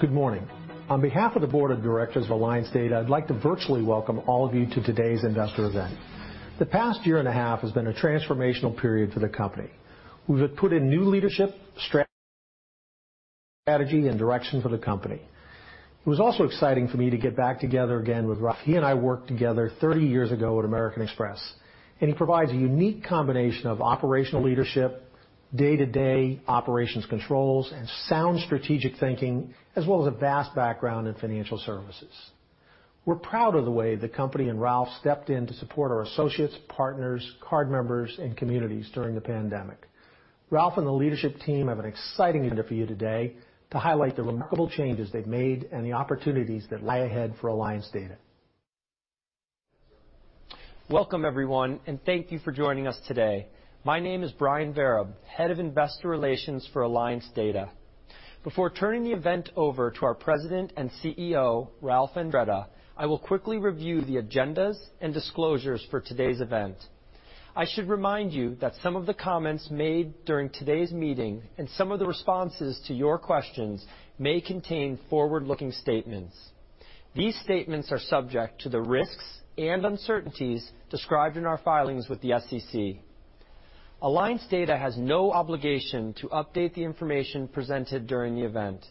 Good morning. On behalf of the board of directors of Alliance Data, I'd like to virtually Welcome all of you to today's Investor Event. The past year and a half has been a transformational period for the company. We have put in new leadership, strategy, and direction for the company. It was also exciting for me to get back together again with Ralph. He and I worked together 30 years ago at American Express. He provides a unique combination of operational leadership, day-to-day operations controls, and sound strategic thinking, as well as a vast background in financial services. We're proud of the way the company and Ralph stepped in to support our associates, partners, card members, and communities during the pandemic. Ralph and the leadership team have an exciting agenda for you today to highlight the remarkable changes they've made and the opportunities that lie ahead for Alliance Data. Welcome everyone, and thank you for joining us today. My name is Brian Vereb, Head of Investor Relations for Alliance Data. Before turning the event over to our President and CEO, Ralph Andretta, I will quickly review the agendas and disclosures for today's event. I should remind you that some of the comments made during today's meeting and some of the responses to your questions may contain forward-looking statements. These statements are subject to the risks and uncertainties described in our filings with the SEC. Alliance Data has no obligation to update the information presented during the event.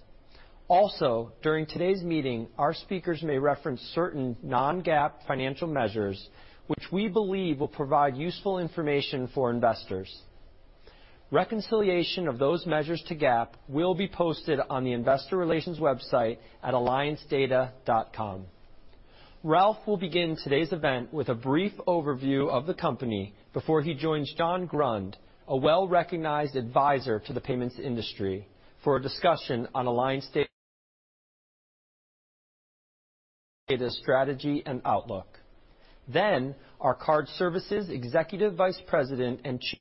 Also, during today's meeting, our speakers may reference certain non-GAAP financial measures which we believe will provide useful information for investors. Reconciliation of those measures to GAAP will be posted on the investor relations website at alliancedata.com. Ralph will begin today's event with a brief overview of the company before he joins John Grund, a well-recognized advisor to the payments industry for a discussion on Alliance Data strategy and outlook. Our Card Services Executive Vice President and Chief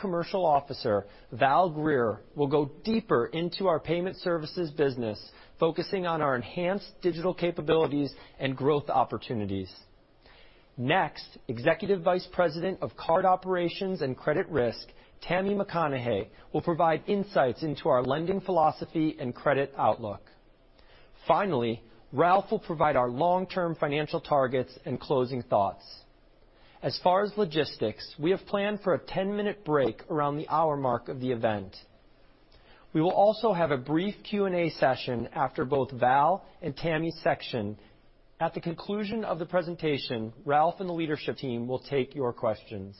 Commercial Officer, Valerie Greer, will go deeper into our payment services business, focusing on our enhanced digital capabilities and growth opportunities. Executive Vice President of Card Operations and Credit Risk, Tammy McConnaughey, will provide insights into our lending philosophy and credit outlook. [Finally,] Ralph will provide our long-term financial targets and closing thoughts. As far as logistics, we have planned for a 10-minute break around the hour mark of the event. We will also have a brief Q&A session after both Val and Tammy's section. At the conclusion of the presentation, Ralph and the leadership team will take your questions.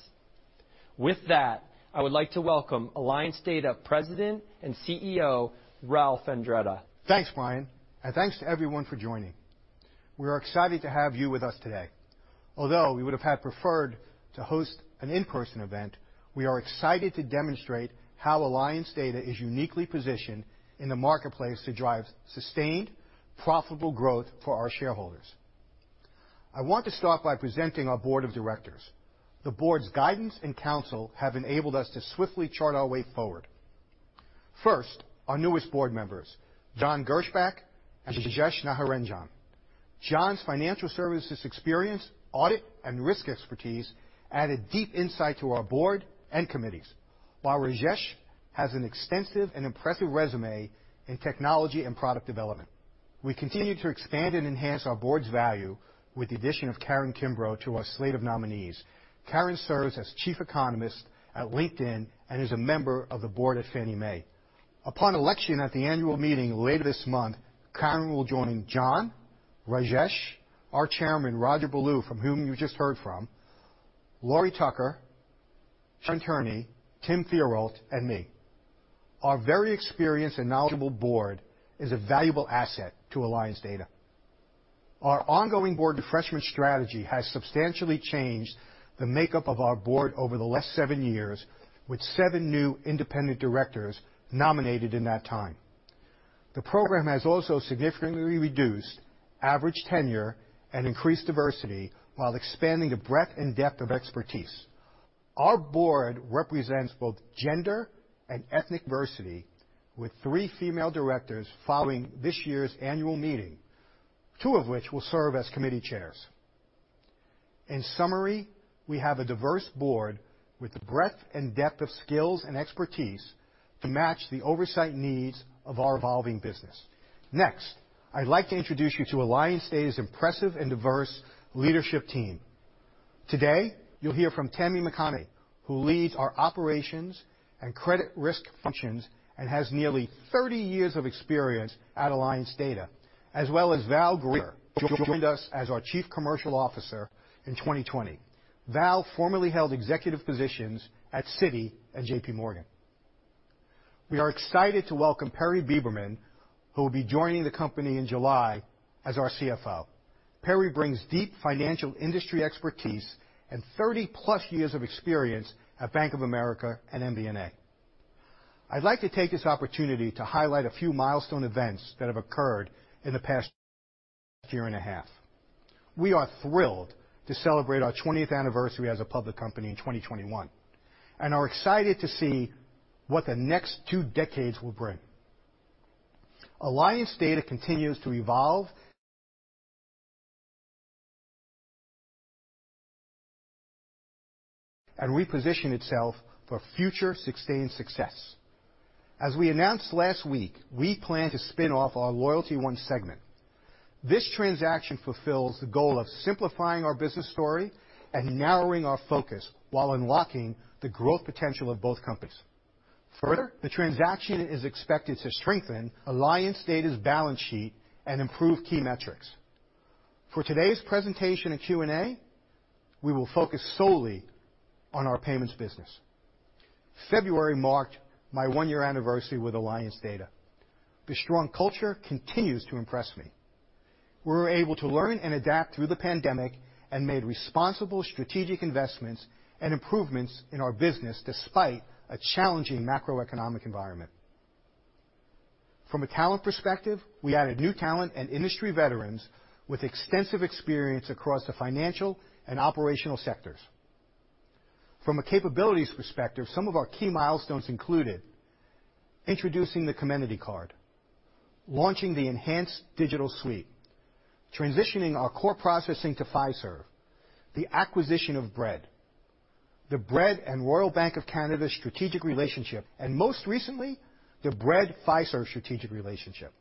With that, I would like to welcome Alliance Data President and CEO, Ralph Andretta. Thanks, Brian Vereb. Thanks to everyone for joining. We are excited to have you with us today. Although we would have preferred to host an in-person event, we are excited to demonstrate how Alliance Data is uniquely positioned in the marketplace to drive sustained, profitable growth for our shareholders. I want to start by presenting our board of directors. The board's guidance and counsel have enabled us to swiftly chart our way forward. First, our newest board members, John Gerspach and Rajesh Natarajan. John's financial services experience, audit and risk expertise added deep insight to our board and committees. While Rajesh has an extensive and impressive resume in technology and product development. We continue to expand and enhance our board's value with the addition of Karin Kimbrough to our slate of nominees. Karin serves as Chief Economist at LinkedIn and is a member of the board at Fannie Mae. Upon election at the annual meeting later this month, Karin will join John Gerspach, Rajesh Natarajan, our Chairman, Roger Ballou, from whom you just heard from, Laurie Tucker, Sharen Turney, Timothy Theriault, and me. Our very experienced and knowledgeable board is a valuable asset to Bread Financial. Our ongoing board refreshment strategy has substantially changed the makeup of our board over the last seven years, with seven new independent directors nominated in that time. The program has also significantly reduced average tenure and increased diversity while expanding the breadth and depth of expertise. Our board represents both gender and ethnic diversity, with three female directors following this year's annual meeting, two of which will serve as committee chairs. In summary, we have a diverse board with the breadth and depth of skills and expertise to match the oversight needs of our evolving business. Next, I'd like to introduce you to Bread Financial's impressive and diverse leadership team. Today you'll hear from Tammy McConnaughey, who leads our operations and credit risk functions and has nearly 30 years of experience at Bread Financial. As well as Val Greer, who joined us as our Chief Commercial Officer in 2020. Val formerly held executive positions at Citi and JPMorgan. We are excited to welcome Perry Beberman, who will be joining the company in July as our CFO. Perry brings deep financial industry expertise and 30+ years of experience at Bank of America and MBNA. I'd like to take this opportunity to highlight a few milestone events that have occurred in the past year and a half. We are thrilled to celebrate our 20th anniversary as a public company in 2021, and are excited to see what the next two decades will bring. Alliance Data continues to evolve and reposition itself for future sustained success. As we announced last week, we plan to spin off our LoyaltyOne segment. This transaction fulfills the goal of simplifying our business story and narrowing our focus while unlocking the growth potential of both companies. Further, the transaction is expected to strengthen Alliance Data's balance sheet and improve key metrics. For today's presentation and Q&A, we will focus solely on our payments business. February marked my one-year anniversary with Alliance Data. The strong culture continues to impress me. We were able to learn and adapt through the pandemic and made responsible strategic investments and improvements in our business despite a challenging macroeconomic environment. From a talent perspective, we added new talent and industry veterans with extensive experience across the financial and operational sectors. From a capabilities perspective, some of our key milestones included introducing the Comenity card, launching the Enhanced Digital Suite, transitioning our core processing to Fiserv, the acquisition of Bread, the Bread and Royal Bank of Canada strategic relationship, and most recently, the Bread Fiserv strategic relationship.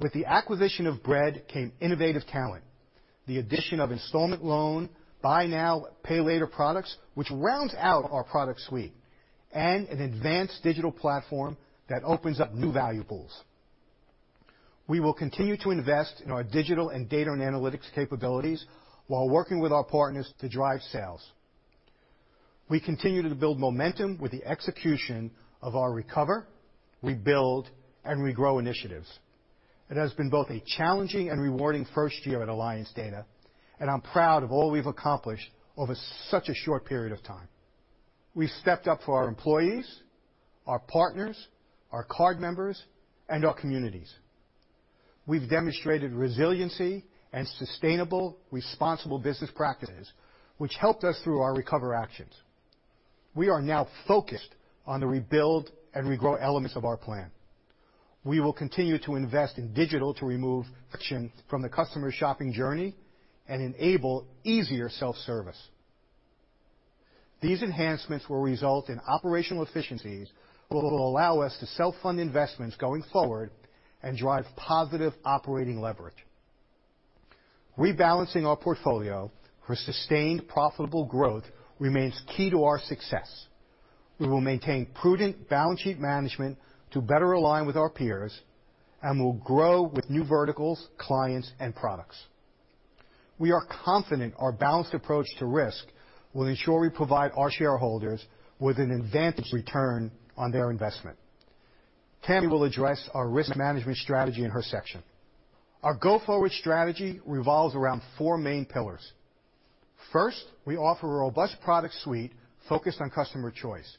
With the acquisition of Bread came innovative talent, the addition of installment loan, buy now, pay later products, which rounds out our product suite, and an advanced digital platform that opens up new value pools. We will continue to invest in our digital and data and analytics capabilities while working with our partners to drive sales. We continue to build momentum with the execution of our recover, rebuild, and regrow initiatives. It has been both a challenging and rewarding first year at Alliance Data, and I'm proud of all we've accomplished over such a short period of time. We stepped up for our employees, our partners, our card members, and our communities. We've demonstrated resiliency and sustainable, responsible business practices, which helped us through our recover actions. We are now focused on the rebuild and regrow elements of our plan. We will continue to invest in digital to remove friction from the customer shopping journey and enable easier self-service. These enhancements will result in operational efficiencies, which will allow us to self-fund investments going forward and drive positive operating leverage. Rebalancing our portfolio for sustained profitable growth remains key to our success. We will maintain prudent balance sheet management to better align with our peers and will grow with new verticals, clients, and products. We are confident our balanced approach to risk will ensure we provide our shareholders with an advanced return on their investment. Tammy will address our risk management strategy in her section. Our go-forward strategy revolves around four main pillars. First, we offer a robust product suite focused on customer choice.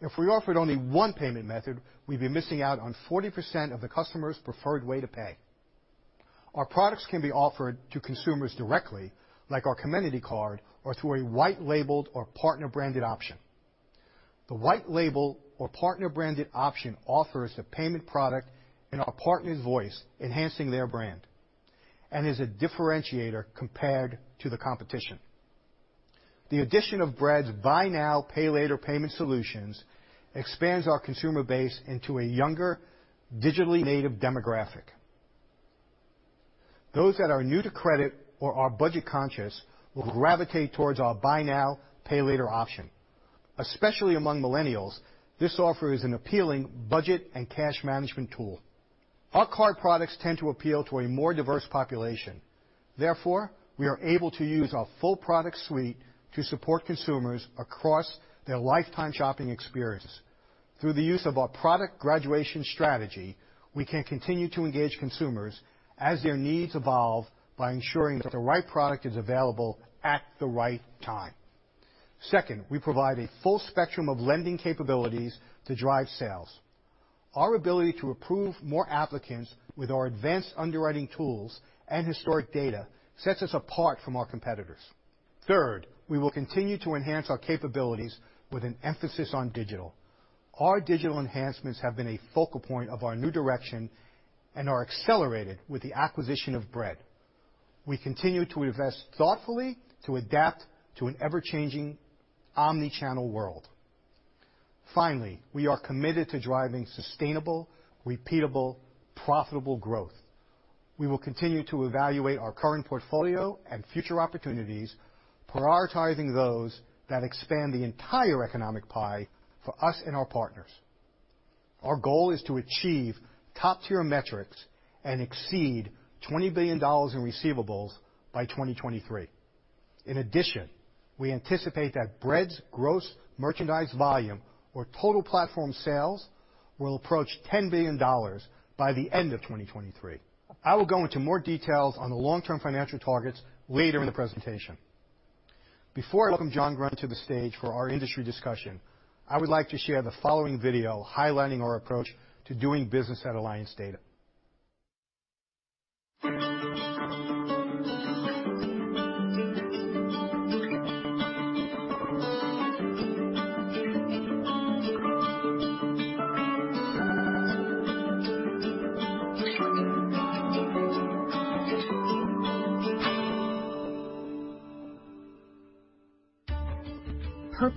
If we offered only one payment method, we'd be missing out on 40% of the customer's preferred way to pay. Our products can be offered to consumers directly, like our Comenity card, or through a white labeled or partner-branded option. The white label or partner-branded option offers a payment product in our partner's voice, enhancing their brand, and is a differentiator compared to the competition. The addition of Bread's buy now, pay later payment solutions expands our consumer base into a younger, digitally native demographic. Those that are new to credit or are budget-conscious will gravitate towards our buy now, pay later option. Especially among millennials, this offer is an appealing budget and cash management tool. Our card products tend to appeal to a more diverse population. Therefore, we are able to use our full product suite to support consumers across their lifetime shopping experiences. Through the use of our product graduation strategy, we can continue to engage consumers as their needs evolve by ensuring that the right product is available at the right time. Second, we provide a full spectrum of lending capabilities to drive sales. Our ability to approve more applicants with our advanced underwriting tools and historic data sets us apart from our competitors. Third, we will continue to enhance our capabilities with an emphasis on digital. Our digital enhancements have been a focal point of our new direction and are accelerated with the acquisition of Bread. We continue to invest thoughtfully to adapt to an ever-changing omni-channel world. Finally, we are committed to driving sustainable, repeatable, profitable growth. We will continue to evaluate our current portfolio and future opportunities, prioritizing those that expand the entire economic pie for us and our partners. Our goal is to achieve top-tier metrics and exceed $20 billion in receivables by 2023. In addition, we anticipate that Bread's gross merchandised volume or total platform sales will approach $10 billion by the end of 2023. I will go into more details on the long-term financial targets later in the presentation. Before I welcome John Grund to the stage for our industry discussion, I would like to share the following video highlighting our approach to doing business at Alliance Data.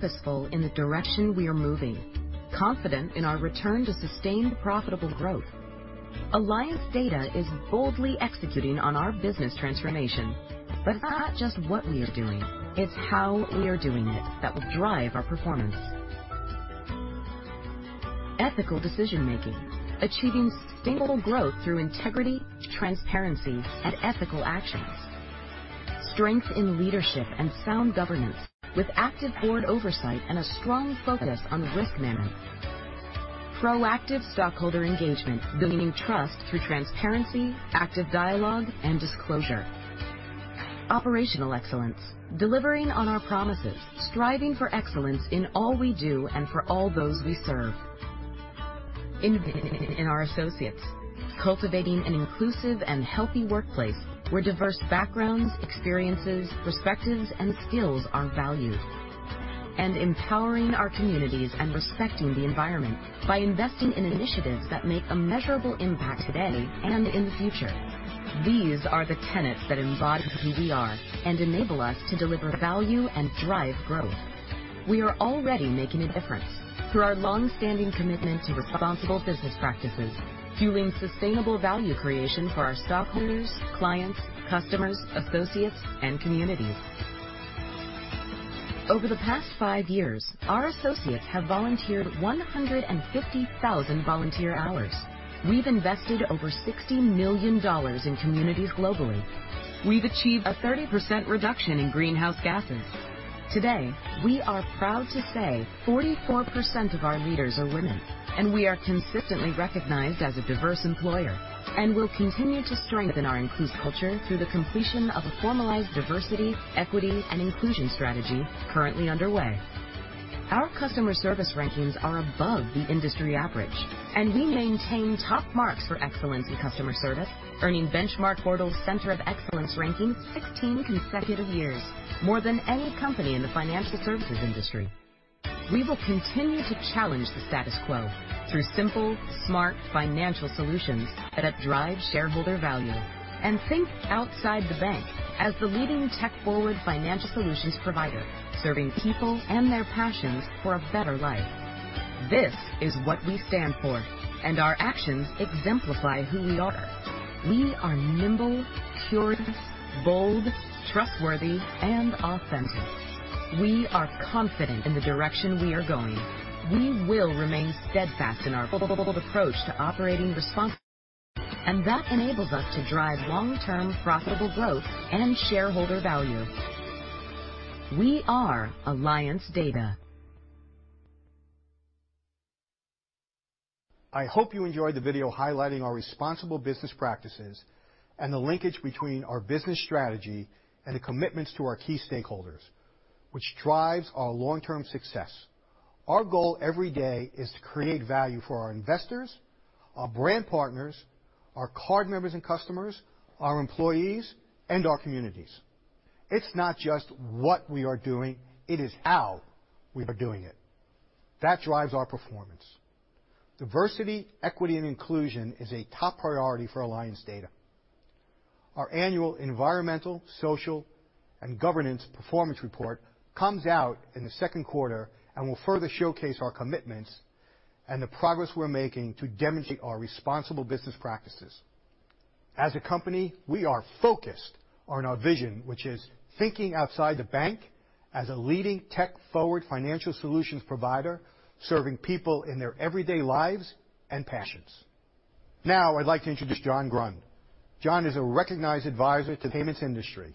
Purposeful in the direction we are moving. Confident in our return to sustained profitable growth. Alliance Data is boldly executing on our business transformation. It's not just what we are doing, it's how we are doing it that will drive our performance. Ethical decision-making. Achieving stable growth through integrity, transparency, and ethical actions. Strength in leadership and sound governance with active board oversight and a strong focus on risk management. Proactive stockholder engagement. Building trust through transparency, active dialogue, and disclosure. Operational excellence. Delivering on our promises, striving for excellence in all we do and for all those we serve. Investing in our associates. Cultivating an inclusive and healthy workplace where diverse backgrounds, experiences, perspectives, and skills are valued. Empowering our communities and respecting the environment by investing in initiatives that make a measurable impact today and in the future. These are the tenets that embody the PBR and enable us to deliver value and drive growth. We are already making a difference through our longstanding commitment to responsible business practices, fueling sustainable value creation for our stockholders, clients, customers, associates, and communities. Over the past five years, our associates have volunteered 150,000 volunteer hours. We've invested over $60 million in communities globally. We've achieved a 30% reduction in greenhouse gases. Today, we are proud to say 44% of our leaders are women, and we are consistently recognized as a diverse employer and will continue to strengthen our inclusive culture through the completion of a formalized diversity, equity, and inclusion strategy currently underway. Our customer service rankings are above the industry average, and we maintain top marks for excellence in customer service, earning BenchmarkPortal's Center of Excellence ranking 15 consecutive years, more than any company in the financial services industry. We will continue to challenge the status quo through simple, smart financial solutions that drive shareholder value and think outside the bank as the leading tech-forward financial solutions provider, serving people and their passions for a better life. This is what we stand for, and our actions exemplify who we are. We are nimble, pure, bold, trustworthy, and authentic. We are confident in the direction we are going. We will remain steadfast in our bold approach to operating responsibly, and that enables us to drive long-term profitable growth and shareholder value. We are Alliance Data. I hope you enjoyed the video highlighting our responsible business practices and the linkage between our business strategy and the commitments to our key stakeholders, which drives our long-term success. Our goal every day is to create value for our investors, our brand partners, our card members and customers, our employees, and our communities. It's not just what we are doing, it is how we are doing it. That drives our performance. Diversity, equity, and inclusion is a top priority for Alliance Data. Our annual environmental, social, and governance performance report comes out in the second quarter and will further showcase our commitments and the progress we're making to demonstrate our responsible business practices. As a company, we are focused on our vision, which is thinking outside the bank as a leading tech-forward financial solutions provider serving people in their everyday lives and passions. Now, I'd like to introduce John Grund. John is a recognized advisor to the payments industry.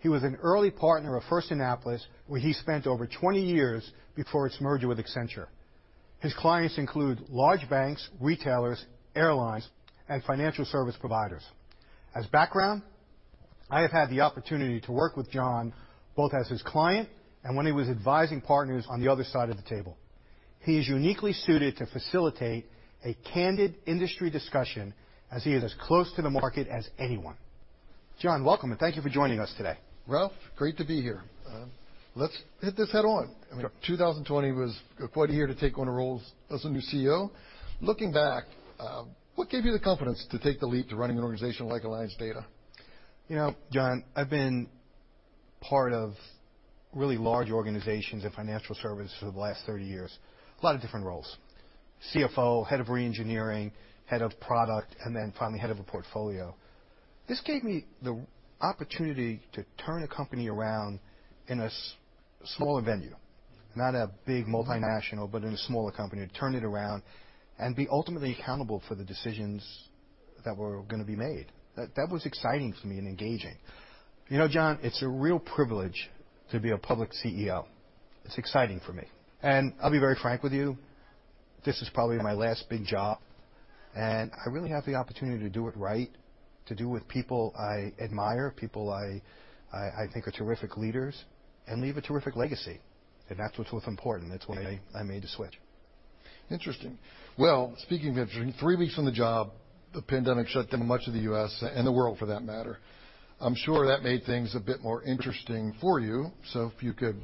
He was an early partner of First Annapolis, where he spent over 20 years before its merger with Accenture. His clients include large banks, retailers, airlines, and financial service providers. As background, I have had the opportunity to work with John both as his client and when he was advising partners on the other side of the table. He is uniquely suited to facilitate a candid industry discussion as he is as close to the market as anyone. John, welcome, and thank you for joining us today. Ralph, great to be here. Let's hit this head-on. 2020 was a good point of year to take on the role as the new CEO. Looking back, what gave you the confidence to take the leap to run an organization like Alliance Data? John, I've been part of really large organizations in financial services for the last 30 years, a lot of different roles. CFO, head of re-engineering, head of product, and then finally head of a portfolio. This gave me the opportunity to turn a company around in a smaller venue, not a big multinational, but in a smaller company, to turn it around and be ultimately accountable for the decisions that were going to be made. That was exciting for me and engaging. John, it's a real privilege to be a public CEO. It's exciting for me. I'll be very frank with you, this is probably my last big job, and I really have the opportunity to do it right, to do it with people I admire, people I think are terrific leaders, and leave a terrific legacy. That's what's important. That's why I made the switch. Interesting. Well, speaking of interesting, three weeks on the job, the pandemic shut down much of the U.S., and the world for that matter. I'm sure that made things a bit more interesting for you. If you could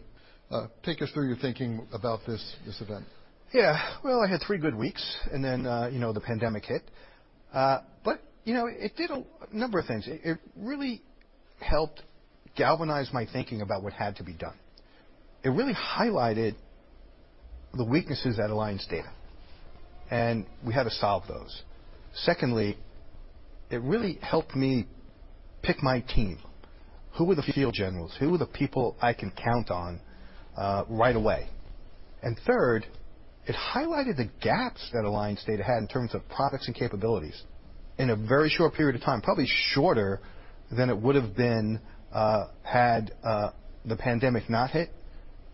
take us through your thinking about this event. Yeah. Well, I had three good weeks and then the pandemic hit. It did a number of things. It really helped galvanize my thinking about what had to be done. It really highlighted the weaknesses at Alliance Data, and we had to solve those. Secondly, it really helped me pick my team. Who are the field generals? Who are the people I can count on right away? Third, it highlighted the gaps that Alliance Data had in terms of products and capabilities in a very short period of time, probably shorter than it would have been had the pandemic not hit.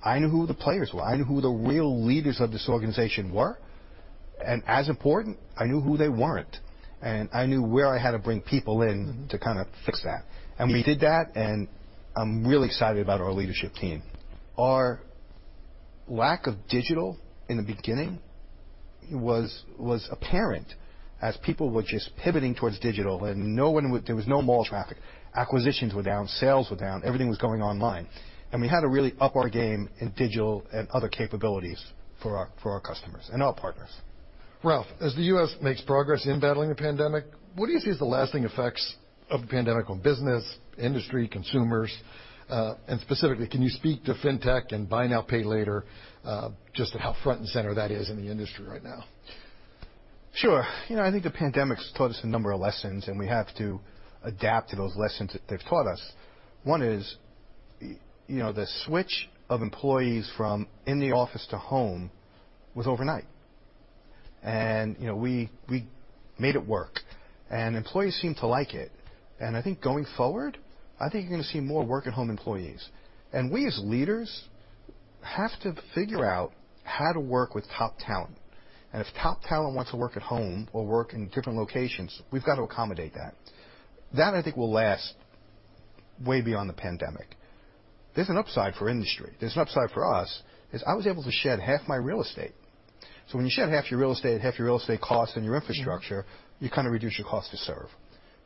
I knew who the players were. I knew who the real leaders of this organization were, and as important, I knew who they weren't, and I knew where I had to bring people in to kind of fix that. We did that, and I'm really excited about our leadership team. Our lack of digital in the beginning was apparent as people were just pivoting towards digital and there was no mall traffic. Acquisitions were down, sales were down, everything was going online. We had to really up our game in digital and other capabilities for our customers and our partners. Ralph, as the U.S. makes progress in battling the pandemic, what do you see as the lasting effects of the pandemic on business, industry, consumers, and specifically, can you speak to fintech and buy now, pay later just on how front and center that is in the industry right now? Sure. I think the pandemic's taught us a number of lessons, and we have to adapt to those lessons that it's taught us. One is the switch of employees from in the office to home was overnight. We made it work. Employees seem to like it. I think going forward, I think you're going to see more work-at-home employees. We as leaders have to figure out how to work with top talent. If top talent wants to work at home or work in different locations, we've got to accommodate that. That I think will last way beyond the pandemic. There's an upside for industry. There's an upside for us, because I was able to shed half my real estate. When you shed half your real estate, half your real estate costs and your infrastructure, you kind of reduce your cost to serve.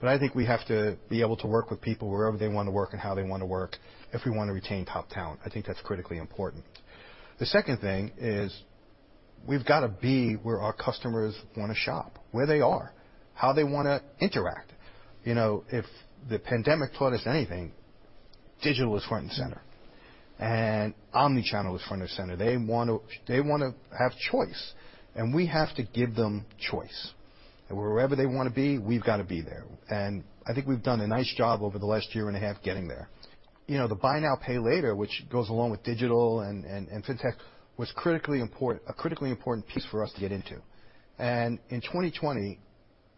I think we have to be able to work with people wherever they want to work and how they want to work if we want to retain top talent. I think that's critically important. The second thing is we've got to be where our customers want to shop, where they are, how they want to interact. If the pandemic taught us anything, digital is front and center, and omnichannel is front and center. They want to have choice, and we have to give them choice. Wherever they want to be, we've got to be there. I think we've done a nice job over the last year and a half getting there. The buy now, pay later, which goes along with digital and fintech, was a critically important piece for us to get into. In 2020,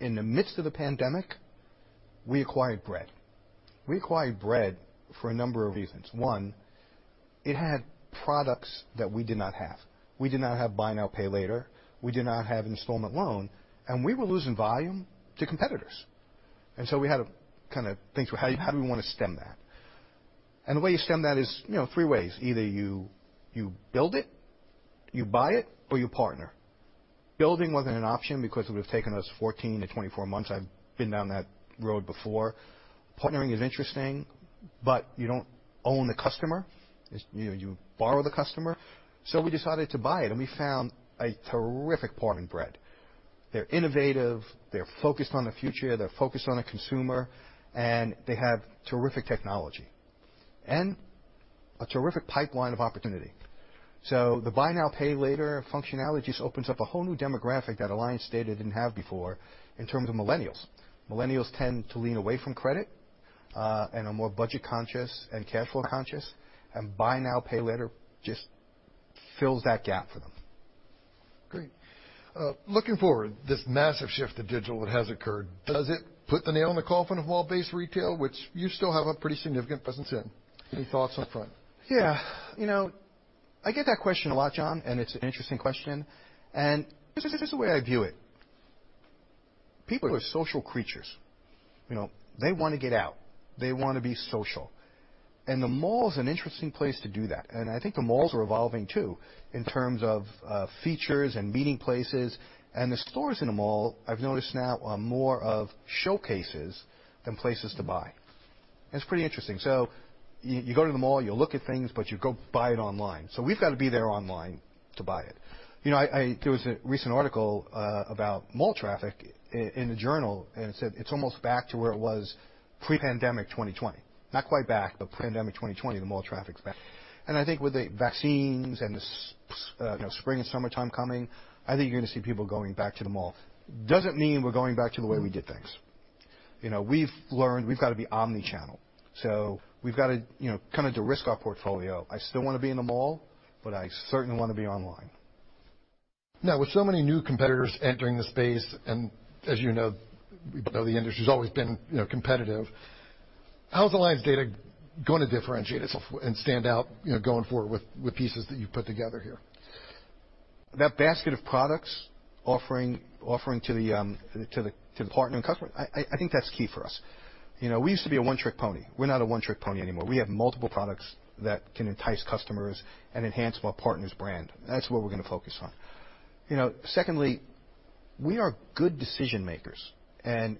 in the midst of the pandemic, we acquired Bread. We acquired Bread for a number of reasons. It had products that we did not have. We did not have buy now, pay later. We did not have installment loan, we were losing volume to competitors. We had to think through how do we want to stem that? The way you stem that is three ways. Either you build it, you buy it, or you partner. Building wasn't an option because it would've taken us 14-24 months. I've been down that road before. Partnering is interesting, you don't own the customer. You borrow the customer. We decided to buy it, we found a terrific partner in Bread. They're innovative, they're focused on the future, they're focused on the consumer, they have terrific technology and a terrific pipeline of opportunity. The buy now, pay later functionality just opens up a whole new demographic that Alliance Data didn't have before in terms of Millennials. Millennials tend to lean away from credit and are more budget conscious and cash flow conscious, and buy now, pay later just fills that gap for them. Great. Looking forward, this massive shift to digital that has occurred, does it put the nail in the coffin of mall-based retail, which you still have a pretty significant presence in? Any thoughts on that front? Yeah. I get that question a lot, John, and it's an interesting question. This is the way I view it. People are social creatures. They want to get out. They want to be social. The mall is an interesting place to do that. I think the malls are evolving, too, in terms of features and meeting places. The stores in a mall, I've noticed now, are more of showcases than places to buy. It's pretty interesting. You go to the mall, you look at things, but you go buy it online. We've got to be there online to buy it. There was a recent article about mall traffic in the journal, and it said it's almost back to where it was pre-pandemic 2020. Not quite back, but pre-pandemic 2020, the mall traffic is back. I think with the vaccines and the spring and summertime coming, I think you're going to see people going back to the mall. Doesn't mean we're going back to the way we did things. We've learned we've got to be omnichannel. We've got to de-risk our portfolio. I still want to be in the mall, but I certainly want to be online. With so many new competitors entering the space, and as you know, the industry's always been competitive, how's Alliance Data going to differentiate itself and stand out going forward with pieces that you put together here? That basket of products offering to the partner customer, I think that's key for us. We used to be a one-trick pony. We're not a one-trick pony anymore. We have multiple products that can entice customers and enhance our partner's brand. That's what we're going to focus on. Secondly, we are good decision makers and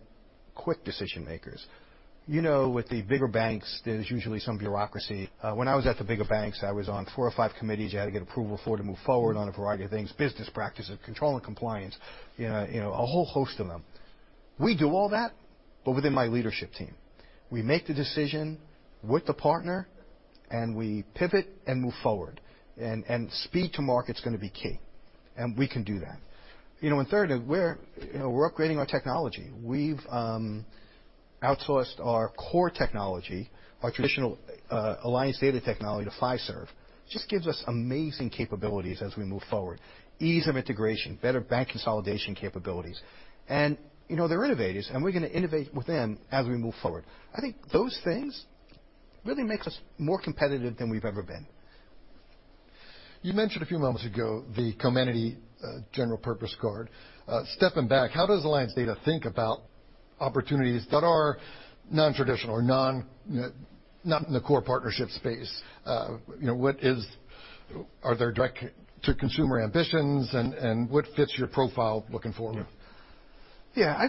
quick decision makers. With the bigger banks, there's usually some bureaucracy. When I was at the bigger banks, I was on four or five committees. You had to get approval before to move forward on a variety of things, business practices, control and compliance, a whole host of them. We do all that within my leadership team. We make the decision with the partner, we pivot and move forward. Speed to market's going to be key, and we can do that. Third, we're upgrading our technology. We've outsourced our core technology, our traditional Alliance Data technology to Fiserv. Just gives us amazing capabilities as we move forward. Ease of integration, better bank consolidation capabilities, and they're innovators, and we're going to innovate with them as we move forward. I think those things really makes us more competitive than we've ever been. You mentioned a few moments ago the Comenity general purpose card. Stepping back, how does Alliance Data think about opportunities that are non-traditional or not in the core partnership space? Are there direct-to-consumer ambitions, and what fits your profile looking forward? Yeah.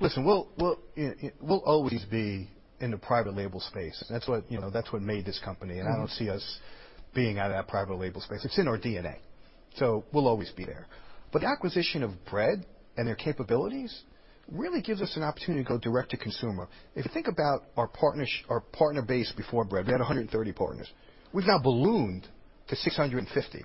Listen, we will always be in the private label space. That's what made this company, and I don't see us being out of that private label space. It's in our DNA, so we will always be there. The acquisition of Bread and their capabilities really gives us an opportunity to go direct to consumer. If you think about our partner base before Bread, we had 130 partners. We've now ballooned to 650.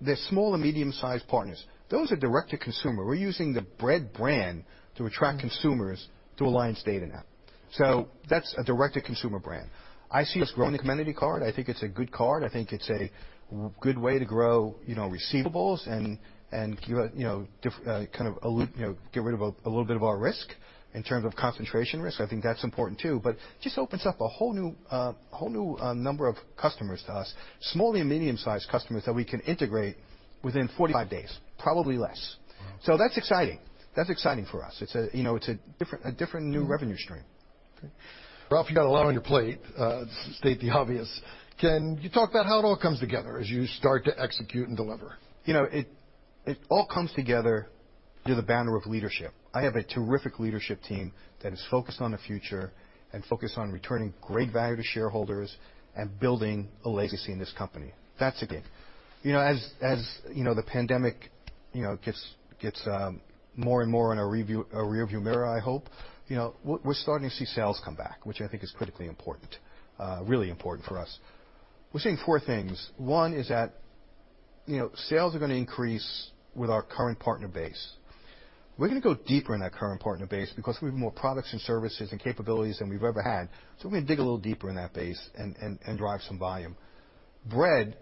They're small and medium-sized partners. Those are direct to consumer. We're using the Bread brand to attract consumers through Alliance Data now. That's a direct-to-consumer brand. I see us growing the Comenity card. I think it's a good card. I think it's a good way to grow receivables and get rid of a little bit of our risk in terms of concentration risk. I think that's important, too, but just opens up a whole new number of customers to us, small and medium-sized customers that we can integrate within 45 days, probably less. That's exciting. That's exciting for us. It's a different new revenue stream. Okay. Well, if you don't allow me to play, state the obvious. Can you talk about how it all comes together as you start to execute and deliver? It all comes together under the banner of leadership. I have a terrific leadership team that is focused on the future and focused on returning great value to shareholders and building a legacy in this company. That's the game. As the pandemic gets more and more in our rearview mirror, I hope, we're starting to see sales come back, which I think is critically important, really important for us. We're seeing four things. One is that sales are going to increase with our current partner base. We're going to go deeper in that current partner base because we have more products and services and capabilities than we've ever had. We're going to dig a little deeper in that base and drive some volume. Bread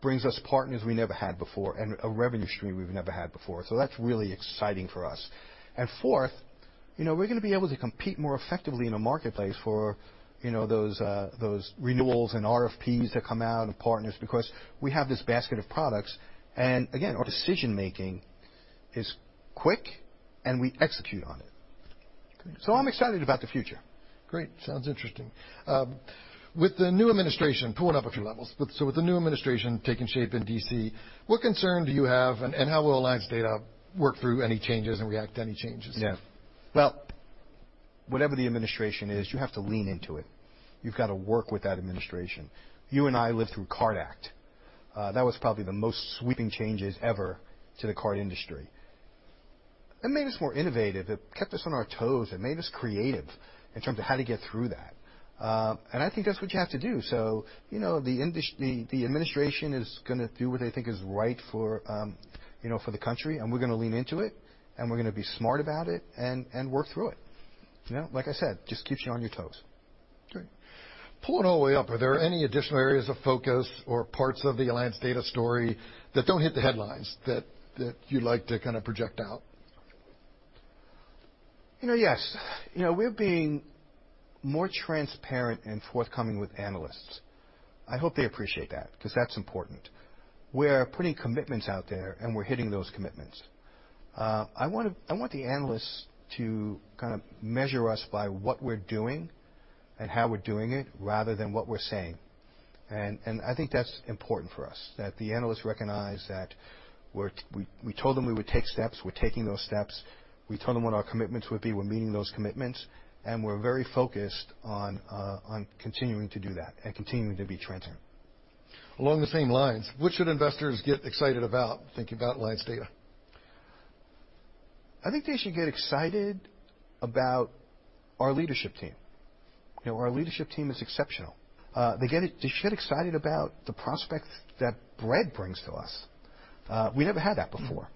brings us partners we never had before and a revenue stream we've never had before. That's really exciting for us. Fourth, we're going to be able to compete more effectively in the marketplace for those renewals and RFPs that come out and partners because we have this basket of products, and again, our decision making is quick, and we execute on it. Good. I'm excited about the future. Great. Sounds interesting. Pulling up a few levels. With the new administration taking shape in D.C., what concern do you have, and how will Alliance Data work through any changes and react to any changes? Yeah. Well, whatever the administration is, you have to lean into it. You've got to work with that administration. You and I lived through CARD Act. That was probably the most sweeping changes ever to the card industry. It made us more innovative. It kept us on our toes and made us creative in terms of how to get through that. I think that's what you have to do. The administration is going to do what they think is right for the country, and we're going to lean into it, and we're going to be smart about it and work through it. Like I said, just keeps you on your toes. Okay. Pulling it all the way up, are there any additional areas of focus or parts of the Alliance Data story that don't hit the headlines that you'd like to project out? Yes. We're being more transparent and forthcoming with analysts. I hope they appreciate that because that's important. We are putting commitments out there, and we're hitting those commitments. I want the analysts to measure us by what we're doing and how we're doing it rather than what we're saying. I think that's important for us, that the analysts recognize that we told them we would take steps. We're taking those steps. We told them what our commitments would be. We're meeting those commitments, and we're very focused on continuing to do that and continuing to be transparent. Along the same lines, what should investors get excited about thinking about Alliance Data? I think they should get excited about our leadership team. Our leadership team is exceptional. They should get excited about the prospects that Bread brings to us. We never had that before.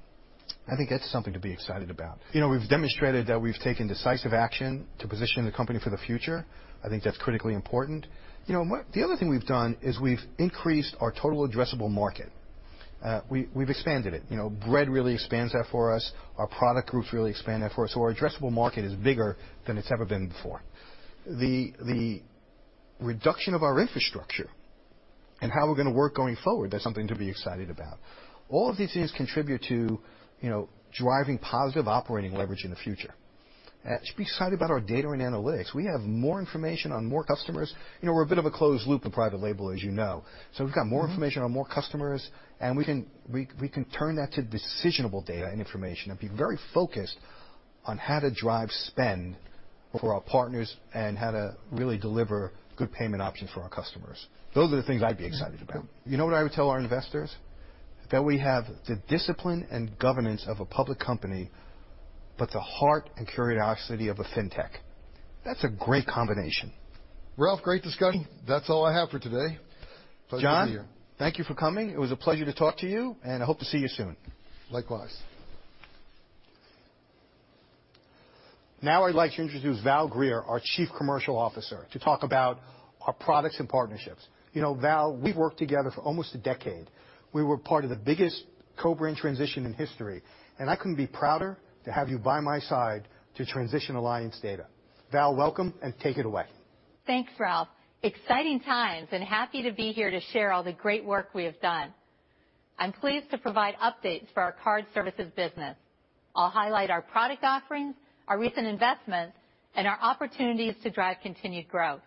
I think that's something to be excited about. We've demonstrated that we've taken decisive action to position the company for the future. I think that's critically important. The other thing we've done is we've increased our total addressable market. We've expanded it. Bread really expands that for us. Our product groups really expand that for us. Our addressable market is bigger than it's ever been before. The reduction of our infrastructure and how we're going to work going forward, that's something to be excited about. All of these things contribute to driving positive operating leverage in the future. I'd be excited about our data and analytics. We have more information on more customers. We're a bit of a closed loop in private label, as you know. We've got more information on more customers, and we can turn that to decisionable data information and be very focused on how to drive spend for our partners and how to really deliver good payment options for our customers. Those are the things I'd be excited about. You know what I would tell our investors? That we have the discipline and governance of a public company, but the heart and curiosity of a fintech. That's a great combination. Ralph, great discussion. That's all I have for today. Pleasure to be here. John, thank you for coming. It was a pleasure to talk to you, and I hope to see you soon. Likewise. Now I'd like to introduce Valerie Greer, our Chief Commercial Officer, to talk about our products and partnerships. You know, Val, we've worked together for almost a decade. We were part of the biggest co-brand transition in history, and I couldn't be prouder to have you by my side to transition Alliance Data. Val, welcome, and take it away. Thanks, Ralph. Exciting times, and happy to be here to share all the great work we have done. I'm pleased to provide updates for our Card Services business. I'll highlight our product offerings, our recent investments, and our opportunities to drive continued growth.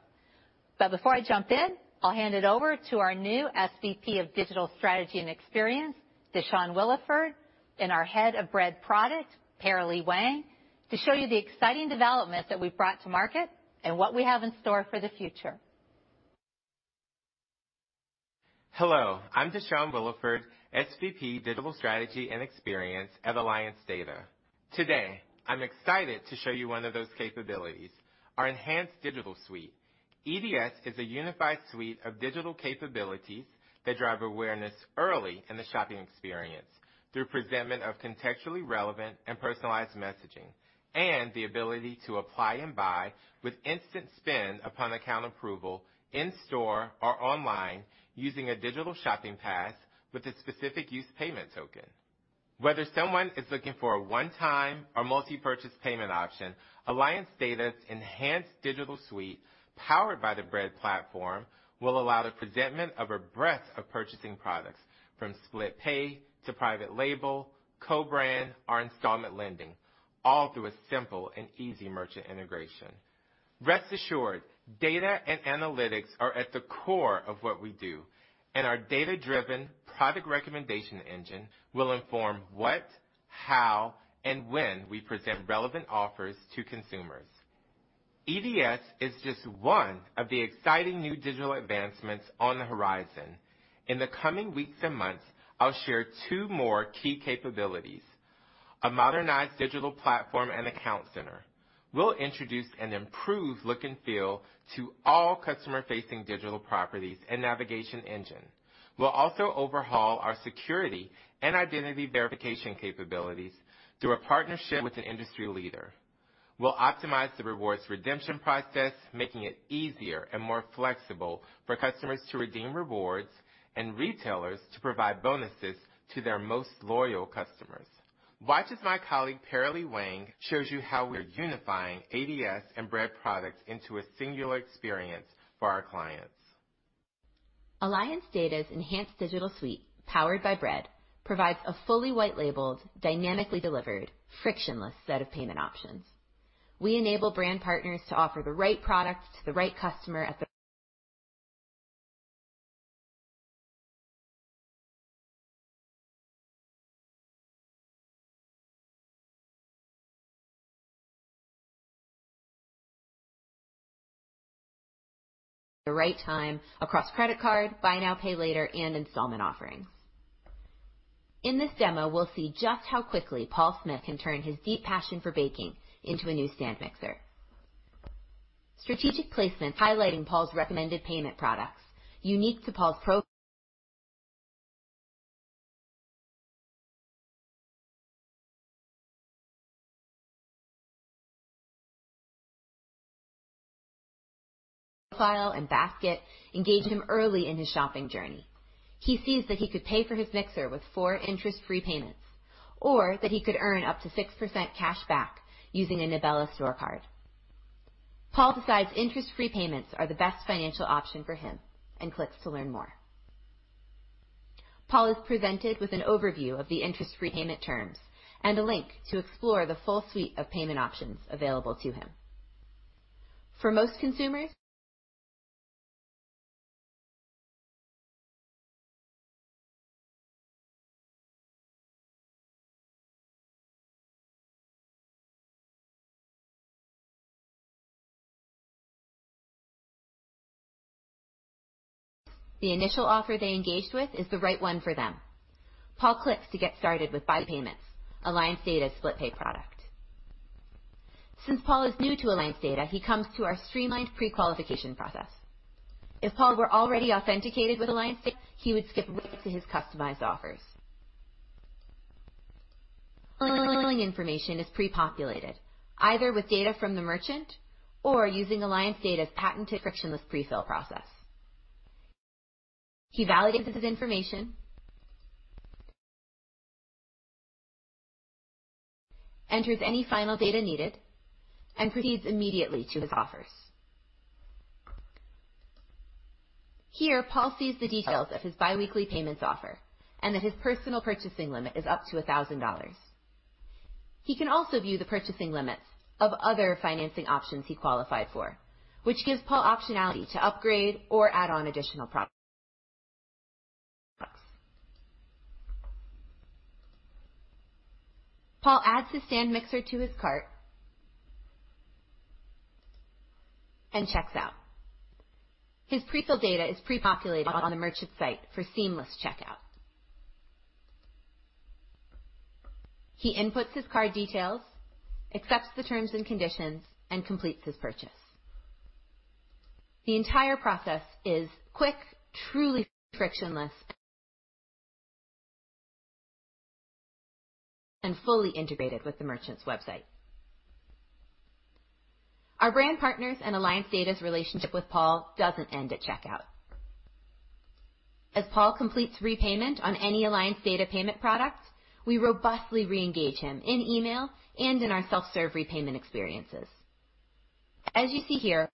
Before I jump in, I'll hand it over to our new SVP of Digital Strategy and Experience, Deshon Williford, and our Head of Bread Product, Parilee Wang, to show you the exciting developments that we've brought to market and what we have in store for the future. Hello, I'm Deshon Williford, SVP digital strategy and experience at Alliance Data. Today, I'm excited to show you one of those capabilities, our Enhanced Digital Suite. EDS is a unified suite of digital capabilities that drive awareness early in the shopping experience through presentment of contextually relevant and personalized messaging, and the ability to apply and buy with instant spend upon account approval in-store or online using a digital shopping pass with a specific use payment token. Whether someone is looking for a one-time or multi-purchase payment option, Alliance Data's Enhanced Digital Suite powered by the Bread platform will allow the presentment of a breadth of purchasing products from SplitPay to private label, co-brand, or installment lending, all through a simple and easy merchant integration. Rest assured, data and analytics are at the core of what we do, and our data-driven product recommendation engine will inform what, how, and when we present relevant offers to consumers. EDS is just one of the exciting new digital advancements on the horizon. In the coming weeks and months, I'll share two more key capabilities. A modernized digital platform and account center. We'll introduce an improved look and feel to all customer-facing digital properties and navigation engine. We'll also overhaul our security and identity verification capabilities through a partnership with an industry leader. We'll optimize the rewards redemption process, making it easier and more flexible for customers to redeem rewards and retailers to provide bonuses to their most loyal customers. Watch as my colleague Parilee Wang shows you how we're unifying ADS and Bread products into a singular experience for our clients. Alliance Data's enhanced digital suite, powered by Bread, provides a fully white-labeled, dynamically delivered, frictionless set of payment options. We enable brand partners to offer the right products to the right customer at the right time across credit card, buy now, pay later, and installment offerings. In this demo, we'll see just how quickly Paul Smith can turn his deep passion for baking into a new stand mixer. Strategic placements highlighting Paul's recommended payment products unique to Paul's profile and basket engage him early in his shopping journey. He sees that he could pay for his mixer with four interest-free payments or that he could earn up to 6% cash back using a Novella store card. Paul decides interest-free payments are the best financial option for him and clicks to learn more. Paul is presented with an overview of the interest-free payment terms and a link to explore the full suite of payment options available to him. For most consumers, the initial offer they engage with is the right one for them. Paul clicks to get started with Bread Pay, Bread Financial's split pay product. Since Paul is new to Bread Financial, he comes to our streamlined pre-qualification process. If Paul were already authenticated with Bread Financial, he would skip right to his customized offers. Information is pre-populated either with data from the merchant or using Bread Financial's patented frictionless pre-sale process. He validates his information, enters any final data needed, and proceeds immediately to his offers Here, Paul sees the details of his biweekly payments offer and that his personal purchasing limit is up to $1,000. He can also view the purchasing limits of other financing options he qualifies for, which gives Paul optionality to upgrade or add on additional products. Paul adds the stand mixer to his cart and checks out. His PreSel data is pre-populated on the merchant site for seamless checkout. He inputs his card details, accepts the terms and conditions, and completes his purchase. The entire process is quick, truly frictionless, and fully integrated with the merchant's website. Our brand partners and Alliance Data's relationship with Paul doesn't end at checkout. As Paul completes repayment on any Alliance Data payment product, we robustly re-engage him in email and in our self-serve repayment experiences. As you see here,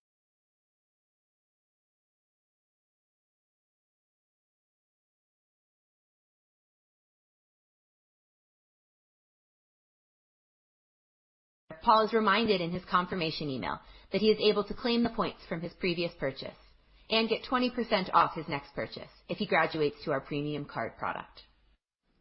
Paul is reminded in his confirmation email that he is able to claim the points from his previous purchase and get 20% off his next purchase if he graduates to our premium card product.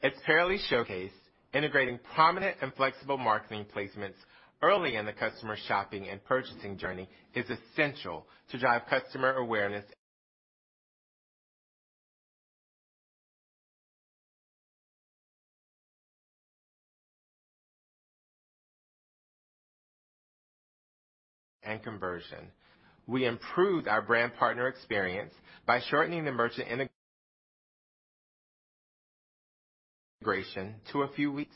As [Parilee] showcased, integrating prominent and flexible marketing placements early in the customer shopping and purchasing journey is essential to drive customer awareness and conversion. We improved our brand partner experience by shortening the merchant integration to a few weeks.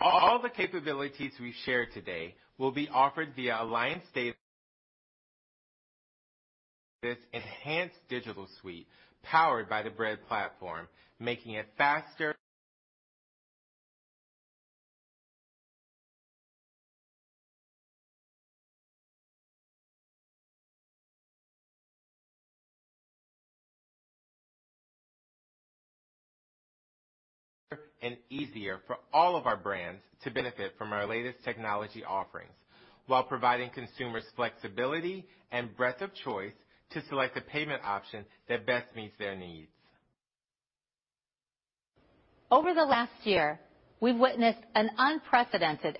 All the capabilities we shared today will be offered via Alliance Data's Enhanced Digital Suite, powered by the Bread platform, making it faster and easier for all of our brands to benefit from our latest technology offerings while providing consumers flexibility and breadth of choice to select a payment option that best meets their needs. Over the last year, we've witnessed an unprecedented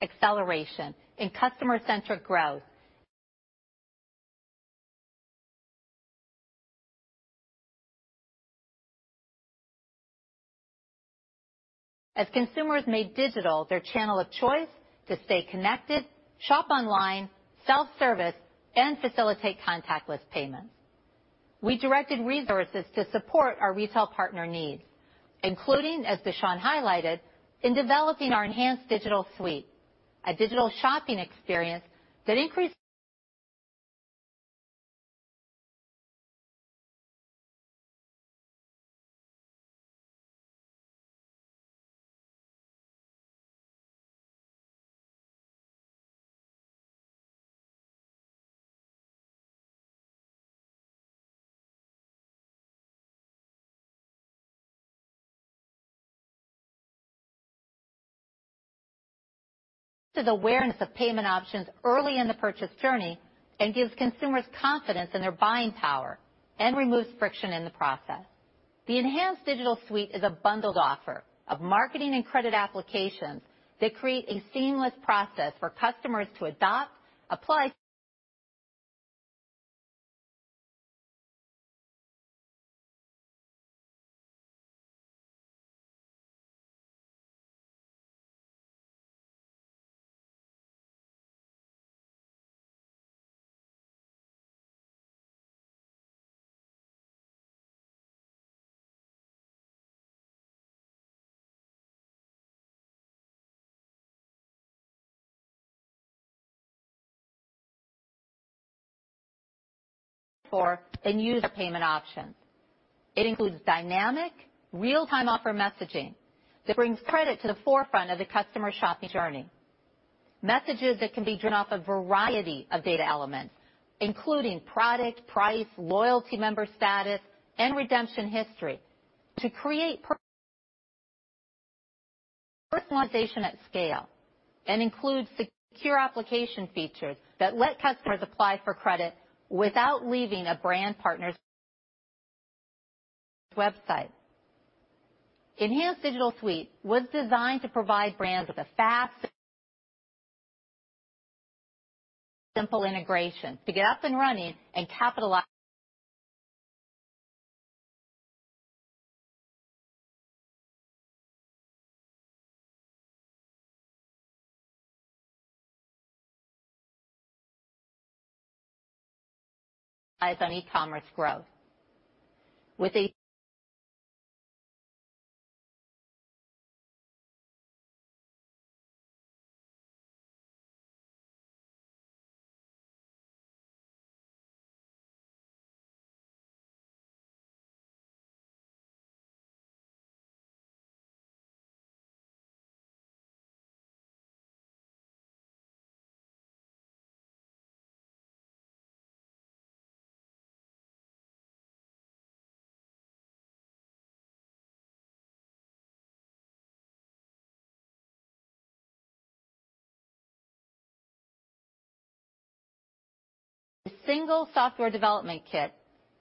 acceleration in customer-centric growth as consumers made digital their channel of choice to stay connected, shop online, self-service, and facilitate contactless payments. We directed resources to support our retail partner needs, including, as Deshon highlighted, in developing our Enhanced Digital Suite, a digital shopping experience that increases awareness of payment options early in the purchase journey and gives consumers confidence in their buying power and removes friction in the process. The Enhanced Digital Suite is a bundled offer of marketing and credit applications that create a seamless process for customers to adopt, apply for, and use a payment option. It includes dynamic real-time offer messaging that brings credit to the forefront of the customer shopping journey. Messages that can be driven off a variety of data elements, including product, price, loyalty member status, and redemption history to create personalization at scale and includes secure application features that let customers apply for credit without leaving a brand partner's website. Enhanced Digital Suite was designed to provide brands with a fast and simple integration to get up and running and capitalize. By buy now, pay later growth. With a single software development kit,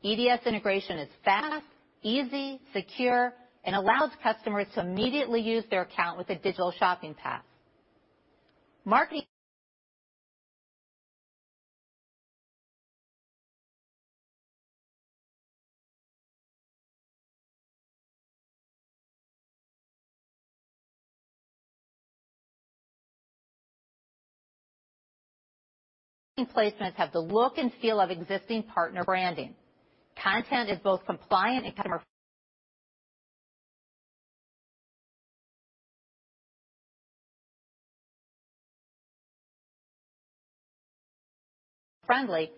EDS integration is fast, easy, secure, and allows customers to immediately use their account with a digital shopping cart. Marketing placements have the look and feel of existing partner branding. Content is both compliant and customer-friendly.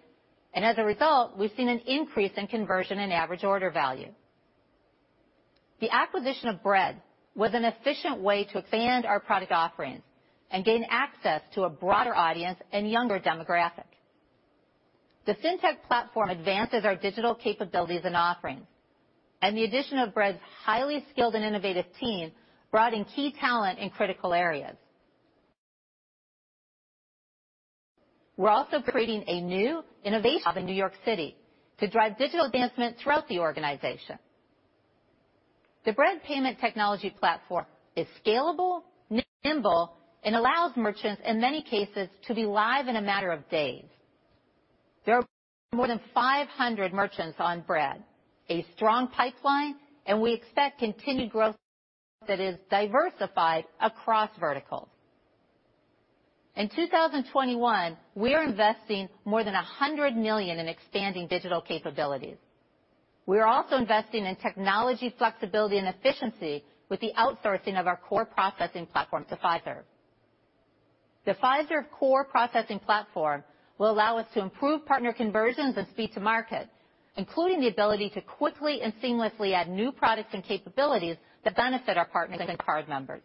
As a result, we've seen an increase in conversion and average order value. The acquisition of Bread was an efficient way to expand our product offerings and gain access to a broader audience and younger demographic. The FinTech platform advances our digital capabilities and offerings. The addition of Bread's highly skilled and innovative team brought in key talent in critical areas. We're also creating a new innovation hub in New York City to drive digital advancements throughout the organization. The Bread payment technology platform is scalable, nimble, and allows merchants in many cases to be live in a matter of days. There are more than 500 merchants on Bread, a strong pipeline, and we expect continued growth that is diversified across verticals. In 2021, we are investing more than $100 million in expanding digital capabilities. We are also investing in technology flexibility and efficiency with the outsourcing of our core processing platform to Fiserv. The Fiserv core processing platform will allow us to improve partner conversions and speed to market, including the ability to quickly and seamlessly add new products and capabilities that benefit our partners and card members.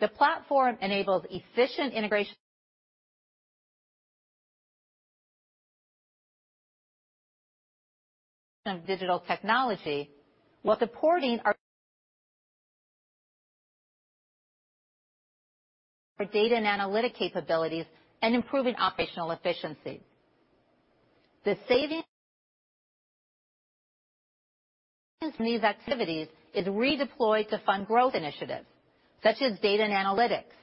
The platform enables efficient integration of digital technology while supporting our data and analytic capabilities and improving operational efficiency. The savings from these activities is redeployed to fund growth initiatives such as data and analytics,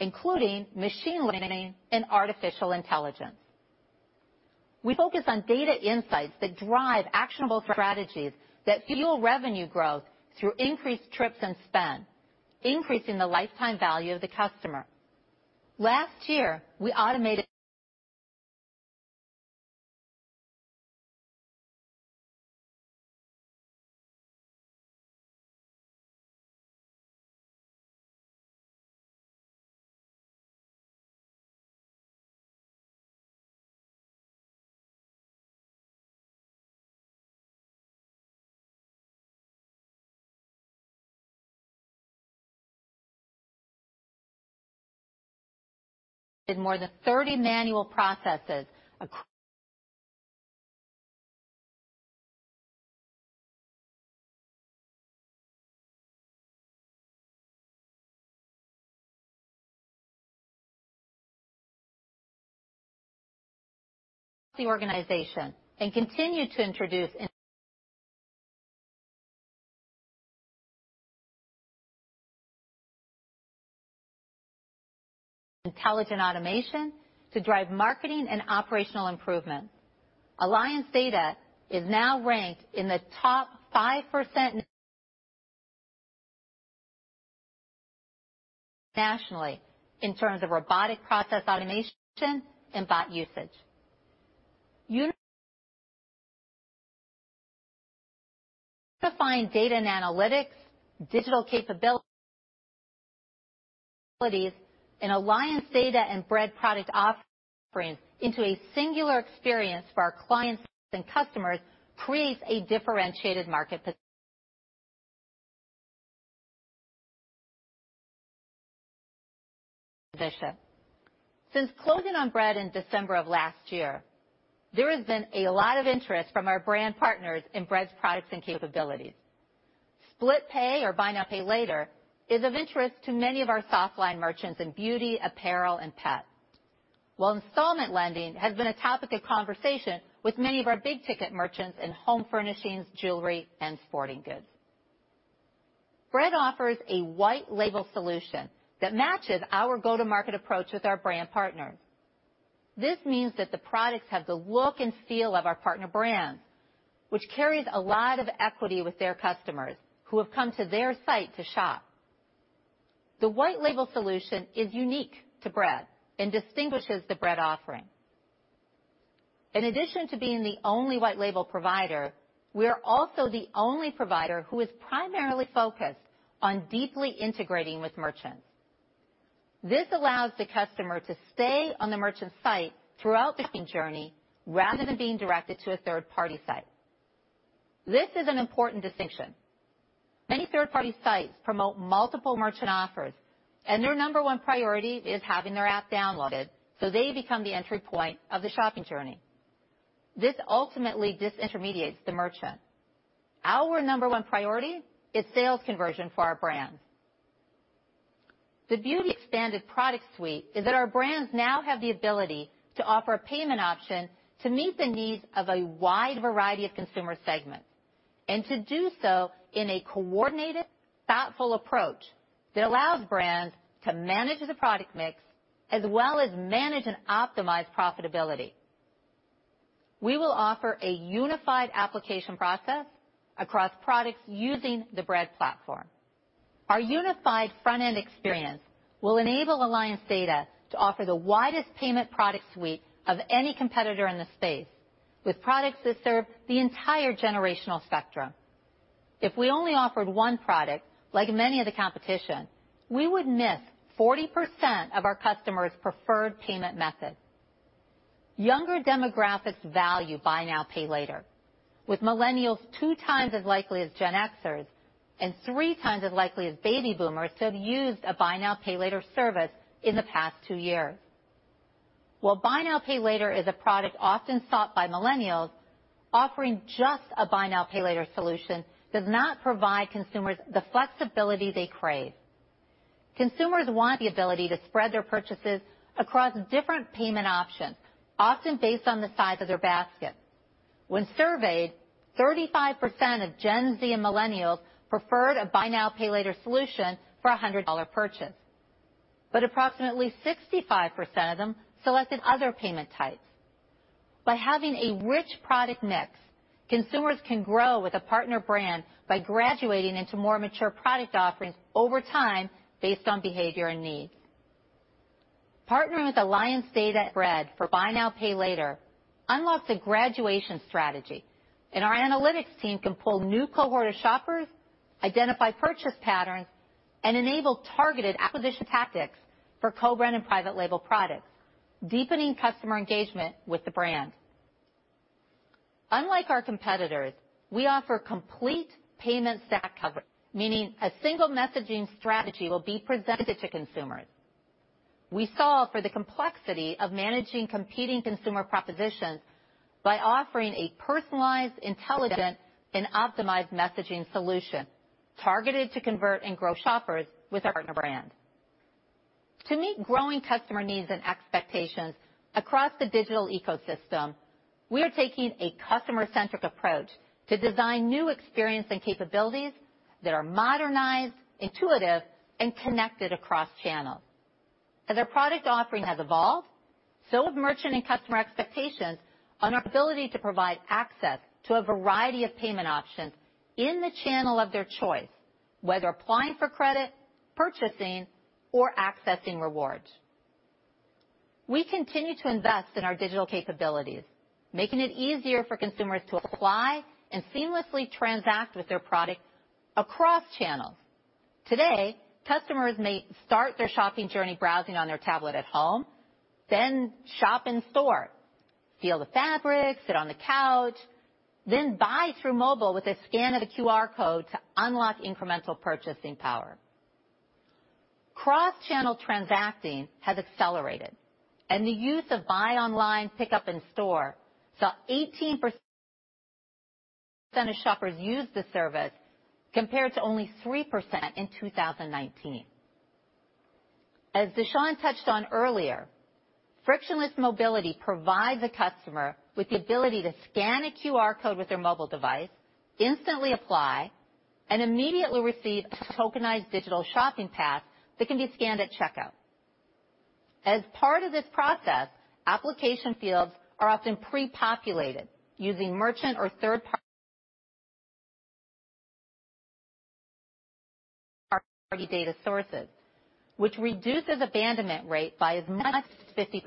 including machine learning and artificial intelligence. We focus on data insights that drive actionable strategies that fuel revenue growth through increased trips and spend, increasing the lifetime value of the customer. Last year, we automated more than 30 manual processes across the organization and continued to introduce intelligent automation to drive marketing and operational improvement. Alliance Data is now ranked in the top 5% nationally in terms of robotic process automation and bot usage. Unifying data and analytics, digital capabilities, and Alliance Data and Bread product offerings into a singular experience for our clients and customers creates a differentiated market position. Since closing on Bread in December of last year, there has been a lot of interest from our brand partners in Bread's products and capabilities. SplitPay or buy now, pay later is of interest to many of our soft line merchants in beauty, apparel, and pet. While installment lending has been a topic of conversation with many of our big ticket merchants in home furnishings, jewelry, and sporting goods. Bread offers a white label solution that matches our go-to-market approach with our brand partners. This means that the products have the look and feel of our partner brands, which carries a lot of equity with their customers who have come to their site to shop. The white label solution is unique to Bread and distinguishes the Bread offering. In addition to being the only white label provider, we are also the only provider who is primarily focused on deeply integrating with merchants. This allows the customer to stay on the merchant site throughout the shopping journey rather than being directed to a third-party site. This is an important distinction. Many third-party sites promote multiple merchant offers, and their number one priority is having their app downloaded, so they become the entry point of the shopping journey. This ultimately disintermediates the merchant. Our number one priority is sales conversion for our brands. The beauty of the expanded product suite is that our brands now have the ability to offer a payment option to meet the needs of a wide variety of consumer segments, and to do so in a coordinated, thoughtful approach that allows brands to manage the product mix as well as manage and optimize profitability. We will offer a unified application process across products using the Bread platform. Our unified front-end experience will enable Bread Financial to offer the widest payment product suite of any competitor in the space, with products that serve the entire generational spectrum. If we only offered one product, like many of the competition, we would miss 40% of our customers' preferred payment methods. Younger demographics value buy now, pay later, with millennials two times as likely as Gen Xers and three times as likely as baby boomers to have used a buy now, pay later service in the past two years. While buy now, pay later is a product often sought by millennials, offering just a buy now, pay later solution does not provide consumers the flexibility they crave. Consumers want the ability to spread their purchases across different payment options, often based on the size of their basket. When surveyed, 35% of Gen Z and millennials preferred a buy now, pay later solution for a $100 purchase. Approximately 65% of them selected other payment types. By having a rich product mix, consumers can grow with a partner brand by graduating into more mature product offerings over time based on behavior and needs. Partnering with Alliance Data at Bread for buy now, pay later unlocks a graduation strategy, and our analytics team can pull new cohort of shoppers, identify purchase patterns, and enable targeted acquisition tactics for co-brand and private label products, deepening customer engagement with the brand. Unlike our competitors, we offer complete payment stack coverage, meaning a single messaging strategy will be presented to consumers. We solve for the complexity of managing competing consumer propositions by offering a personalized, intelligent, and optimized messaging solution targeted to convert and grow shoppers with partner brands. To meet growing customer needs and expectations across the digital ecosystem, we are taking a customer-centric approach to design new experience and capabilities that are modernized, intuitive, and connected across channels. As our product offering has evolved, so have merchant and customer expectations on our ability to provide access to a variety of payment options in the channel of their choice, whether applying for credit, purchasing, or accessing rewards. We continue to invest in our digital capabilities, making it easier for consumers to apply and seamlessly transact with their product across channels. Today, customers may start their shopping journey browsing on their tablet at home, then shop in store, deal with Bread, sit on the couch, then buy through mobile with a scan of a QR code to unlock incremental purchasing power. Cross-channel transacting has accelerated, and the use of buy online, pickup in store saw 18% of shoppers use the service, compared to only 3% in 2019. As Deshon touched on earlier, frictionless mobility provides the customer with the ability to scan a QR code with their mobile device, instantly apply, and immediately receive a tokenized digital shopping pass that can be scanned at checkout. As part of this process, application fields are often pre-populated using merchant or third-party data sources, which reduces abandonment rate by as much as 50%.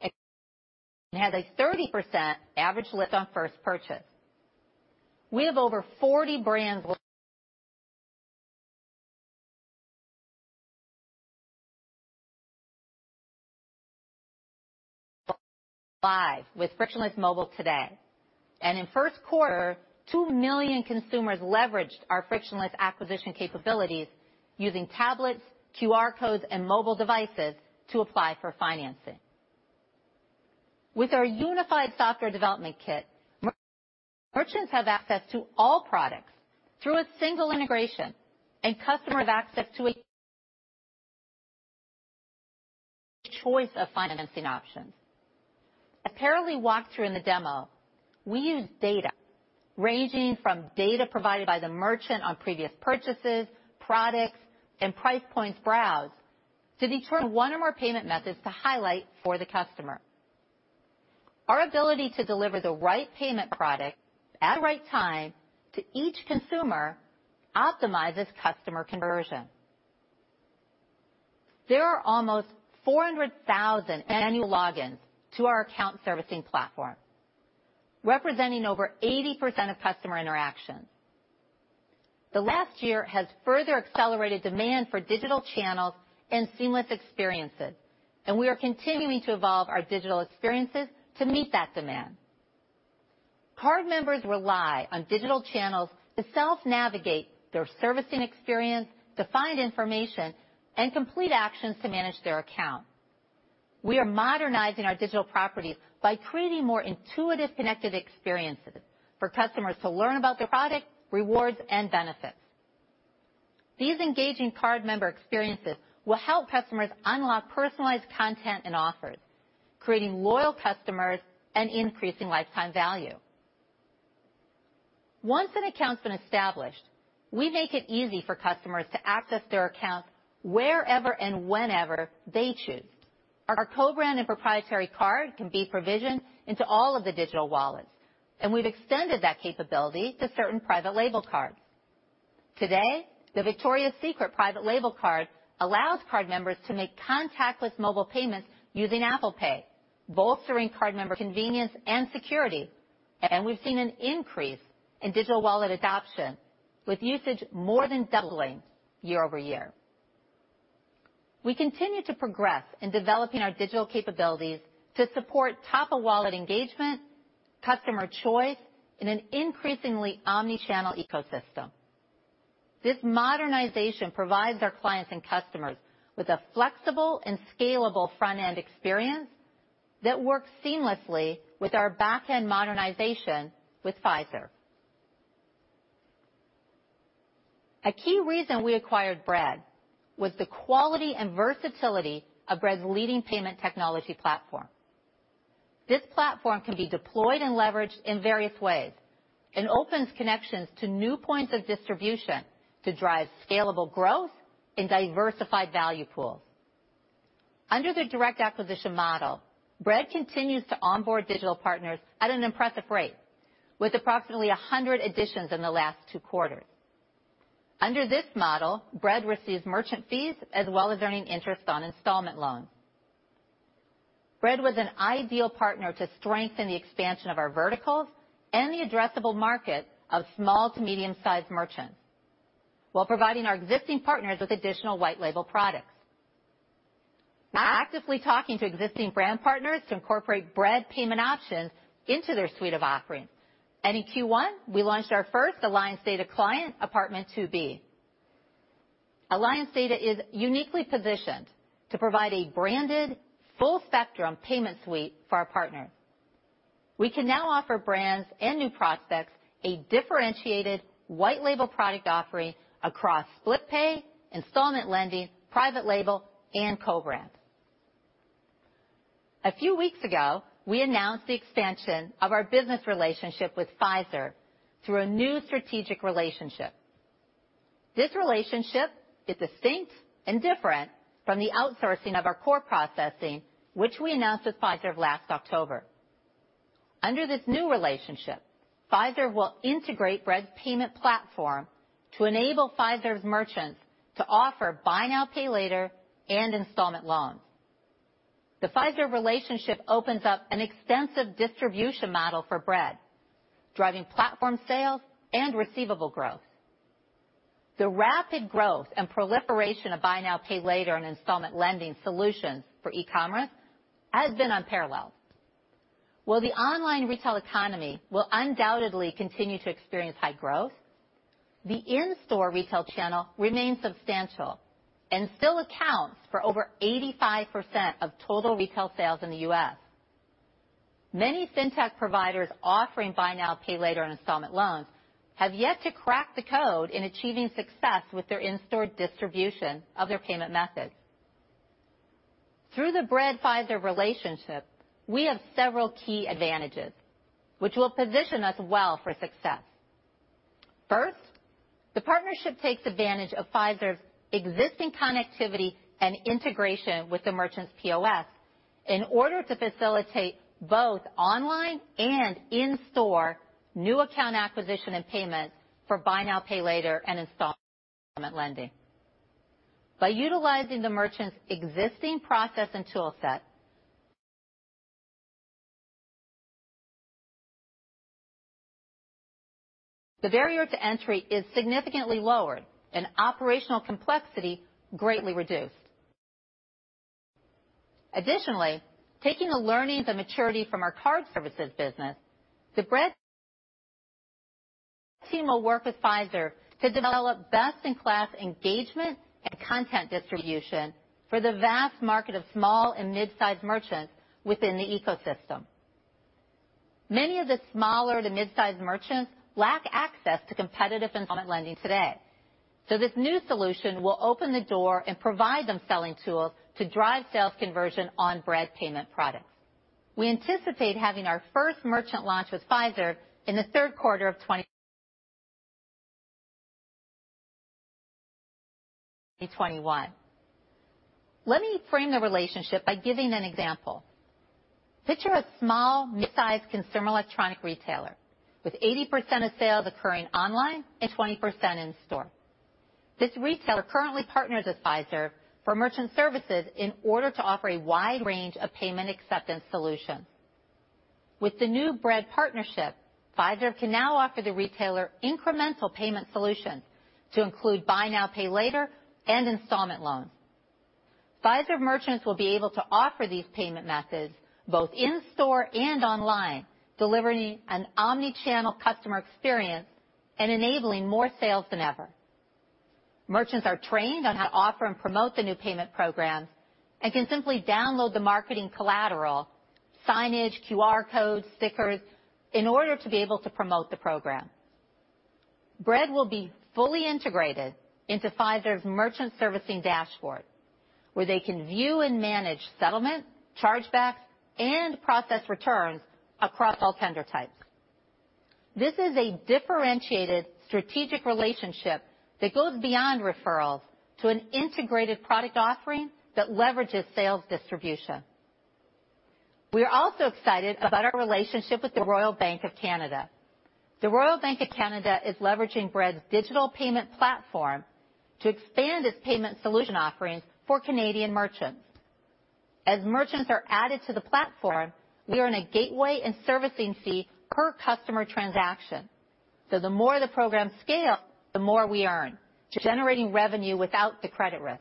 It has a 30% average lift on first purchase. We have over 40 brands live with frictionless mobile today, and in first quarter, 2 million consumers leveraged our frictionless acquisition capabilities using tablets, QR codes, and mobile devices to apply for financing. With our unified software development kit, merchants have access to all products through a single integration, and customers have access to a choice of financing options. As [Parilee] walked through in the demo, we use data ranging from data provided by the merchant on previous purchases, products, and price points browsed to determine one or more payment methods to highlight for the customer. Our ability to deliver the right payment product at the right time to each consumer optimizes customer conversion. There are almost 400,000 annual logins to our account servicing platform, representing over 80% of customer interactions. The last year has further accelerated demand for digital channels and seamless experiences, and we are continuing to evolve our digital experiences to meet that demand. Card members rely on digital channels to self-navigate their servicing experience, to find information, and complete actions to manage their account. We are modernizing our digital properties by creating more intuitive, connected experiences for customers to learn about their products, rewards, and benefits. These engaging cardmember experiences will help customers unlock personalized content and offers, creating loyal customers and increasing lifetime value. Once an account's been established, we make it easy for customers to access their accounts wherever and whenever they choose. Our co-branded proprietary card can be provisioned into all of the digital wallets, and we've extended that capability to certain private label cards. Today, the Victoria's Secret private label card allows card members to make contactless mobile payments using Apple Pay, bolstering card member convenience and security, and we've seen an increase in digital wallet adoption, with usage more than doubling year-over-year. We continue to progress in developing our digital capabilities to support top-of-wallet engagement, customer choice in an increasingly omni-channel ecosystem. This modernization provides our clients and customers with a flexible and scalable front-end experience that works seamlessly with our back-end modernization with Fiserv. A key reason we acquired Bread was the quality and versatility of Bread's leading payment technology platform. This platform can be deployed and leveraged in various ways and opens connections to new points of distribution to drive scalable growth and diversified value pools. Under the direct acquisition model, Bread continues to onboard digital partners at an impressive rate, with approximately 100 additions in the last two quarters. Under this model, Bread receives merchant fees as well as earning interest on installment loans. Bread was an ideal partner to strengthen the expansion of our verticals and the addressable market of small to medium-sized merchants while providing our existing partners with additional white label products. We're actively talking to existing brand partners to incorporate Bread payment options into their suite of offerings, and in Q1 we launched our first Alliance Data client, Apt2B. Alliance Data is uniquely positioned to provide a branded full-spectrum payment suite for our partners. We can now offer brands and new prospects a differentiated white label product offering across split pay, installment lending, private label, and co-brands. A few weeks ago, we announced the expansion of our business relationship with Fiserv through a new strategic relationship. This relationship is distinct and different from the outsourcing of our core processing, which we announced with Fiserv last October. Under this new relationship, Fiserv will integrate Bread's payment platform to enable Fiserv's merchants to offer buy now, pay later, and installment loans. The Fiserv relationship opens up an extensive distribution model for Bread, driving platform sales and receivable growth. The rapid growth and proliferation of buy now, pay later and installment lending solutions for e-commerce has been unparalleled. While the online retail economy will undoubtedly continue to experience high growth, the in-store retail channel remains substantial and still accounts for over 85% of total retail sales in the U.S. Many fintech providers offering buy now, pay later and installment loans have yet to crack the code in achieving success with their in-store distribution of their payment methods. Through the Bread Fiserv relationship, we have several key advantages which will position us well for success. First, the partnership takes advantage of Fiserv's existing connectivity and integration with the merchant's POS in order to facilitate both online and in-store new account acquisition and payment for buy now, pay later and installment lending. By utilizing the merchant's existing process and tool set, the barrier to entry is significantly lowered and operational complexity greatly reduced. Additionally, taking the learnings and maturity from our Card Services business, the Bread team will work with Fiserv to develop best-in-class engagement and content distribution for the vast market of small and mid-sized merchants within the ecosystem. Many of the smaller to mid-sized merchants lack access to competitive installment lending today. This new solution will open the door and provide them selling tools to drive sales conversion on Bread payment products. We anticipate having our first merchant launch with Fiserv in the third quarter of 2021. Let me frame the relationship by giving an example. Picture a small mid-sized consumer electronic retailer with 80% of sales occurring online and 20% in store. This retailer currently partners with Fiserv for merchant services in order to offer a wide range of payment acceptance solutions. With the new Bread partnership, Fiserv can now offer the retailer incremental payment solutions to include buy now, pay later, and installment loans. Fiserv merchants will be able to offer these payment methods both in-store and online, delivering an omni-channel customer experience and enabling more sales than ever. Merchants are trained on how to offer and promote the new payment programs and can simply download the marketing collateral, signage, QR codes, stickers in order to be able to promote the program. Bread will be fully integrated into Fiserv's merchant servicing dashboard, where they can view and manage settlement, chargebacks, and process returns across all tender types. This is a differentiated strategic relationship that goes beyond referrals to an integrated product offering that leverages sales distribution. We're also excited about our relationship with the Royal Bank of Canada. The Royal Bank of Canada is leveraging Bread's digital payment platform to expand its payment solution offerings for Canadian merchants. As merchants are added to the platform, we earn a gateway and servicing fee per customer transaction. The more the program scale, the more we earn, generating revenue without the credit risk.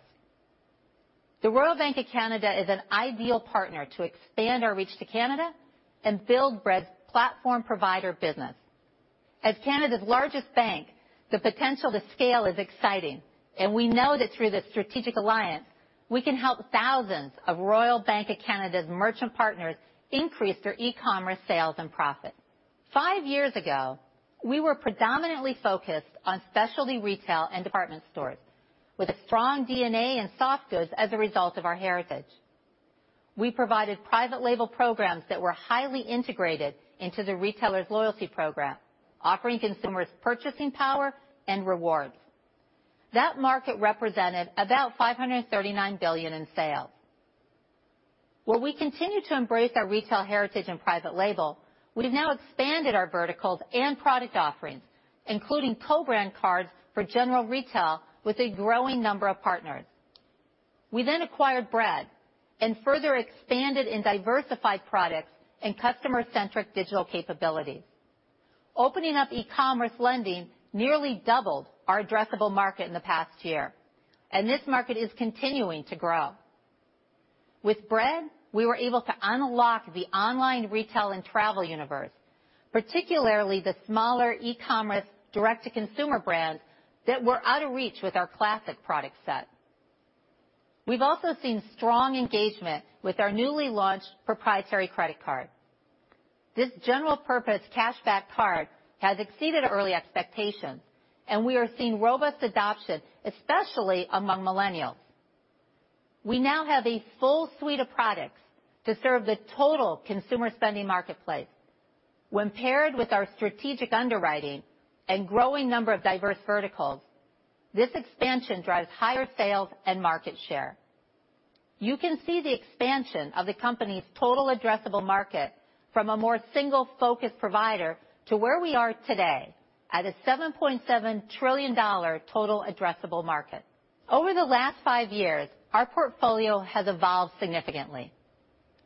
The Royal Bank of Canada is an ideal partner to expand our reach to Canada and build Bread's platform provider business. As Canada's largest bank, the potential to scale is exciting, and we know that through this strategic alliance, we can help thousands of Royal Bank of Canada's merchant partners increase their e-commerce sales and profits. Five years ago, we were predominantly focused on specialty retail and department stores with a strong DNA in soft goods as a result of our heritage. We provided private label programs that were highly integrated into the retailer's loyalty program, offering consumers purchasing power and rewards. That market represented about $539 billion in sales. While we continue to embrace our retail heritage and private label, we've now expanded our verticals and product offerings, including co-brand cards for general retail with a growing number of partners. We acquired Bread and further expanded and diversified products and customer-centric digital capabilities. Opening up e-commerce lending nearly doubled our addressable market in the past year, and this market is continuing to grow. With Bread, we were able to unlock the online retail and travel universe, particularly the smaller e-commerce direct-to-consumer brands that were out of reach with our classic product set. We've also seen strong engagement with our newly launched proprietary credit card. This general purpose cashback card has exceeded early expectations, and we are seeing robust adoption, especially among millennials. We now have a full suite of products to serve the total consumer spending marketplace. When paired with our strategic underwriting and growing number of diverse verticals, this expansion drives higher sales and market share. You can see the expansion of the company's total addressable market from a more single-focused provider to where we are today at a $7.7 trillion total addressable market. Over the last five years, our portfolio has evolved significantly.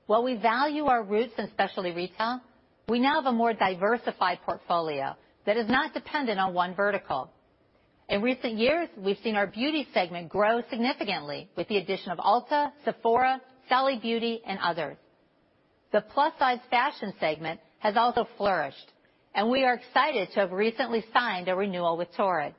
While we value our roots in specialty retail, we now have a more diversified portfolio that is not dependent on one vertical. In recent years, we've seen our beauty segment grow significantly with the addition of Ulta, Sephora, Sally Beauty, and others. The plus-size fashion segment has also flourished, and we are excited to have recently signed a renewal with Torrid.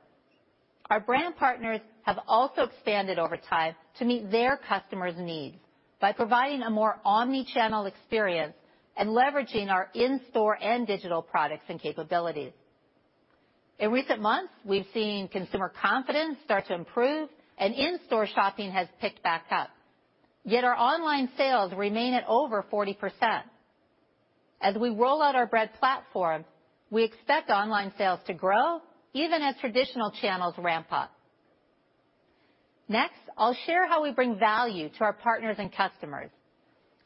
Our brand partners have also expanded over time to meet their customers' needs by providing a more omni-channel experience and leveraging our in-store and digital products and capabilities. In recent months, we've seen consumer confidence start to improve and in-store shopping has picked back up. Yet our online sales remain at over 40%. As we roll out our Bread platform, we expect online sales to grow even as traditional channels ramp up. Next, I'll share how we bring value to our partners and customers.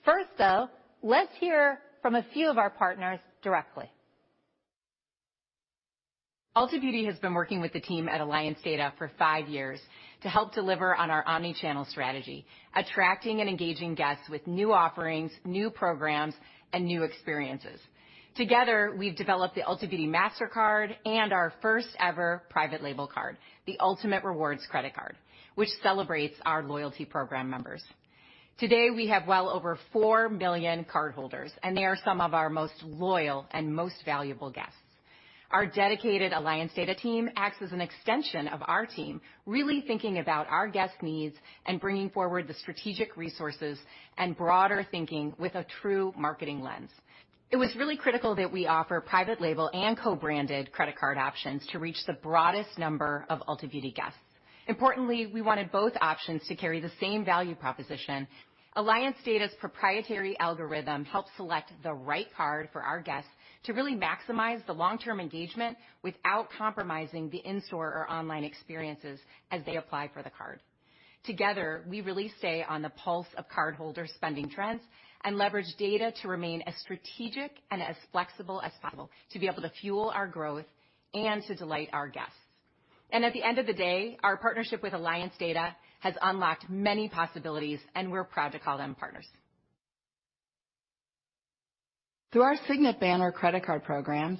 First, though, let's hear from a few of our partners directly. Ulta Beauty has been working with the team at Alliance Data for five years to help deliver on our omni-channel strategy, attracting and engaging guests with new offerings, new programs, and new experiences. Together, we've developed the Ulta Beauty Mastercard and our first-ever private label card, the Ultamate Rewards credit card, which celebrates our loyalty program members. Today, we have well over 4 million cardholders, and they are some of our most loyal and most valuable guests. Our dedicated Alliance Data team acts as an extension of our team, really thinking about our guests' needs and bringing forward the strategic resources and broader thinking with a true marketing lens. It was really critical that we offer private label and co-branded credit card options to reach the broadest number of Ulta Beauty guests. Importantly, we wanted both options to carry the same value proposition. Alliance Data's proprietary algorithm helps select the right card for our guests to really maximize the long-term engagement without compromising the in-store or online experiences as they apply for the card. Together, we really stay on the pulse of cardholder spending trends and leverage data to remain as strategic and as flexible as possible to be able to fuel our growth and to delight our guests. At the end of the day, our partnership with Alliance Data has unlocked many possibilities, and we're proud to call them partners. Through our Signet banner credit card programs,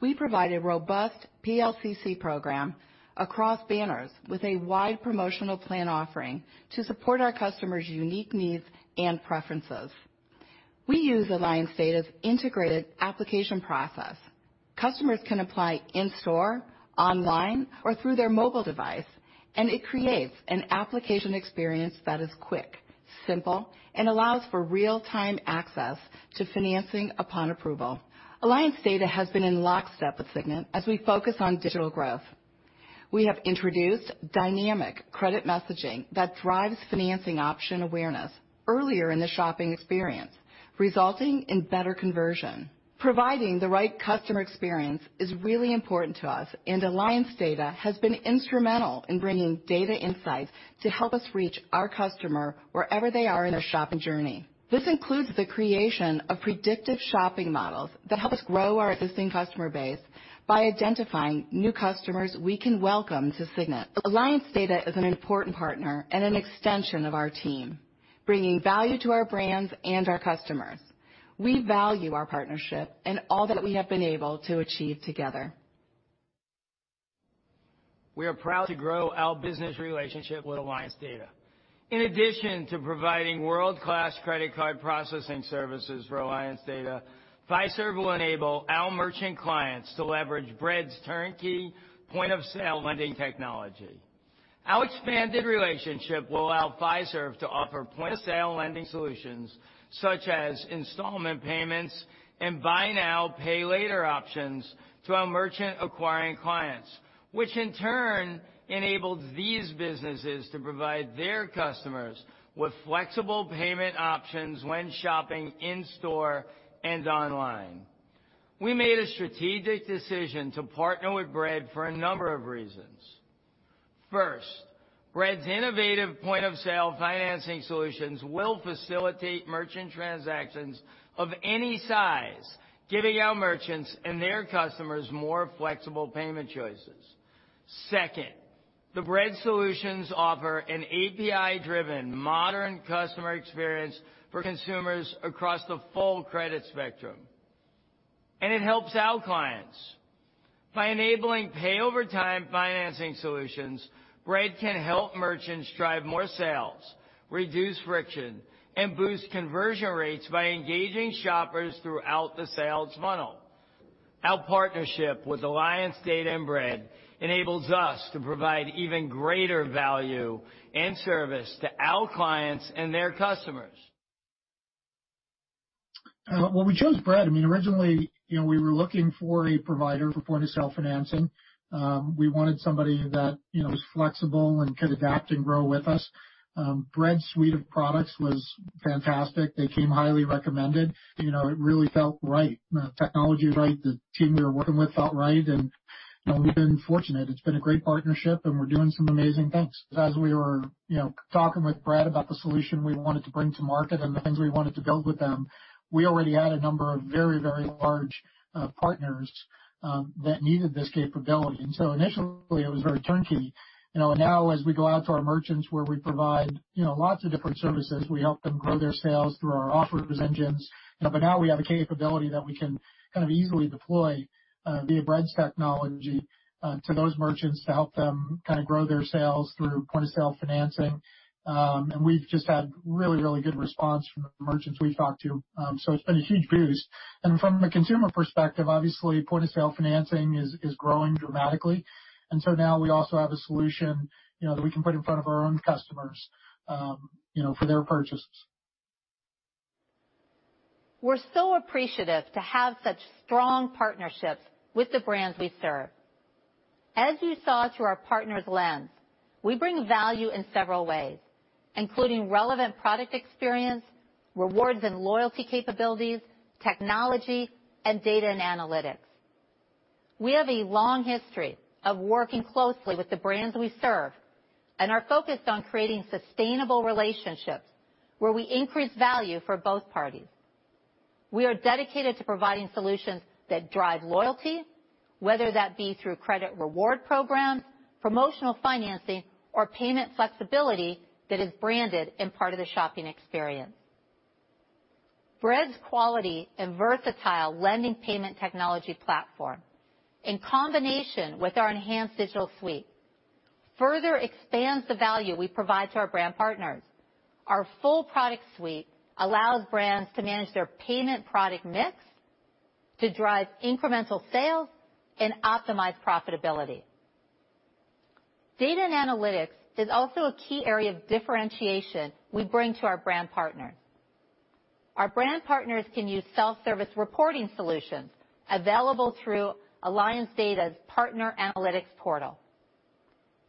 we provide a robust PLCC program across banners with a wide promotional plan offering to support our customers' unique needs and preferences. We use Alliance Data's integrated application process. Customers can apply in-store, online, or through their mobile device. It creates an application experience that is quick, simple, and allows for real-time access to financing upon approval. Alliance Data has been in lockstep with Signet as we focus on digital growth. We have introduced dynamic credit messaging that drives financing option awareness earlier in the shopping experience, resulting in better conversion. Providing the right customer experience is really important to us, and Alliance Data has been instrumental in bringing data insights to help us reach our customer wherever they are in their shopping journey. This includes the creation of predictive shopping models that help us grow our existing customer base by identifying new customers we can welcome to Signet. Alliance Data is an important partner and an extension of our team, bringing value to our brands and our customers. We value our partnership and all that we have been able to achieve together. We are proud to grow our business relationship with Alliance Data. In addition to providing world-class credit card processing services for Alliance Data, Fiserv will enable our merchant clients to leverage Bread's turnkey point-of-sale lending technology. Our expanded relationship will allow Fiserv to offer point-of-sale lending solutions such as installment payments and buy now, pay later options to our merchant acquiring clients, which in turn enables these businesses to provide their customers with flexible payment options when shopping in-store and online. We made a strategic decision to partner with Bread for a number of reasons. First, Bread's innovative point-of-sale financing solutions will facilitate merchant transactions of any size, giving our merchants and their customers more flexible payment choices. Second, the Bread solutions offer an API-driven, modern customer experience for consumers across the full credit spectrum, and it helps our clients. By enabling pay over time financing solutions, Bread can help merchants drive more sales, reduce friction, and boost conversion rates by engaging shoppers throughout the sales funnel. Our partnership with Alliance Data and Bread enables us to provide even greater value and service to our clients and their customers. When we chose Bread, originally, we were looking for a provider for point-of-sale financing. We wanted somebody that was flexible and could adapt and grow with us. Bread's suite of products was fantastic. They came highly recommended. It really felt right. The technology was right. The team we were working with felt right. We've been fortunate. It's been a great partnership, and we're doing some amazing things. As we were talking with Bread about the solution we wanted to bring to market and the things we wanted to build with them, we already had a number of very large partners that needed this capability. Initially, it was very turnkey. Now, as we go out to our merchants where we provide lots of different services, we help them grow their sales through our offerings engines. Now we have a capability that we can easily deploy via Bread's technology to those merchants to help them grow their sales through point-of-sale financing. We've just had really good response from the merchants we've talked to. It's been a huge boost. From the consumer perspective, obviously, point-of-sale financing is growing dramatically. Now we also have a solution that we can put in front of our own customers for their purchases. We're so appreciative to have such strong partnerships with the brands we serve. As you saw through our partners' lens, we bring value in several ways, including relevant product experience, rewards and loyalty capabilities, technology, and data and analytics. We have a long history of working closely with the brands we serve and are focused on creating sustainable relationships where we increase value for both parties. We are dedicated to providing solutions that drive loyalty, whether that be through credit reward programs, promotional financing, or payment flexibility that is branded and part of the shopping experience. Bread's quality and versatile lending payment technology platform, in combination with our Enhanced Digital Suite. Further expands the value we provide to our brand partners. Our full product suite allows brands to manage their payment product mix to drive incremental sales and optimize profitability. Data and analytics is also a key area of differentiation we bring to our brand partners. Our brand partners can use self-service reporting solutions available through Bread Financial's partner analytics portal.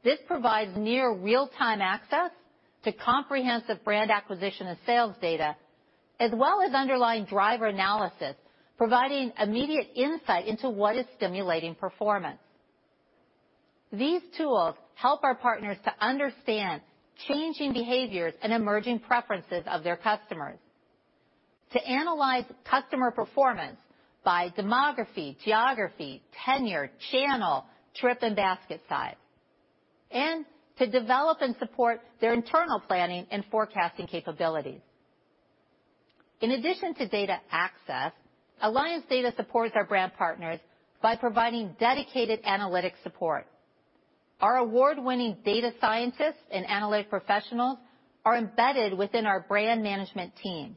This provides near real-time access to comprehensive brand acquisition and sales data, as well as underlying driver analysis, providing immediate insight into what is stimulating performance. These tools help our partners to understand changing behaviors and emerging preferences of their customers, to analyze customer performance by demography, geography, tenure, channel, trip, and basket size, and to develop and support their internal planning and forecasting capabilities. In addition to data access, Alliance Data supports our brand partners by providing dedicated analytics support. Our award-winning data scientists and analytics professionals are embedded within our brand management teams.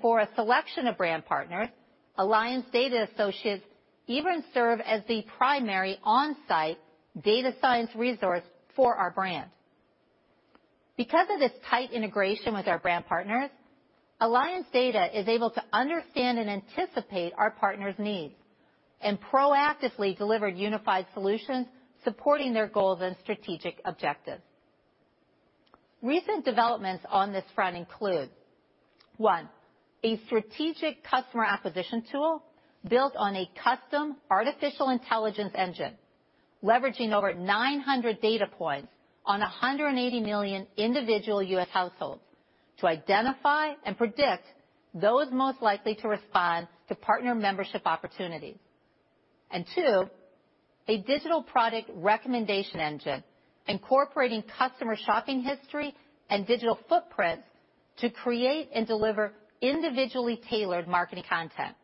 For a selection of brand partners, Alliance Data associates even serve as the primary on-site data science resource for our brands. Because of this tight integration with our brand partners, Alliance Data is able to understand and anticipate our partners' needs and proactively deliver unified solutions supporting their goals and strategic objectives. Recent developments on this front include, one, a strategic customer acquisition tool built on a custom artificial intelligence engine, leveraging over 900 data points on 180 million individual U.S. households to identify and predict those most likely to respond to partner membership opportunities. Two, a digital product recommendation engine incorporating customer shopping history and digital footprints to create and deliver individually tailored marketing content.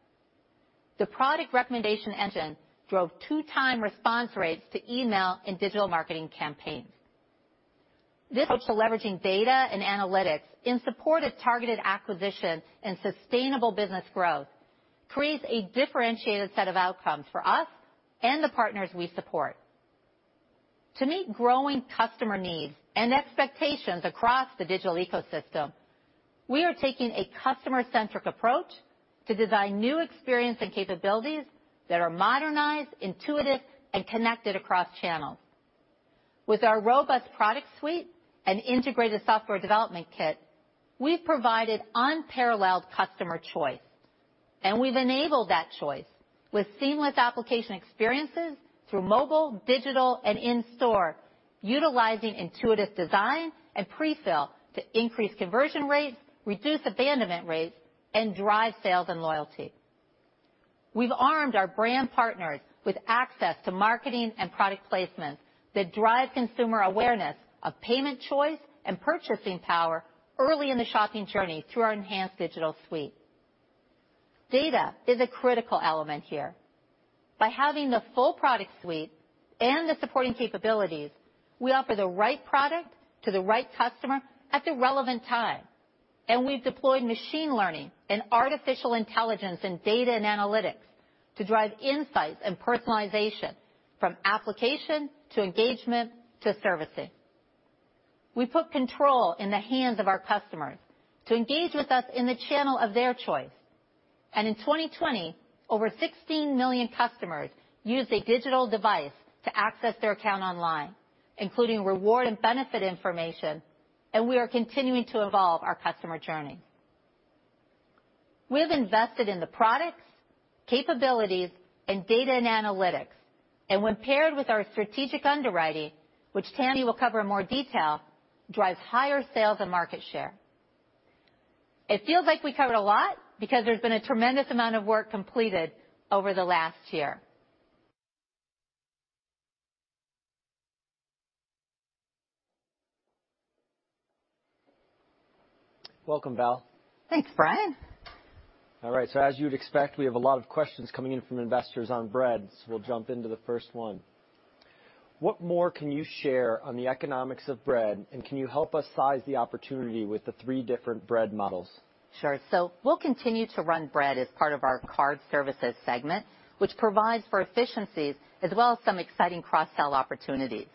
The product recommendation engine drove 2-time response rates to email and digital marketing campaigns. This approach to leveraging data and analytics in support of targeted acquisitions and sustainable business growth creates a differentiated set of outcomes for us and the partners we support. To meet growing customer needs and expectations across the digital ecosystem, we are taking a customer-centric approach to design new experience and capabilities that are modernized, intuitive, and connected across channels. With our robust product suite and integrated software development kit, we've provided unparalleled customer choice, and we've enabled that choice with seamless application experiences through mobile, digital, and in-store, utilizing intuitive design and pre-sale to increase conversion rates, reduce abandonment rates, and drive sales and loyalty. We've armed our brand partners with access to marketing and product placements that drive consumer awareness of payment choice and purchasing power early in the shopping journey through our Enhanced Digital Suite. Data is a critical element here. By having the full product suite and the supporting capabilities, we offer the right product to the right customer at the relevant time. We've deployed machine learning and artificial intelligence in data and analytics to drive insights and personalization from application to engagement to servicing. We put control in the hands of our customers to engage with us in the channel of their choice. In 2020, over 16 million customers used a digital device to access their account online, including reward and benefit information, and we are continuing to evolve our customer journey. We've invested in the products, capabilities, and data and analytics, and when paired with our strategic underwriting, which Tammy will cover in more detail, drives higher sales and market share. It feels like we covered a lot because there's been a tremendous amount of work completed over the last year. Welcome, Val. Thanks, Brian. All right. As you'd expect, we have a lot of questions coming in from investors on Bread. We'll jump into the first one. What more can you share on the economics of Bread, and can you help us size the opportunity with the three different Bread models? Sure. We'll continue to run Bread as part of our Card Services segment, which provides for efficiencies as well as some exciting cross-sell opportunities.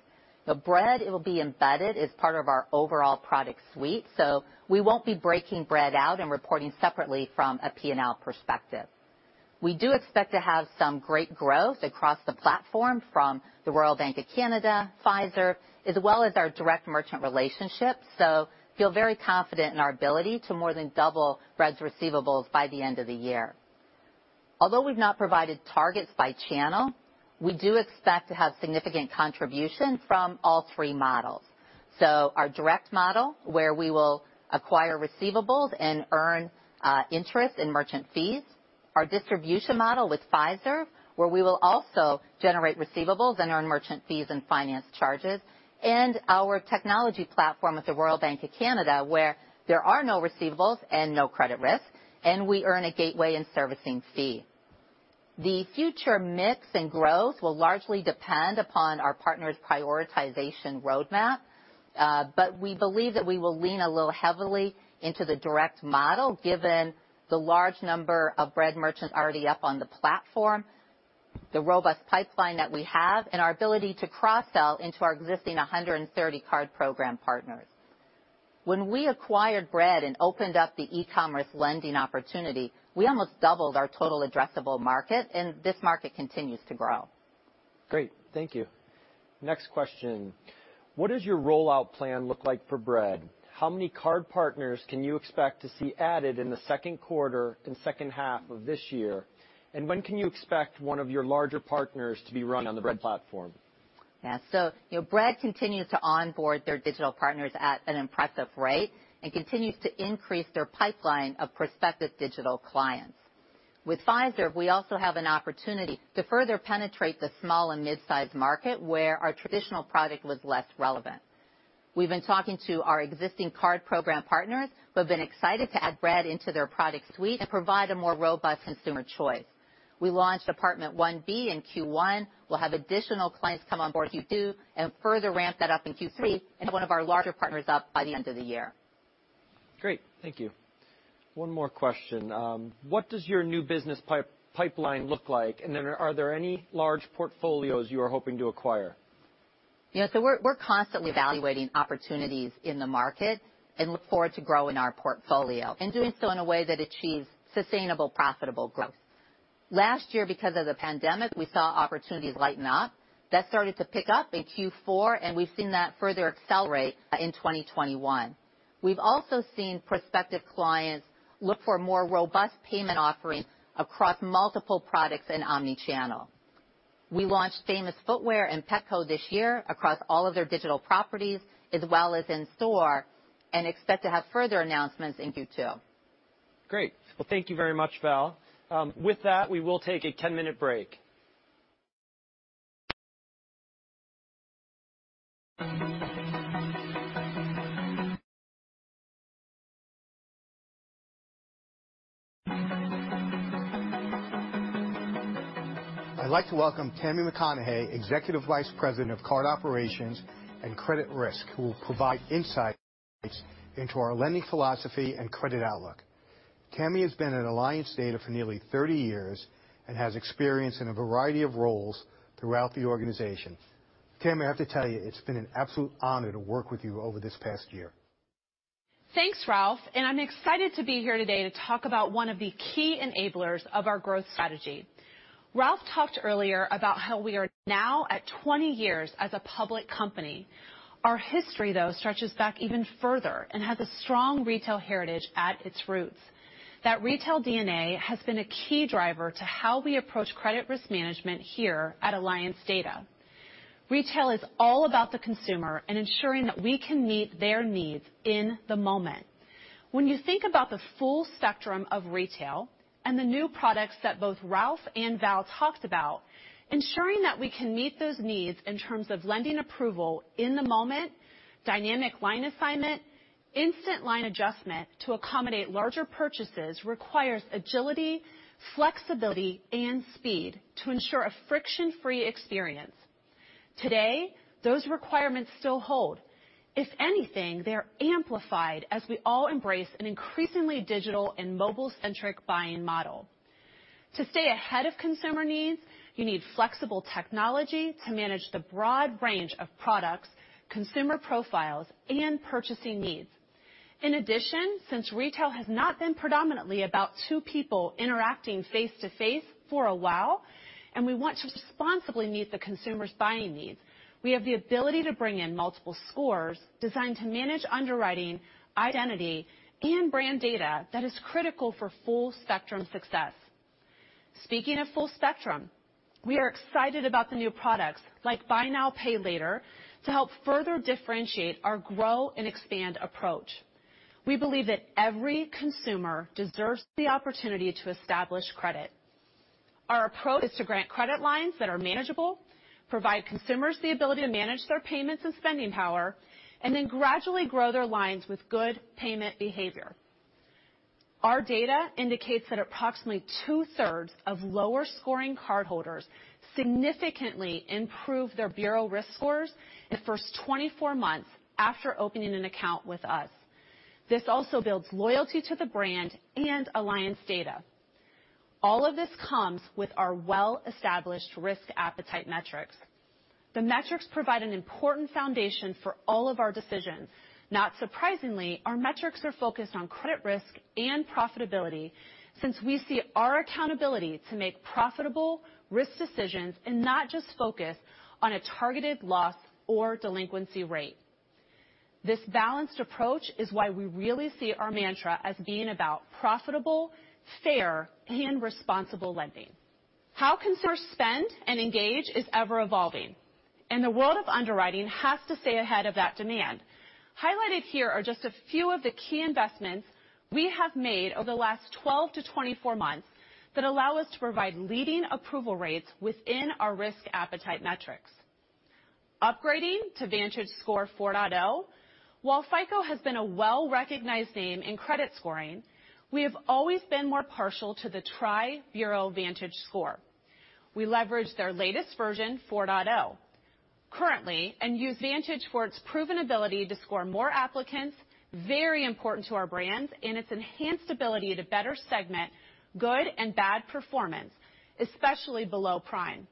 We won't be breaking Bread out and reporting separately from a P&L perspective. We do expect to have some great growth across the platform from the Royal Bank of Canada, Fiserv, as well as our direct merchant relationships. We feel very confident in our ability to more than double Bread's receivables by the end of the year. Although we've not provided targets by channel, we do expect to have significant contribution from all three models. Our direct model, where we will acquire receivables and earn interest in merchant fees, our distribution model with Fiserv, where we will also generate receivables and earn merchant fees and finance charges, and our technology platform with the Royal Bank of Canada, where there are no receivables and no credit risk, and we earn a gateway and servicing fee. The future mix and growth will largely depend upon our partners' prioritization roadmap. We believe that we will lean a little heavily into the direct model, given the large number of Bread merchants already up on the platform, the robust pipeline that we have, and our ability to cross-sell into our existing 130 card program partners. When we acquired Bread and opened up the e-commerce lending opportunity, we almost doubled our total addressable market, and this market continues to grow. Great. Thank you. Next question. What does your rollout plan look like for Bread? How many card partners can you expect to see added in the second quarter and second half of this year? When can you expect one of your larger partners to be run on the Bread platform? Yeah. Bread continues to onboard their digital partners at an impressive rate and continues to increase their pipeline of prospective digital clients. With Bread Pay, we also have an opportunity to further penetrate the small and midsize market where our traditional product was less relevant. We've been talking to our existing card program partners who have been excited to add Bread into their product suite to provide a more robust consumer choice. We launched Apt2B in Q1. We'll have additional clients come on board Q2 and further ramp that up in Q3 and one of our larger partners up by the end of the year. Great. Thank you. One more question. What does your new business pipeline look like? Are there any large portfolios you are hoping to acquire? Yeah. We're constantly evaluating opportunities in the market and look forward to growing our portfolio and doing so in a way that achieves sustainable profitable growth. Last year because of the pandemic, we saw opportunities lighten up. That started to pick up in Q4, we've seen that further accelerate in 2021. We've also seen prospective clients look for more robust payment offerings across multiple products in omni-channel. We launched Famous Footwear and Petco this year across all of their digital properties as well as in store and expect to have further announcements in Q2. Great. Well, thank you very much, Val. With that, we will take a 10-minute break. I'd like to welcome Tammy McConnaughey, Executive Vice President of Card Operations and Credit Risk, who will provide insights into our lending philosophy and credit outlook. Tammy has been at Alliance Data for nearly 30 years and has experience in a variety of roles throughout the organization. Tammy, I have to tell you, it's been an absolute honor to work with you over this past year. Thanks, Ralph. I'm excited to be here today to talk about one of the key enablers of our growth strategy. Ralph talked earlier about how we are now at 20 years as a public company. Our history, though, stretches back even further and has a strong retail heritage at its roots. That retail DNA has been a key driver to how we approach credit risk management here at Alliance Data. Retail is all about the consumer and ensuring that we can meet their needs in the moment. When you think about the full spectrum of retail and the new products that both Ralph and Val talked about, ensuring that we can meet those needs in terms of lending approval in the moment, dynamic line assignment, instant line adjustment to accommodate larger purchases requires agility, flexibility, and speed to ensure a friction-free experience. Today, those requirements still hold. If anything, they're amplified as we all embrace an increasingly digital and mobile-centric buying model. To stay ahead of consumer needs, you need flexible technology to manage the broad range of products, consumer profiles, and purchasing needs. In addition, since retail has not been predominantly about two people interacting face to face for a while, and we want to responsibly meet the consumer's buying needs, we have the ability to bring in multiple scores designed to manage underwriting, identity, and brand data that is critical for full spectrum success. Speaking of full spectrum, we are excited about the new products like buy now, pay later to help further differentiate our grow and expand approach. We believe that every consumer deserves the opportunity to establish credit. Our approach is to grant credit lines that are manageable, provide consumers the ability to manage their payments and spending power, and then gradually grow their lines with good payment behavior. Our data indicates that approximately two-thirds of lower scoring cardholders significantly improve their bureau risk scores the first 24 months after opening an account with us. This also builds loyalty to the brand and Alliance Data. All of this comes with our well-established risk appetite metrics. The metrics provide an important foundation for all of our decisions. Not surprisingly, our metrics are focused on credit risk and profitability since we see our accountability to make profitable risk decisions and not just focus on a targeted loss or delinquency rate. This balanced approach is why we really see our mantra as being about profitable, fair, and responsible lending. How consumers spend and engage is ever evolving, and the world of underwriting has to stay ahead of that demand. Highlighted here are just a few of the key investments we have made over the last 12 to 24 months that allow us to provide leading approval rates within our risk appetite metrics. Upgrading to VantageScore 4.0. While FICO has been a well-recognized name in credit scoring, we have always been more partial to the tri-bureau VantageScore. We leveraged their latest version, 4.0, currently, and use Vantage for its proven ability to score more applicants, very important to our brands, and its enhanced ability to better segment good and bad performance, especially below prime.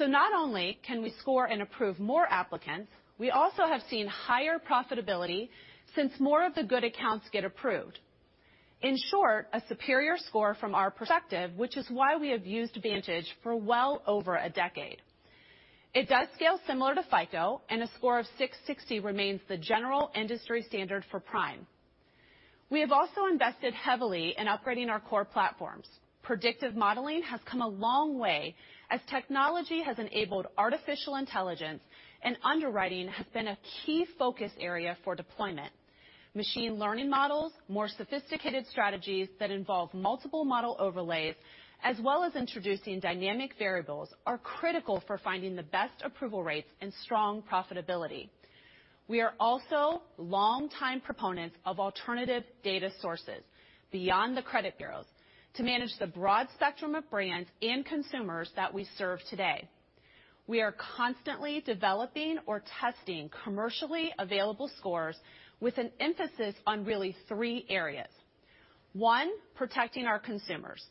Not only can we score and approve more applicants, we also have seen higher profitability since more of the good accounts get approved. In short, a superior score from our perspective, which is why we have used Vantage for well over a decade. It does scale similar to FICO, and a score of 660 remains the general industry standard for prime. We have also invested heavily in upgrading our core platforms. Predictive modeling has come a long way as technology has enabled artificial intelligence, and underwriting has been a key focus area for deployment. Machine learning models, more sophisticated strategies that involve multiple model overlays, as well as introducing dynamic variables are critical for finding the best approval rates and strong profitability. We are also longtime proponents of alternative data sources beyond the credit bureaus to manage the broad spectrum of brands and consumers that we serve today. We are constantly developing or testing commercially available scores with an emphasis on really three areas. One, protecting our consumers.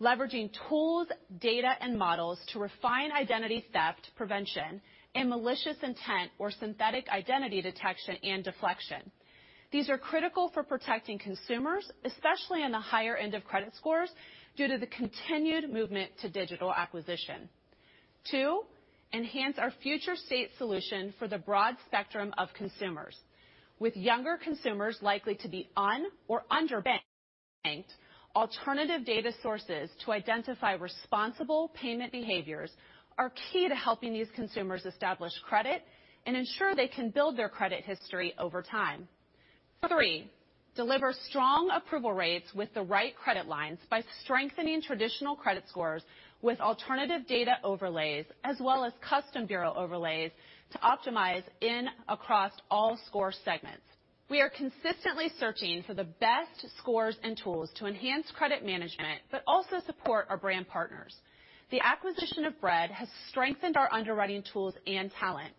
Leveraging tools, data, and models to refine identity theft prevention and malicious intent or synthetic identity detection and deflection. These are critical for protecting consumers, especially on the higher end of credit scores, due to the continued movement to digital acquisition. Two, enhance our future state solution for the broad spectrum of consumers. With younger consumers likely to be un- or underbanked, alternative data sources to identify responsible payment behaviors are key to helping these consumers establish credit and ensure they can build their credit history over time. Three, deliver strong approval rates with the right credit lines by strengthening traditional credit scores with alternative data overlays as well as custom bureau overlays to optimize in across all score segments. We are consistently searching for the best scores and tools to enhance credit management, but also support our brand partners. The acquisition of Bread has strengthened our underwriting tools and talent.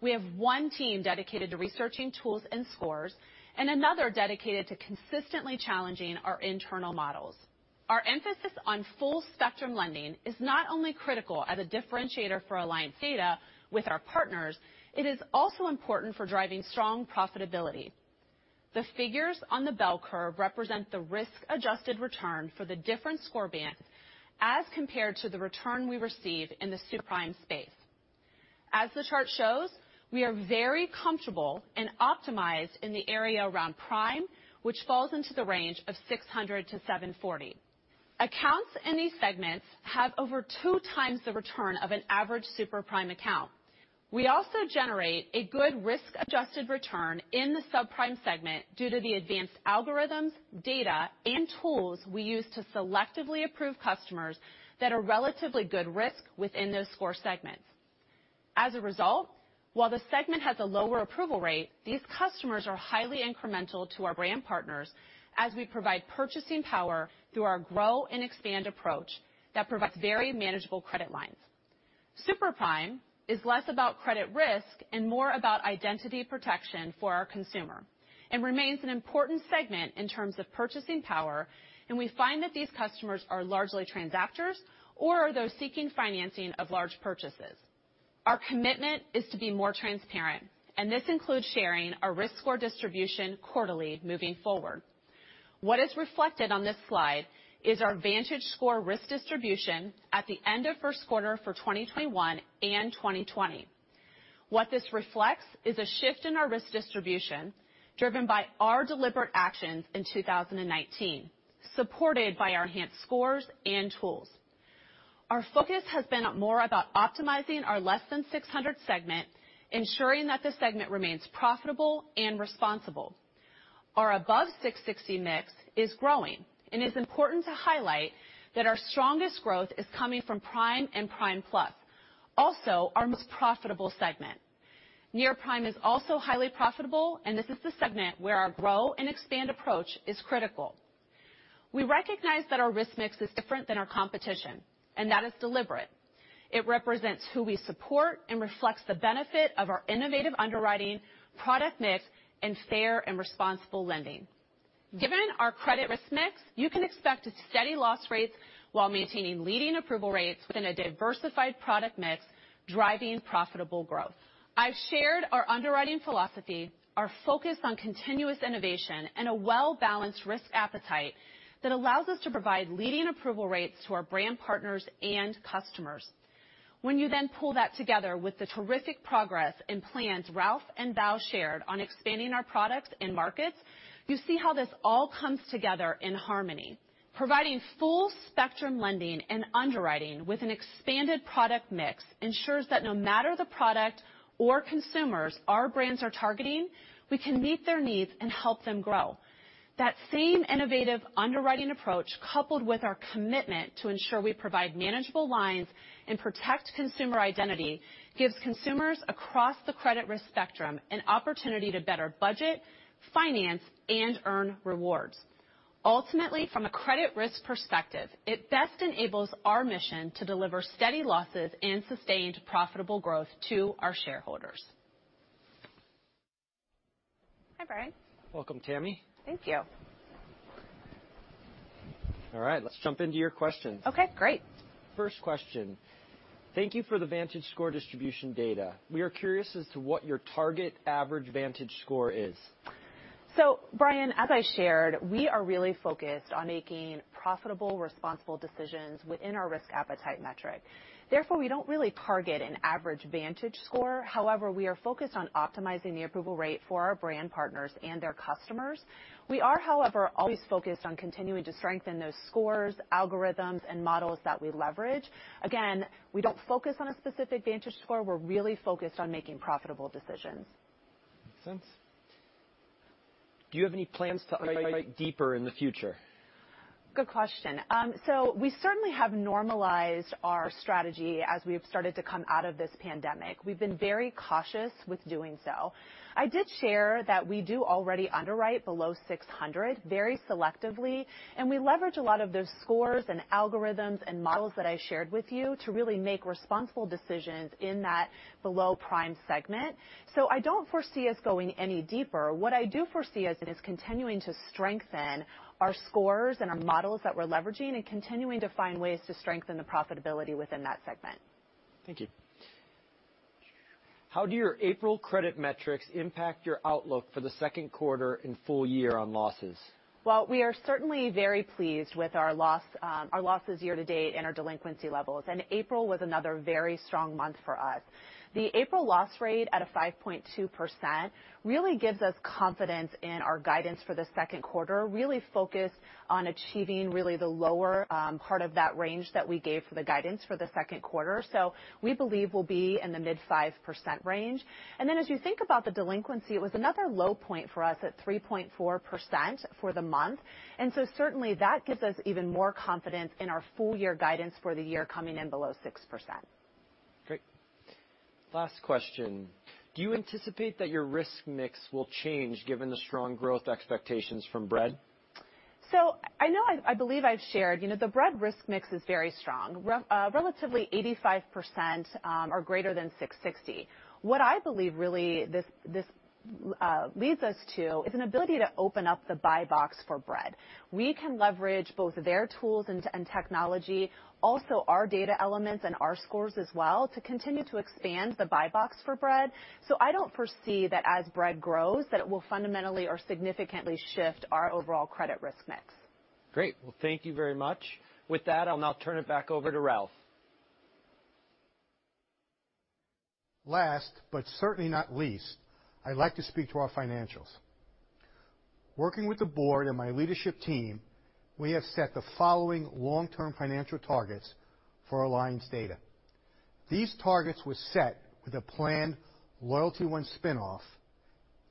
We have one team dedicated to researching tools and scores, and another dedicated to consistently challenging our internal models. Our emphasis on full-spectrum lending is not only critical as a differentiator for Alliance Data with our partners, it is also important for driving strong profitability. The figures on the bell curve represent the risk-adjusted return for the different score bands as compared to the return we receive in the super prime space. As the chart shows, we are very comfortable and optimized in the area around prime, which falls into the range of 600-740. Accounts in these segments have over 2x the return of an average super prime account. We also generate a good risk-adjusted return in the subprime segment due to the advanced algorithms, data, and tools we use to selectively approve customers that are relatively good risk within those score segments. As a result, while the segment has a lower approval rate, these customers are highly incremental to our brand partners as we provide purchasing power through our grow and expand approach that provides very manageable credit lines. Super prime is less about credit risk and more about identity protection for our consumer and remains an important segment in terms of purchasing power. We find that these customers are largely transactors or are those seeking financing of large purchases. Our commitment is to be more transparent. This includes sharing our risk score distribution quarterly moving forward. What is reflected on this slide is our VantageScore risk distribution at the end of first quarter for 2021 and 2020. What this reflects is a shift in our risk distribution driven by our deliberate actions in 2019, supported by enhanced scores and tools. Our focus has been more about optimizing our less than 600 segment, ensuring that the segment remains profitable and responsible. Our above 660 mix is growing. It's important to highlight that our strongest growth is coming from prime and prime plus, also our most profitable segment. Near prime is also highly profitable. This is the segment where our grow and expand approach is critical. We recognize that our risk mix is different than our competition. That is deliberate. It represents who we support and reflects the benefit of our innovative underwriting, product mix, and fair and responsible lending. Given our credit risk mix, you can expect steady loss rates while maintaining leading approval rates within a diversified product mix, driving profitable growth. I've shared our underwriting philosophy, our focus on continuous innovation, and a well-balanced risk appetite that allows us to provide leading approval rates to our brand partners and customers. When you then pull that together with the terrific progress and plans Ralph and Val shared on expanding our products and markets, you see how this all comes together in harmony. Providing full-spectrum lending and underwriting with an expanded product mix ensures that no matter the product or consumers our brands are targeting, we can meet their needs and help them grow. That same innovative underwriting approach, coupled with our commitment to ensure we provide manageable lines and protect consumer identity, gives consumers across the credit risk spectrum an opportunity to better budget, finance, and earn rewards. Ultimately, from a credit risk perspective, it best enables our mission to deliver steady losses and sustained profitable growth to our shareholders. Hi, Brian. Welcome, Tammy. Thank you. All right, let's jump into your questions. Okay, great. First question. Thank you for the VantageScore distribution data. We are curious as to what your target average VantageScore is. Brian Vereb, as I shared, we are really focused on making profitable, responsible decisions within our risk appetite metric. Therefore, we don't really target an average VantageScore. We are focused on optimizing the approval rate for our brand partners and their customers. We are, however, always focused on continuing to strengthen those scores, algorithms, and models that we leverage. We don't focus on a specific VantageScore. We're really focused on making profitable decisions. Makes sense. Do you have any plans to underwrite deeper in the future? Good question. We certainly have normalized our strategy as we've started to come out of this pandemic. We've been very cautious with doing so. I did share that we do already underwrite below 600 very selectively, and we leverage a lot of those scores and algorithms and models that I shared with you to really make responsible decisions in that below-prime segment. I don't foresee us going any deeper. What I do foresee is us continuing to strengthen our scores and our models that we're leveraging and continuing to find ways to strengthen the profitability within that segment. Thank you. How do your April credit metrics impact your outlook for the second quarter and full year on losses? Well, we are certainly very pleased with our losses year-to-date and our delinquency levels. April was another very strong month for us. The April loss rate at 5.2% really gives us confidence in our guidance for the second quarter. Really focused on achieving really the lower part of that range that we gave for the guidance for the second quarter. We believe we'll be in the mid 5% range. As you think about the delinquency, it was another low point for us at 3.4% for the month. Certainly that gives us even more confidence in our full-year guidance for the year coming in below 6%. Great. Last question. Do you anticipate that your risk mix will change given the strong growth expectations from Bread? I know, I believe I've shared, the Bread risk mix is very strong. Relatively 85% are greater than 660. What I believe really this leads us to is an ability to open up the buy box for Bread. We can leverage both their tools and technology, also our data elements and our scores as well, to continue to expand the buy box for Bread. I don't foresee that as Bread grows, that it will fundamentally or significantly shift our overall credit risk mix. Great. Well, thank you very much. With that, I'll now turn it back over to Ralph. Last but certainly not least, I'd like to speak to our financials. Working with the board and my leadership team, we have set the following long-term financial targets for Alliance Data. These targets were set with a planned LoyaltyOne spinoff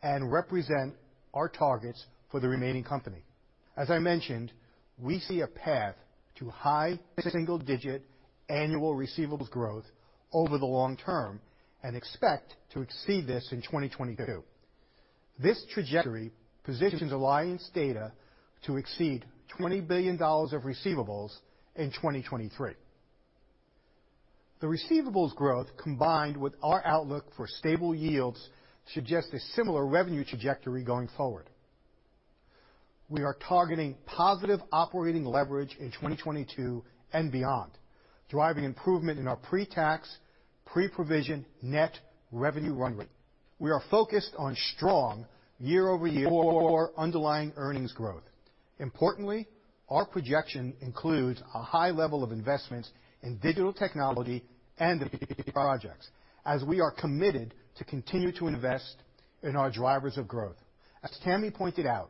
and represent our targets for the remaining company. As I mentioned, we see a path to high single-digit annual receivables growth over the long term and expect to exceed this in 2022. This trajectory positions Alliance Data to exceed $20 billion of receivables in 2023. The receivables growth, combined with our outlook for stable yields, suggests a similar revenue trajectory going forward. We are targeting positive operating leverage in 2022 and beyond, driving improvement in our pre-tax, pre-provision net revenue runway. We are focused on strong year-over-year underlying earnings growth. Importantly, our projection includes a high level of investment in digital technology and IT projects, as we are committed to continue to invest in our drivers of growth. As Tammy pointed out,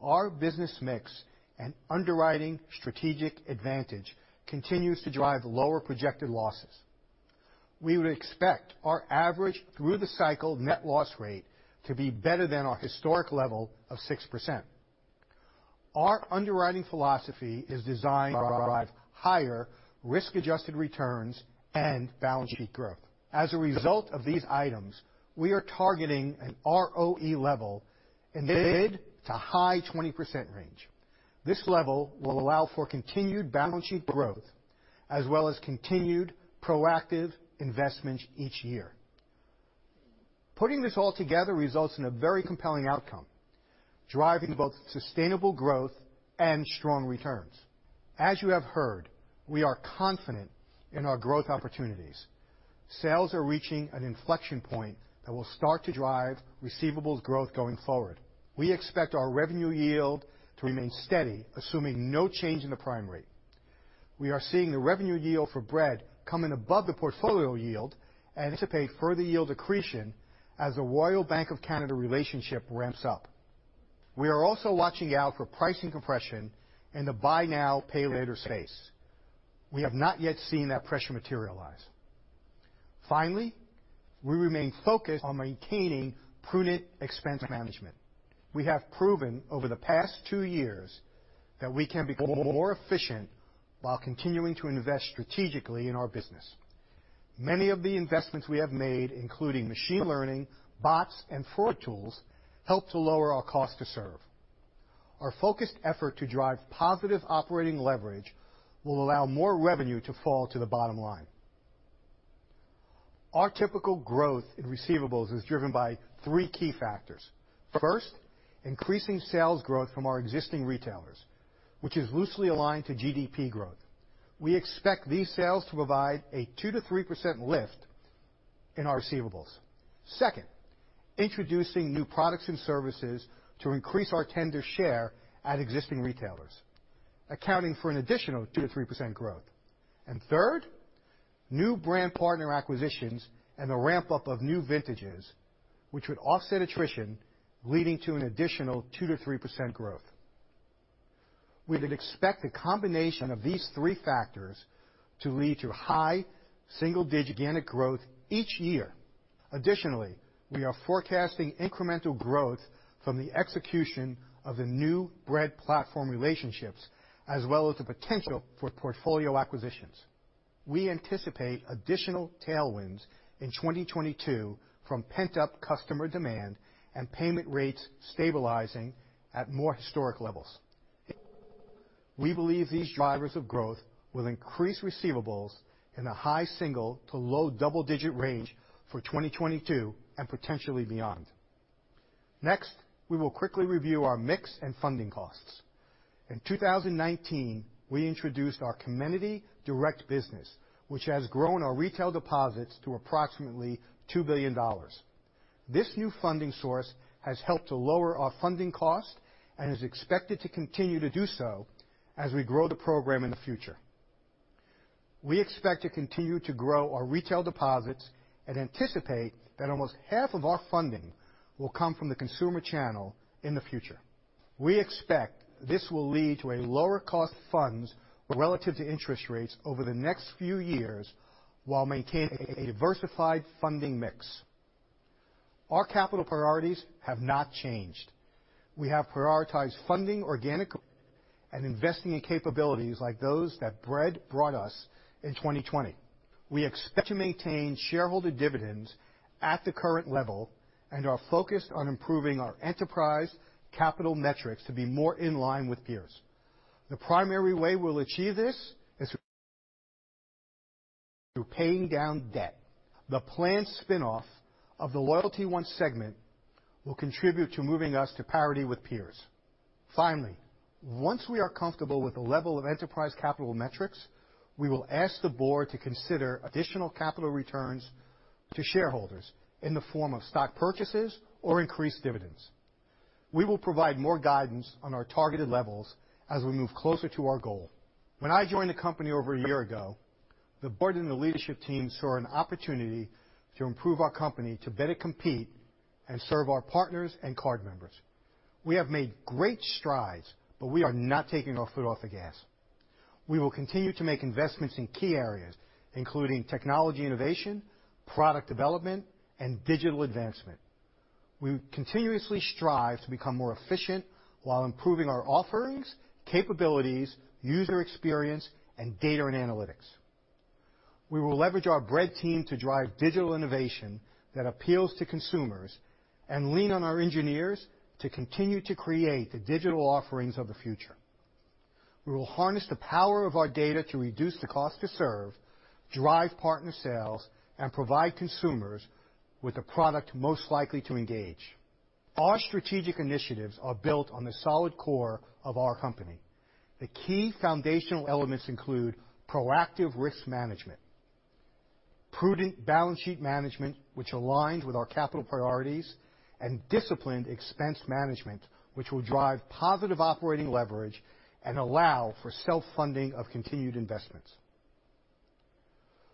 our business mix and underwriting strategic advantage continues to drive lower projected losses. We would expect our average through-the-cycle net loss rate to be better than our historic level of 6%. Our underwriting philosophy is designed to drive higher risk-adjusted returns and balance sheet growth. As a result of these items, we are targeting an ROE level in the mid-to-high 20% range. This level will allow for continued balance sheet growth as well as continued proactive investment each year. Putting this all together results in a very compelling outcome, driving both sustainable growth and strong returns. As you have heard, we are confident in our growth opportunities. Sales are reaching an inflection point that will start to drive receivables growth going forward. We expect our revenue yield to remain steady, assuming no change in the prime rate. We are seeing the revenue yield for Bread coming above the portfolio yield and anticipate further yield accretion as the Royal Bank of Canada relationship ramps up. We are also watching out for pricing compression in the buy now, pay later space. We have not yet seen that pressure materialize. Finally, we remain focused on maintaining prudent expense management. We have proven over the past two years that we can be more efficient while continuing to invest strategically in our business. Many of the investments we have made, including machine learning, bots, and fraud tools, help to lower our cost to serve. Our focused effort to drive positive operating leverage will allow more revenue to fall to the bottom line. Our typical growth in receivables is driven by three key factors. First, increasing sales growth from our existing retailers, which is loosely aligned to GDP growth. We expect these sales to provide a 2%-3% lift in our receivables. Second, introducing new products and services to increase our tender share at existing retailers, accounting for an additional 2%-3% growth. Third, new brand partner acquisitions and a ramp-up of new vintages, which would offset attrition, leading to an additional 2%-3% growth. We would expect the combination of these three factors to lead to high single-digit organic growth each year. Additionally, we are forecasting incremental growth from the execution of the new Bread platform relationships, as well as the potential for portfolio acquisitions. We anticipate additional tailwinds in 2022 from pent-up customer demand and payment rates stabilizing at more historic levels. We believe these drivers of growth will increase receivables in a high single to low double-digit range for 2022 and potentially beyond. Next, we will quickly review our mix and funding costs. In 2019, we introduced our Comenity Direct business, which has grown our retail deposits to approximately $2 billion. This new funding source has helped to lower our funding costs and is expected to continue to do so as we grow the program in the future. We expect to continue to grow our retail deposits and anticipate that almost half of our funding will come from the consumer channel in the future. We expect this will lead to a lower cost of funds relative to interest rates over the next few years while maintaining a diversified funding mix. Our capital priorities have not changed. We have prioritized funding organic growth and investing in capabilities like those that Bread brought us in 2020. We expect to maintain shareholder dividends at the current level and are focused on improving our enterprise capital metrics to be more in line with peers. The primary way we will achieve this is through paying down debt. The planned spin-off of the LoyaltyOne segment will contribute to moving us to parity with peers. Finally, once we are comfortable with the level of enterprise capital metrics, we will ask the board to consider additional capital returns to shareholders in the form of stock purchases or increased dividends. We will provide more guidance on our targeted levels as we move closer to our goal. When I joined the company over a year ago, the board and the leadership team saw an opportunity to improve our company to better compete and serve our partners and card members. We have made great strides, but we are not taking our foot off the gas. We will continue to make investments in key areas, including technology innovation, product development, and digital advancement. We continuously strive to become more efficient while improving our offerings, capabilities, user experience, and data and analytics. We will leverage our Bread team to drive digital innovation that appeals to consumers and lean on our engineers to continue to create the digital offerings of the future. We will harness the power of our data to reduce the cost to serve, drive partner sales, and provide consumers with a product most likely to engage. Our strategic initiatives are built on the solid core of our company. The key foundational elements include proactive risk management, prudent balance sheet management, which aligns with our capital priorities, and disciplined expense management, which will drive positive operating leverage and allow for self-funding of continued investments.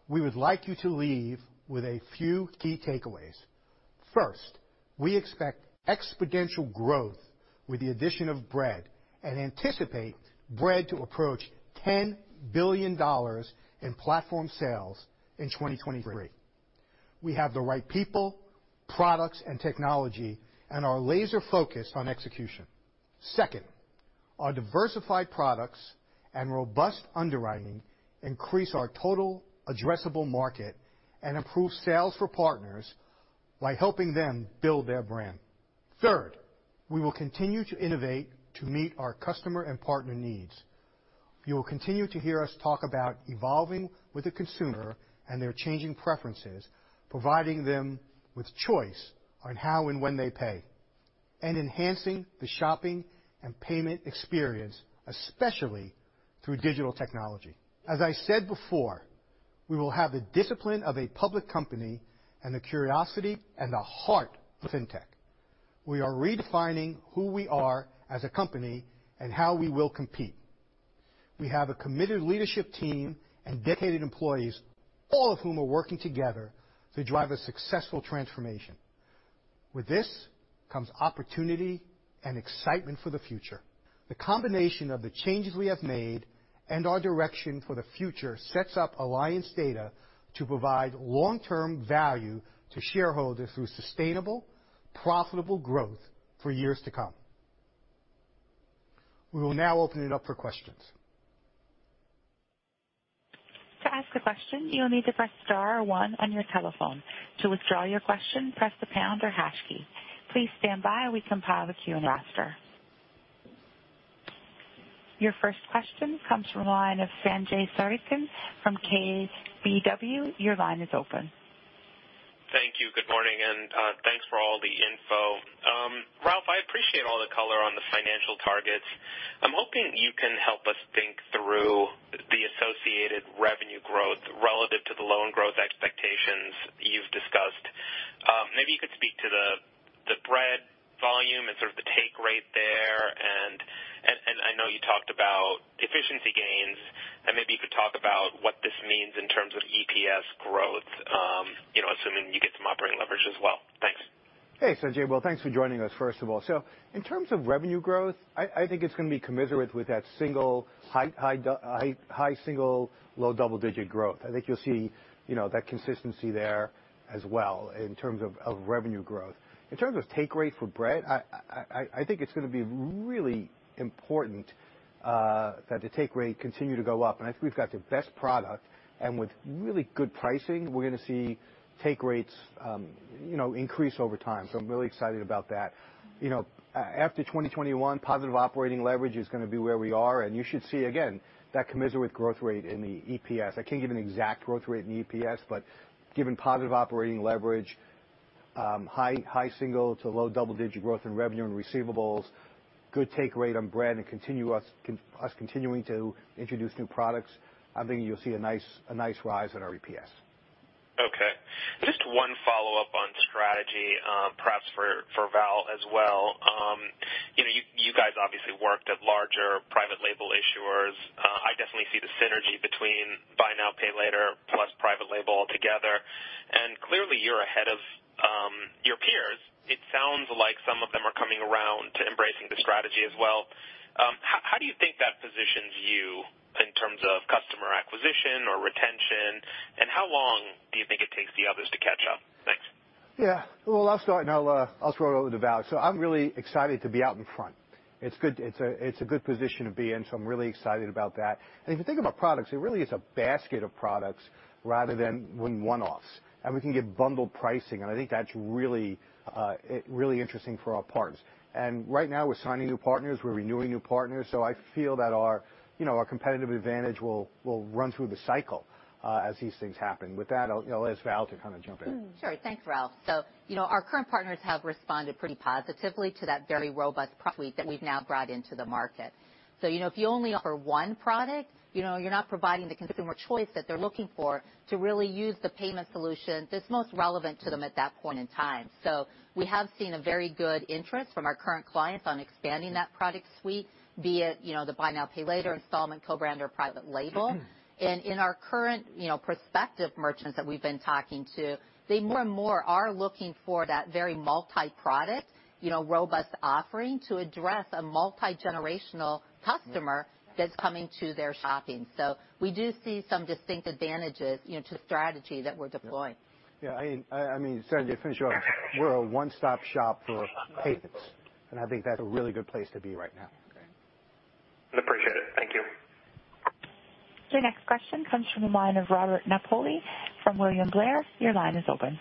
We would like you to leave with a few key takeaways. First, we expect exponential growth with the addition of Bread and anticipate Bread to approach $10 billion in platform sales in 2023. We have the right people, products, and technology and are laser-focused on execution. Second, our diversified products and robust underwriting increase our total addressable market and improve sales for partners by helping them build their brand. Third, we will continue to innovate to meet our customer and partner needs. You will continue to hear us talk about evolving with the consumer and their changing preferences, providing them with choice on how and when they pay, and enhancing the shopping and payment experience, especially through digital technology. As I said before, we will have the discipline of a public company and the curiosity and the heart of fintech. We are redefining who we are as a company and how we will compete. We have a committed leadership team and dedicated employees, all of whom are working together to drive a successful transformation. With this comes opportunity and excitement for the future. The combination of the changes we have made and our direction for the future sets up Alliance Data to provide long-term value to shareholders through sustainable, profitable growth for years to come. We will now open it up for questions. To ask a question, you'll need to press star one on your telephone. To withdraw your question, press the pound or hash key. [Please stand by as we compile the Q&A after.] Your first question comes from the line of Sanjay Sakhrani from KBW. Your line is open. Thank you. Good morning. Thanks for all the info. Ralph, I appreciate all the color on the financial targets. I'm hoping that you can help us think through the associated revenue growth relative to the loan growth expectations you've discussed. Maybe you could speak to the Bread volume and sort of the take rate there. I know you talked about efficiency gains, and maybe you could talk about what this means in terms of EPS growth. Assuming you get some operating leverage as well. Thanks. Hey, Sanjay. Well, thanks for joining us first of all. In terms of revenue growth, I think it's going to be commensurate with that high single, low double-digit growth. I think you'll see that consistency there as well in terms of revenue growth. Take rate for Bread, I think it's going to be really important that the take rate continue to go up. I think we've got the best product, and with really good pricing, we're going to see take rates increase over time. I'm really excited about that. After 2021, positive operating leverage is going to be where we are, and you should see, again, that commensurate growth rate in the EPS. I can't give you an exact growth rate in EPS, but given positive operating leverage, high single to low double-digit growth in revenue and receivables, good take rate on Bread, and us continuing to introduce new products, I think you'll see a nice rise in our EPS. Okay. Just one follow-up on strategy perhaps for Val as well. You guys obviously worked at larger private label issuers. I definitely see the synergy between buy now, pay later plus private label all together, and clearly you're ahead of your peers. It sounds like some of them are coming around to embracing the strategy as well. How do you think that positions you in terms of customer acquisition or retention, and how long do you think it takes the others to catch up? Thanks. Yeah. Well, I'll start and I'll throw it over to Val. I'm really excited to be out in front. It's a good position to be in, so I'm really excited about that. If you think about products, it really is a basket of products rather than one-offs, and we can get bundle pricing, and I think that's really interesting for our partners. Right now we're signing new partners, we're renewing new partners, so I feel that our competitive advantage will run through the cycle as these things happen. With that, I'll let Val kind of jump in. Sure. Thanks, Ralph. Our current partners have responded pretty positively to that very robust product suite that we've now brought into the market. If you only offer one product, you're not providing the consumer choice that they're looking for to really use the payment solution that's most relevant to them at that point in time. We have seen a very good interest from our current clients on expanding that product suite, be it the buy now, pay later, installment, co-brand or private label. In our current prospective merchants that we've been talking to, they more and more are looking for that very multi-product, robust offering to address a multi-generational customer that's coming to their shopping. We do see some distinct advantages into strategy that we're deploying. Yeah. I mean, Sanjay, to finish off, we're a one-stop shop for payments, and I think that's a really good place to be right now. Great. Appreciate it. Thank you. Your next question comes from the line of Robert Napoli from William Blair. Your line is open.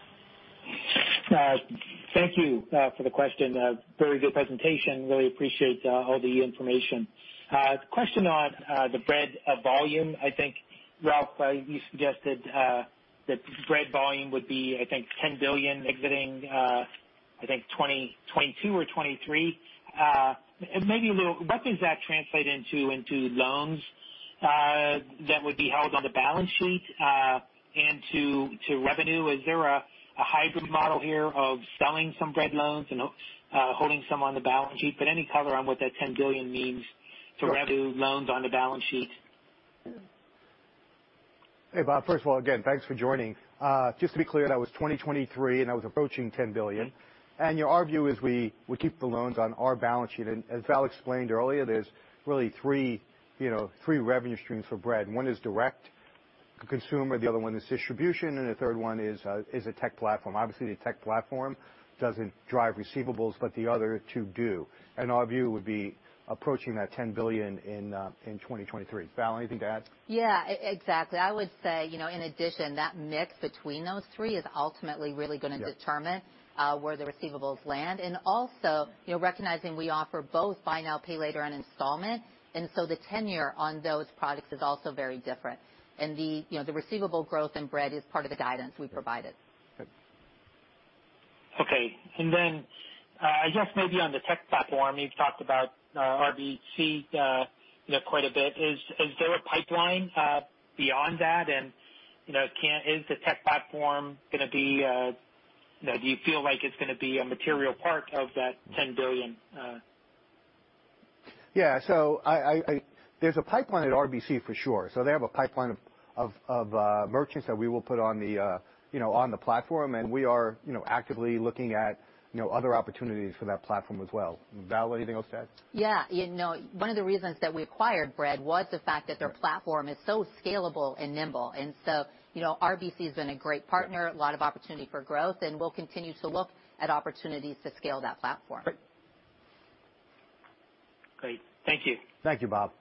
Thank you for the question. A very good presentation. Really appreciate all the information. Question on the Bread volume. I think, Ralph, you suggested that Bread volume would be, I think $10 billion exiting 2022 or 2023. What does that translate into loans that would be held on the balance sheet and to revenue? Is there a hybrid model here of selling some Bread loans and holding some on the balance sheet? Any color on what that $10 billion means to revenue loans on the balance sheet? Hey, Bob. First of all, again, thanks for joining. Just to be clear, that was 2023, and that was approaching $10 billion. Our view is we keep the loans on our balance sheet. As Val explained earlier, there's really three revenue streams for Bread. One is direct to consumer, the other one is distribution, and the third one is a tech platform. Obviously, the tech platform doesn't drive receivables, but the other two do. Our view would be approaching that $10 billion in 2023. Val, anything to add? Yeah, exactly. I would say, in addition, that mix between those three is ultimately really going to determine where the receivables land. Also, recognizing we offer both buy now, pay later and installment. The tenure on those products is also very different. The receivable growth in Bread is part of the guidance we provided. Okay. I guess maybe on the tech platform, you've talked about RBC quite a bit. Is there a pipeline beyond that? Is the tech platform going to be do you feel like it's going to be a material part of that $10 billion? Yeah. There's a pipeline at RBC for sure. They have a pipeline of merchants that we will put on the platform and we are actively looking at other opportunities for that platform as well. Val, anything else to add? Yeah. One of the reasons that we acquired Bread was the fact that their platform is so scalable and nimble and so RBC has been a great partner, a lot of opportunity for growth, and we'll continue to look at opportunities to scale that platform. Great. Thank you. Thank you, Bob.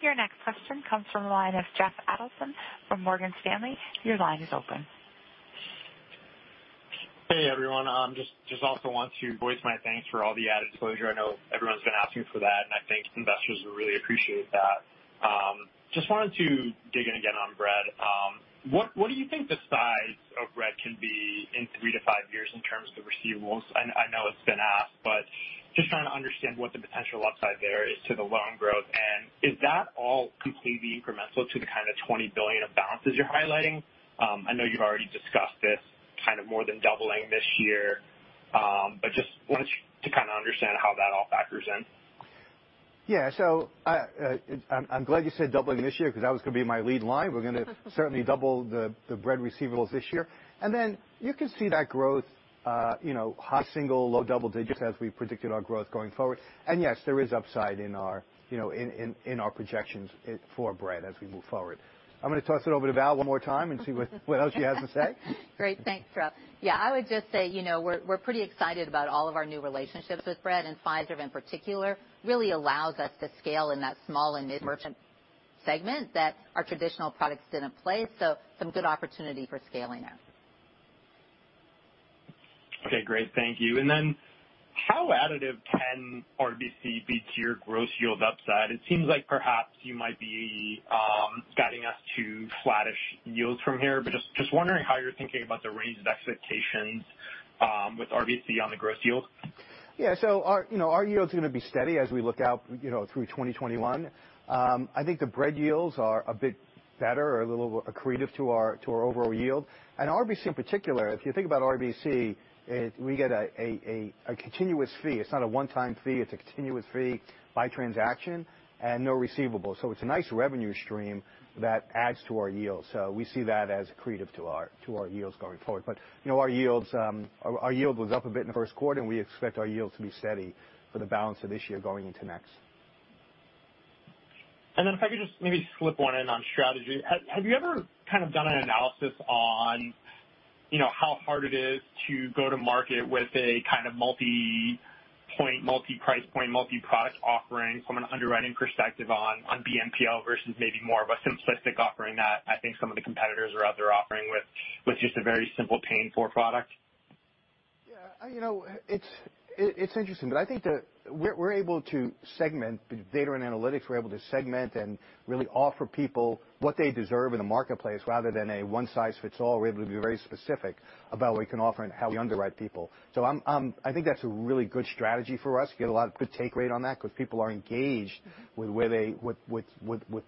Your next question comes from the line of Jeff Adelson from Morgan Stanley. Your line is open. Hey, everyone. Just also want to voice my thanks for all the added disclosure. I know everyone's been asking for that, and I think investors will really appreciate that. Just wanted to dig in again on Bread. What do you think the size of Bread can be in three to five years in terms of receivables? I know it's been asked, but just trying to understand what the potential upside there is to the loan growth, and is that all completely incremental to the kind of $20 billion of balances you're highlighting? I know you've already discussed it kind of more than doubling this year. Just wanted to kind of understand how that all factors in. Yeah. I'm glad you said doubling this year because that was going to be my lead line. We're going to certainly double the Bread receivables this year. You can see that growth high single, low double digits as we predicted our growth going forward. Yes, there is upside in our projections for Bread as we move forward. I'm going to toss it over to Val one more time and see what else she has to say. Great. Thanks, Ralph. Yeah, I would just say we're pretty excited about all of our new relationships with Bread and Fiserv in particular. Really allows us to scale in that small and mid-merchant segment that our traditional products didn't play. Some good opportunity for scaling there. Okay, great. Thank you. How additive can RBC be to your gross yield upside? It seems like perhaps you might be guiding us to flattish yields from here, but just wondering how you're thinking about the range of expectations with RBC on the gross yield. Yeah. Our yield's going to be steady as we look out through 2021. I think the Bread yields are a bit better or a little accretive to our overall yield. RBC in particular, if you think about RBC, we get a continuous fee. It's not a one-time fee. It's a continuous fee by transaction and no receivable. It's a nice revenue stream that adds to our yield. We see that as accretive to our yields going forward. Our yield was up a bit in the first quarter, and we expect our yield to be steady for the balance of this year going into next. If I could just maybe slip one in on strategy. Have you ever kind of done an analysis on how hard it is to go to market with a kind of multi-point, multi-price point, multi-product offering from an underwriting perspective on BNPL versus maybe more of a simplistic offering that I think some of the competitors are out there offering with just a very simple paying for product? Yeah. It's interesting. I think that we're able to segment the data and analytics. We're able to segment and really offer people what they deserve in the marketplace rather than a one-size-fits-all. We're able to be very specific about what we can offer and how we underwrite people. I think that's a really good strategy for us. We get a lot of good take rate on that because people are engaged with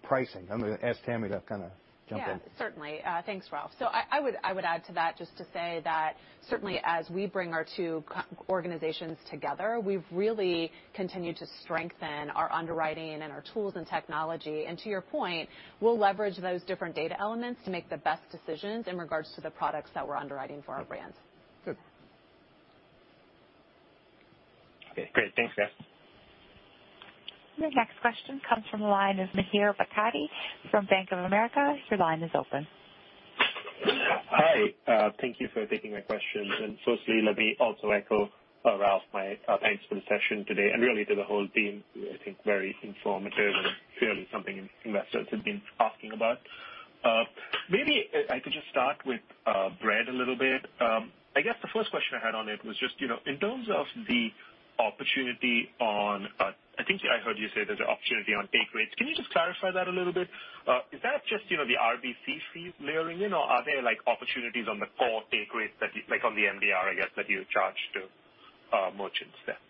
pricing. I'm going to ask Tammy to kind of jump in. Yeah, certainly. Thanks, Ralph. I would add to that just to say that certainly as we bring our two organizations together, we've really continued to strengthen our underwriting and our tools and technology. To your point, we'll leverage those different data elements to make the best decisions in regards to the products that we're underwriting for our brands. Good. Great. Thanks, guys. Your next question comes from the line of Mihir Bhatia from Bank of America. Your line is open. Hi. Thank you for taking my question. Firstly, let me also echo Ralph, my thanks for the session today and really to the whole team. I think very informative and clearly something investors have been asking about. Maybe if I could just start with Bread a little bit. I guess the first question I had on it was just, in terms of the opportunity. I think I heard you say there's opportunity on take rates. Can you just clarify that a little bit? Is that just the RBC fees layering in or are there opportunities on the core take rates that, like on the MDR I guess that you charge to merchants there?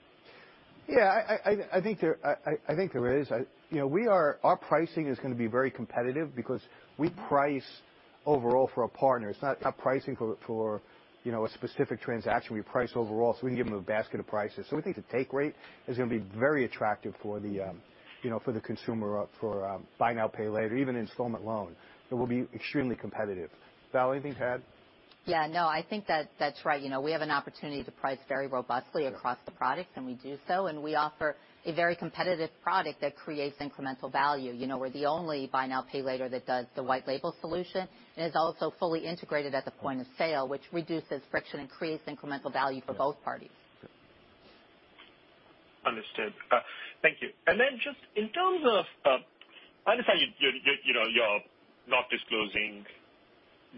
Yeah, I think there is. Our pricing is going to be very competitive because we price overall for a partner. It's not pricing for a specific transaction. We price overall, so we give them a basket of prices. We think the take rate is going to be very attractive for the consumer for buy now, pay later, even installment loan. It will be extremely competitive. Val, anything to add? Yeah, no, I think that's right. We have an opportunity to price very robustly across the products, and we do so. We offer a very competitive product that creates incremental value. We're the only buy now, pay later that does the white label solution, and is also fully integrated at the point of sale, which reduces friction and creates incremental value for both parties. Understood. Thank you. I understand you're not disclosing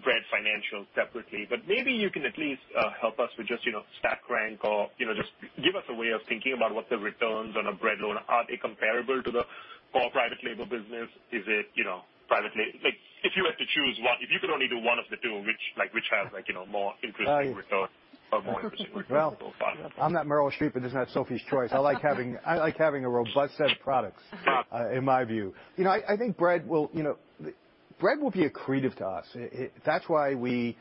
Bread Financial separately, but maybe you can at least help us with just stack rank or just give us a way of thinking about what the returns on a Bread loan are. Are they comparable to the core private label business? If you had to choose one, if you could only do one of the two, which has more incremental returns or more incremental return on capital? I'm not Meryl Streep in "This is Sophie's Choice." I like having a robust set of products in my view. I think Bread will be accretive to us. That's why we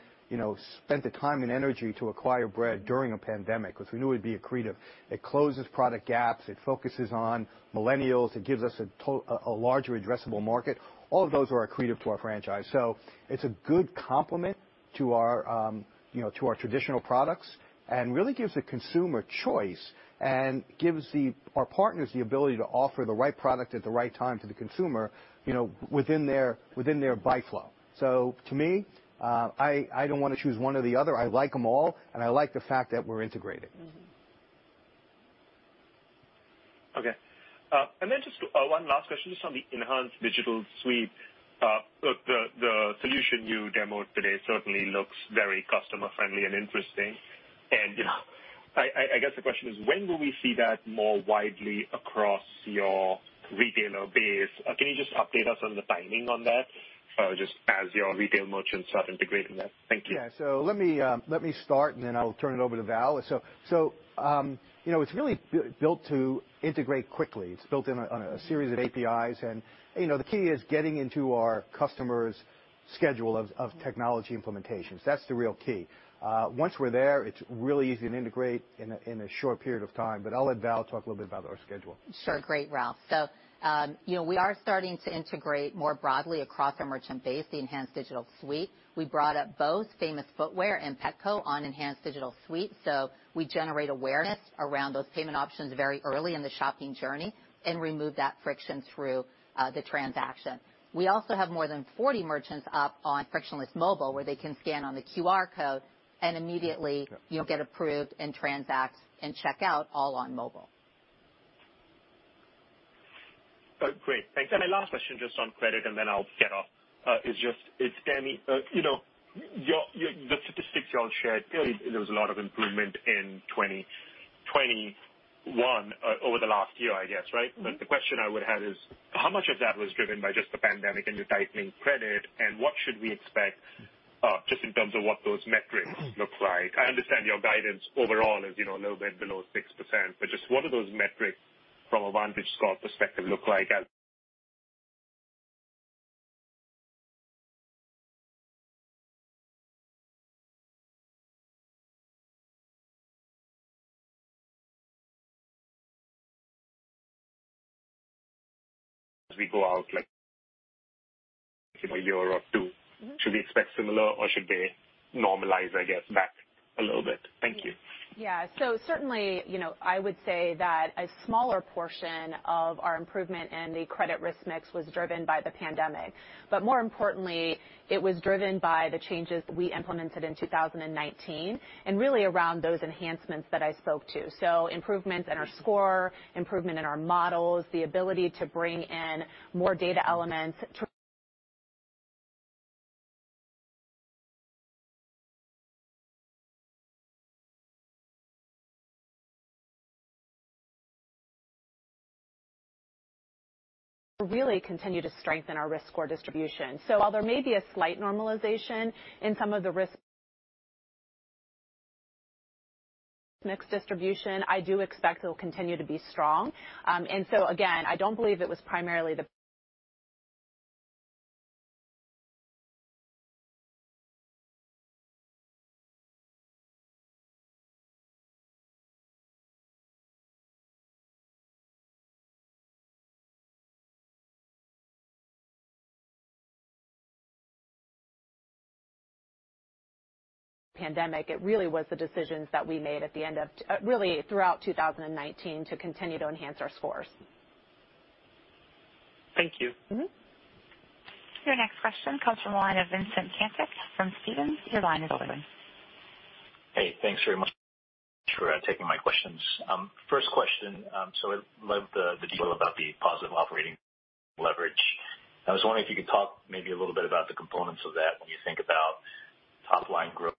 spent the time and energy to acquire Bread during a pandemic because we knew it would be accretive. It closes product gaps. It focuses on millennials. It gives us a larger addressable market. All of those are accretive to our franchise. It's a good complement to our traditional products and really gives the consumer choice and gives our partners the ability to offer the right product at the right time to the consumer within their buy flow. To me, I don't want to choose one or the other. I like them all, and I like the fact that we're integrated. Okay. Just one last question on the Enhanced Digital Suite. The solution you demoed today certainly looks very customer-friendly and interesting. Yeah. I guess the question is, when will we see that more widely across your retailer base? Can you just update us on the timing on that, just as your retail merchants are integrating that? Thank you. Yeah. Let me start, and then I'll turn it over to Val. It's really built to integrate quickly. It's built on a series of APIs, and the key is getting into our customers' schedule of technology implementations. That's the real key. Once we're there, it's really easy to integrate in a short period of time, but I'll let Val talk a little bit about our schedule. Sure. Great, Ralph. We are starting to integrate more broadly across our merchant base, the Enhanced Digital Suite. We brought up both Famous Footwear and Petco on Enhanced Digital Suite. We generate awareness around those payment options very early in the shopping journey, and remove that friction through the transaction. We also have more than 40 merchants up on frictionless mobile, where they can scan on the QR code and immediately get approved and transact and check out all on mobile. Great. A last question just on credit, then I'll get off. The statistics you all shared, there was a lot of improvement in 2021 over the last year, I guess, right? The question I would have is, how much of that was driven by just the pandemic and tightening credit, and what should we expect just in terms of what those metrics look like? I understand your guidance overall is a little bit below 6%, but just what do those metrics from a VantageScore perspective look like as we go out like a year or two? Should we expect similar or should they normalize, I guess, back a little bit? Thank you. Yeah. Certainly, I would say that a smaller portion of our improvement in the credit risk mix was driven by the pandemic. More importantly, it was driven by the changes that we implemented in 2019 and really around those enhancements that I spoke to. Improvement in our score, improvement in our models, the ability to bring in more data elements to really continue to strengthen our risk score distribution. While there may be a slight normalization in some of the risk mix distribution, I do expect it'll continue to be strong. Again, I don't believe it was primarily the pandemic. It really was the decisions that we made throughout 2019 to continue to enhance our scores. Thank you. Your next question comes from the line of Vincent Caintic from Stephens. Your line is open. Hey, thanks very much for taking my questions. First question. I loved the detail about the positive operating leverage. I was wondering if you could talk maybe a little bit about the components of that when you think about top-line growth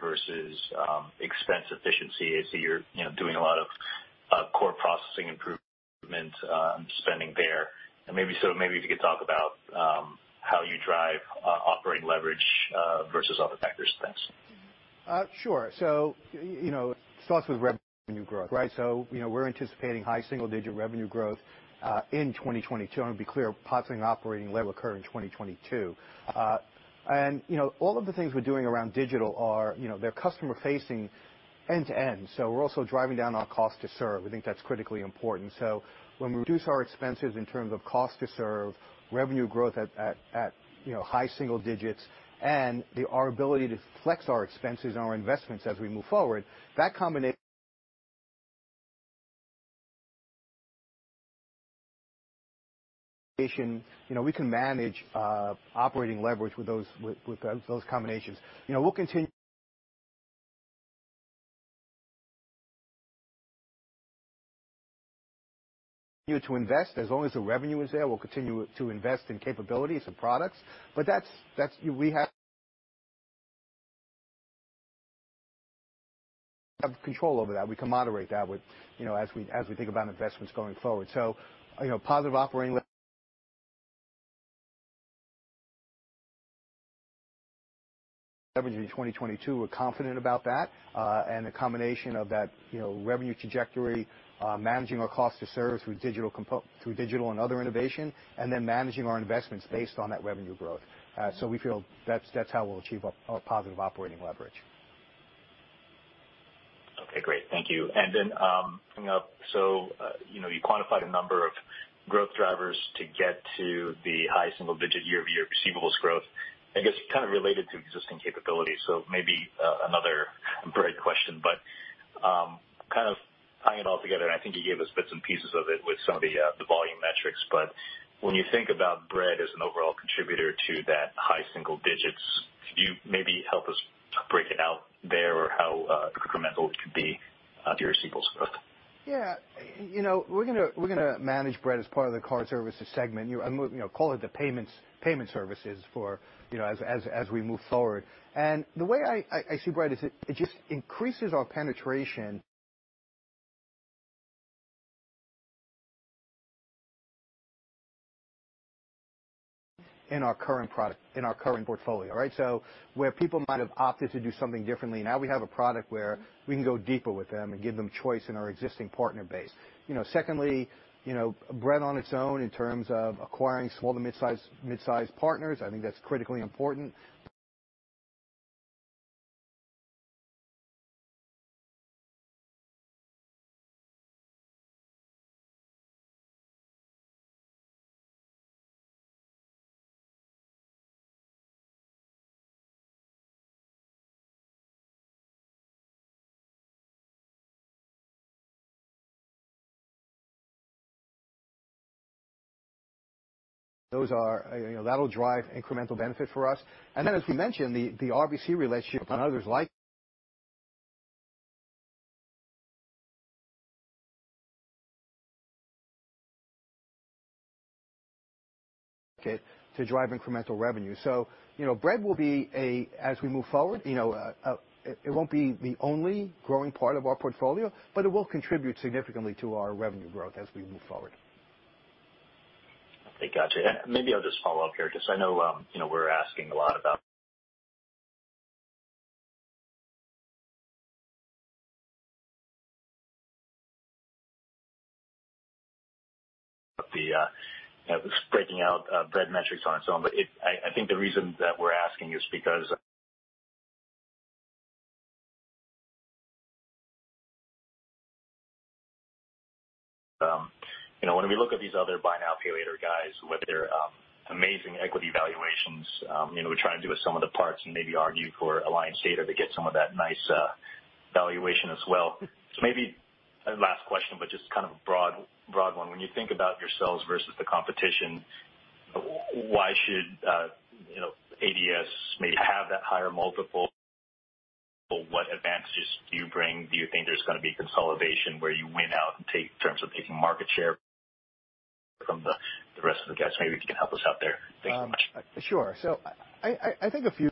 versus expense efficiency as you're doing a lot of core processing improvement spending there. Maybe so you could talk about how you drive operating leverage versus other factors spent. Sure. It starts with revenue growth, right? We're anticipating high single-digit revenue growth in 2022. To be clear, positive operating leverage in 2022. All of the things we're doing around digital are customer facing end to end. We're also driving down our cost to serve. I think that's critically important. When we reduce our expenses in terms of cost to serve, revenue growth at high single digits and our ability to flex our expenses and our investments as we move forward, that combination, we can manage operating leverage with those combinations. We'll continue to invest. As long as the revenue is there, we'll continue to invest in capabilities and products. We have control over that. We can moderate that as we think about investments going forward. Positive operating leverage in 2022. We're confident about that and the combination of that revenue trajectory, managing our cost to serve through digital and other innovation, and then managing our investments based on that revenue growth. We feel that's how we'll achieve a positive operating leverage. Okay, great. Thank you. You quantified a number of growth drivers to get to the high single-digit year-over-year Card Services growth, I guess, related to existing capabilities. Maybe another broad question, but tying it all together, I think you gave us bits and pieces of it with some of the volume metrics. When you think about Bread as an overall contributor to that high single digits, could you maybe help us break it out there or how incremental it could be to your Card Services growth? Yeah. We're going to manage Bread as part of the Card Services segment. I call it the payment services as we move forward. The way I see Bread is it just increases our penetration in our current portfolio. Where people might have opted to do something differently, now we have a product where we can go deeper with them and give them choice in our existing partner base. Secondly, Bread on its own in terms of acquiring some of the mid-size partners, I think that's critically important. Those will drive incremental benefit for us. As we mentioned, the RBC relationship and others like it to drive incremental revenue. Bread will be, as we move forward, it won't be the only growing part of our portfolio, but it will contribute significantly to our revenue growth as we move forward. Okay. Got you. Maybe I'll just follow up here because I know we're asking a lot about the breaking out Bread metrics on its own. I think the reason that we're asking is because when we look at these other buy now, pay later guys with their amazing equity valuations, we try and do some of the parts and maybe argue for Alliance Data to get some of that nice valuation as well. Maybe last question, but just kind of broad one. When you think about yourselves versus the competition, why should ADS may have that higher multiple? What advantages do you bring? Do you think there's going to be consolidation where you win out in terms of taking market share from the rest of the guys? Maybe you can help us out there. Thank you. Sure. I think a few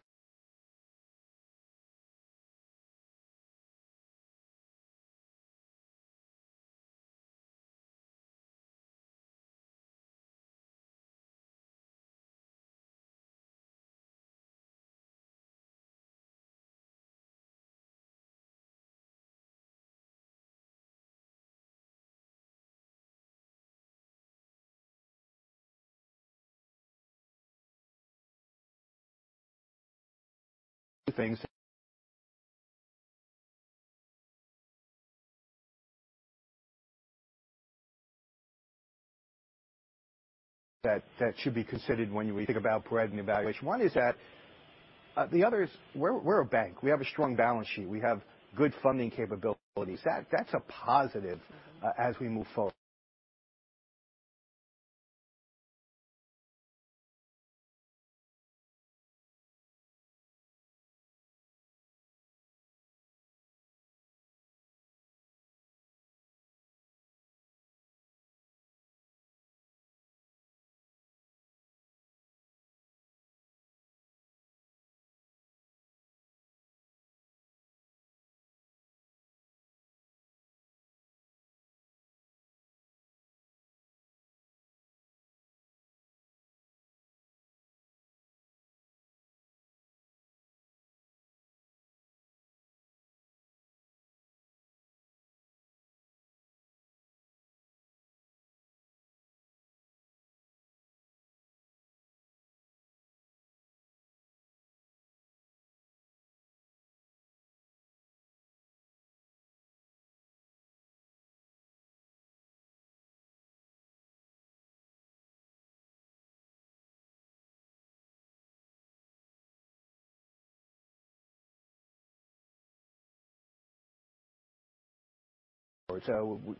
things that should be considered when you think about Bread and the valuation. One is that the others, we're a bank. We have a strong balance sheet. We have good funding capabilities. That's a positive as we move forward.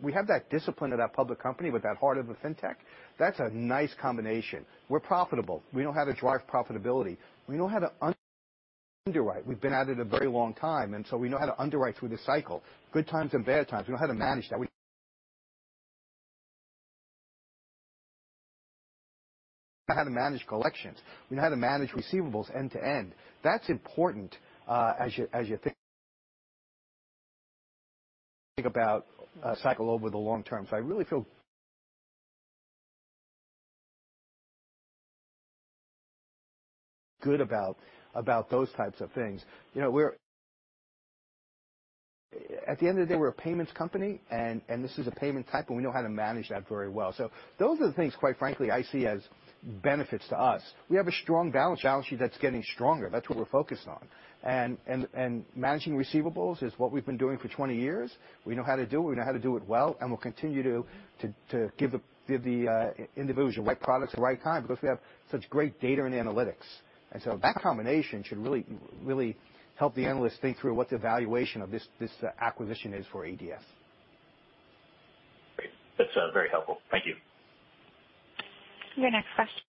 We have that discipline of that public company with that heart of a fintech. That's a nice combination. We're profitable. We know how to drive profitability. We know how to underwrite. We've been at it a very long time. We know how to underwrite through the cycle. Good times and bad times. We know how to manage that. We know how to manage collections. We know how to manage receivables end to end. That's important as you think about cycle over the long term. I really feel good about those types of things. At the end of the day, we're a payments company, and this is a payment tech, and we know how to manage that very well. Those are the things, quite frankly, I see as benefits to us. We have a strong balance sheet that's getting stronger. That's what we're focused on. Managing receivables is what we've been doing for 20 years. We know how to do it, we know how to do it well, and we'll continue to give the individuals the right products at the right time because we have such great data and analytics. That combination should really help the analysts think through what the valuation of this acquisition is for ADS. That's very helpful. Thank you. The next question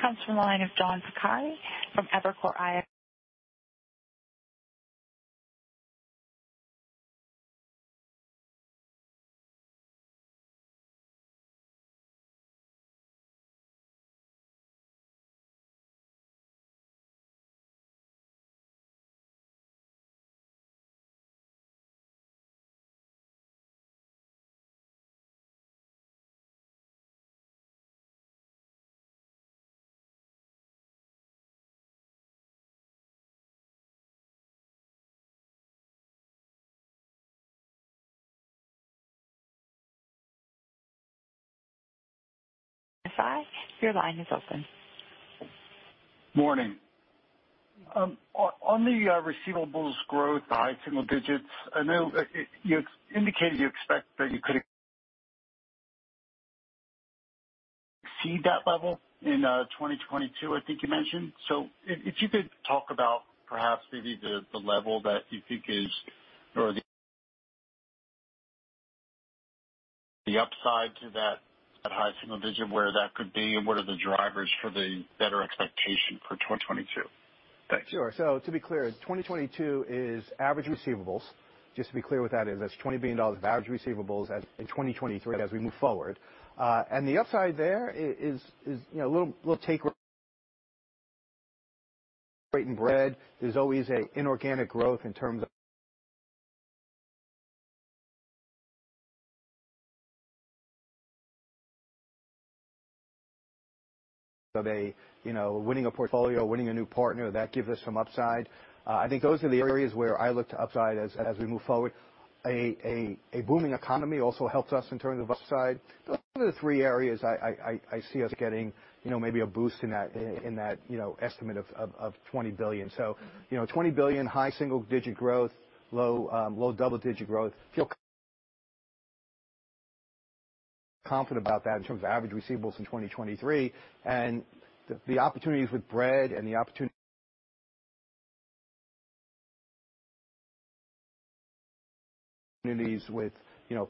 comes from the line of John Pancari from Evercore ISI. John Pancari, your line is open. Morning. On the receivables growth, the high single digits, I know you indicated you expect that you could exceed that level in 2022, I think you mentioned. If you could talk about perhaps maybe the level that you think is or the upside to that high single digit, where that could be and what are the drivers for the better expectation for 2022? Thanks. Sure. To be clear, 2022 is average receivables. Just to be clear what that is. That's $20 billion average receivables in 2023 as we move forward. The upside there is we'll take Bread. There's always an inorganic growth in terms of a winning a portfolio, winning a new partner that gives us some upside. I think those are the areas where I look to upside as we move forward. A booming economy also helps us in terms of upside. Those are the three areas I see us getting maybe a boost in that estimate of $20 billion. $20 billion, high single digit growth, low double digit growth. Confident about that in terms of average receivables in 2023 and the opportunities with Bread and the opportunities with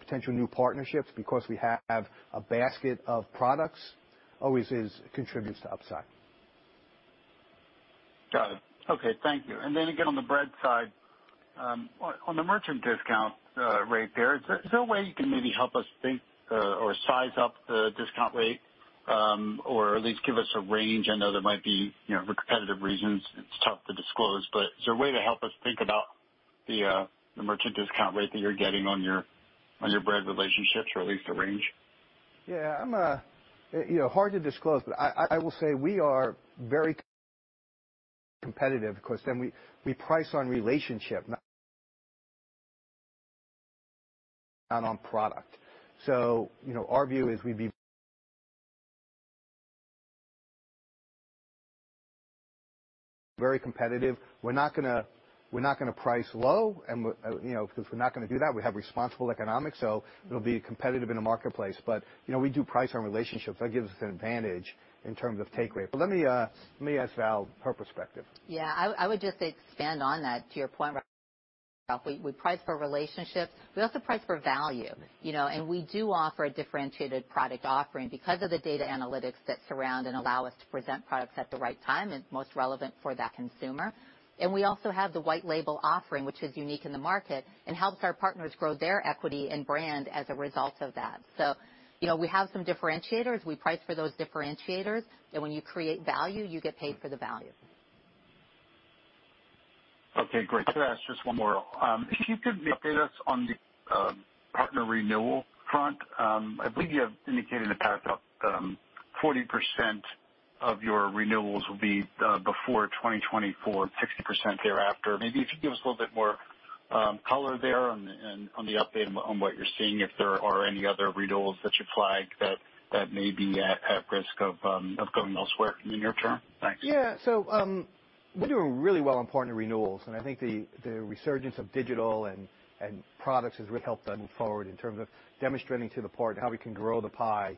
potential new partnerships because we have a basket of products always contributes to upside. Got it. Okay, thank you. Then again on the Bread side, on the merchant discount rate there, is there a way you can maybe help us think or size up the discount rate or at least give us a range? I know there might be competitive reasons it's tough to disclose, is there a way to help us think about the merchant discount rate that you're getting on your Bread relationships or at least a range? Yeah, hard to disclose. I will say we are very competitive because we price on relationship, not on product. Our view is we're very competitive. We're not going to price low because we're not going to do that. We have responsible economics, it'll be competitive in the marketplace. We do price on relationships. That gives us an advantage in terms of take rate. Let me ask Val for perspective. Yeah, I would just expand on that to your point. We price for relationships. We also price for value, and we do offer a differentiated product offering because of the data analytics that surround and allow us to present products at the right time and most relevant for that consumer. We also have the white label offering, which is unique in the market and helps our partners grow their equity and brand as a result of that. We have some differentiators. We price for those differentiators. When you create value, you get paid for the value. Okay, great. I'll just ask one more. If you could update us on the partner renewal front. I believe you have indicated in the past that 40% of your renewals will be before 2024 and 60% thereafter. Maybe if you could give us a little bit more color there on the update on what you're seeing, if there are any other renewals that you flag that may be at risk of going elsewhere in the near term. Thanks. Yeah. We do really well on partner renewals, and I think the resurgence of digital and products has really helped us moving forward in terms of demonstrating to the partner how we can grow the pie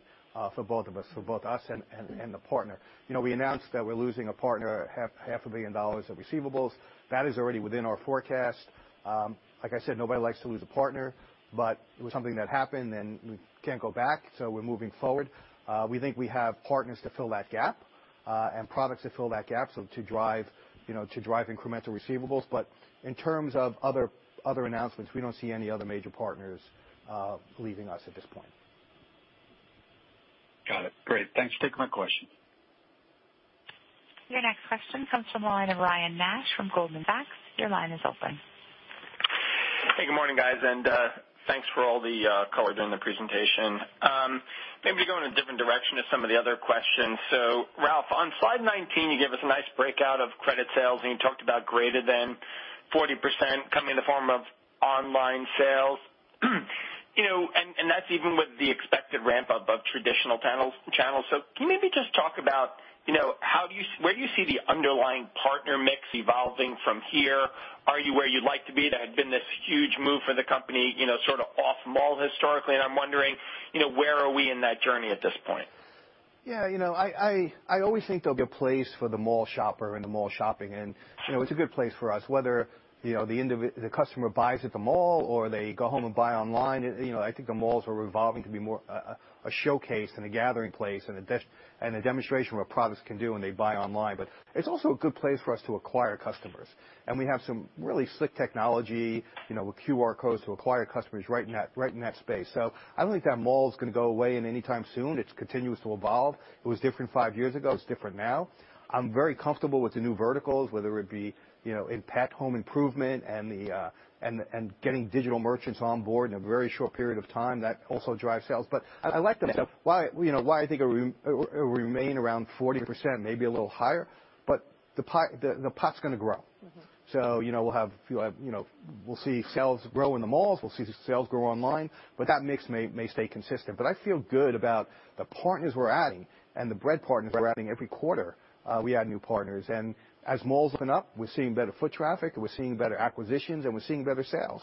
for both of us, for both us and the partner. We announced that we're losing a partner half a billion dollars of receivables. That is already within our forecast. Like I said, nobody likes to lose a partner, but it was something that happened and we can't go back. We're moving forward. We think we have partners to fill that gap and products to fill that gap to drive incremental receivables. In terms of other announcements, we don't see any other major partners leaving us at this point. Got it. Great. Thanks. Take my question. Your next question comes from the line of Ryan Nash from Goldman Sachs. Your line is open. Hey, good morning, guys, and thanks for all the color during the presentation. Maybe going a different direction to some of the other questions. Ralph, on slide 19, you gave us a nice breakout of credit sales, and you talked about greater than 40% come in the form of online sales. That's even with the expected ramp-up of traditional channels. Maybe just talk about where do you see the underlying partner mix evolving from here? Are you where you'd like to be? That had been this huge move for the company sort of off mall historically, and I'm wondering where are we in that journey at this point? Yeah. I always think there'll be a place for the mall shopper and the mall shopping. It's a good place for us. Whether the customer buys at the mall or they go home and buy online, I think the malls are evolving to be more a showcase and a gathering place and a demonstration of what products can do when they buy online. It's also a good place for us to acquire customers. We have some really slick technology with QR codes to acquire customers right in that space. I don't think that malls can go away anytime soon. It continues to evolve. It was different five years ago, it's different now. I'm very comfortable with the new verticals, whether it be in-home improvement and getting digital merchants on board in a very short period of time. That also drives sales. I like the mix. Why? I think it'll remain around 40%, maybe a little higher, the pie's going to grow. We'll see sales grow in the malls, we'll see sales grow online, that mix may stay consistent. I feel good about the partners we're adding and the Bread partners we're adding every quarter. We add new partners. As malls open up, we're seeing better foot traffic, we're seeing better acquisitions, and we're seeing better sales.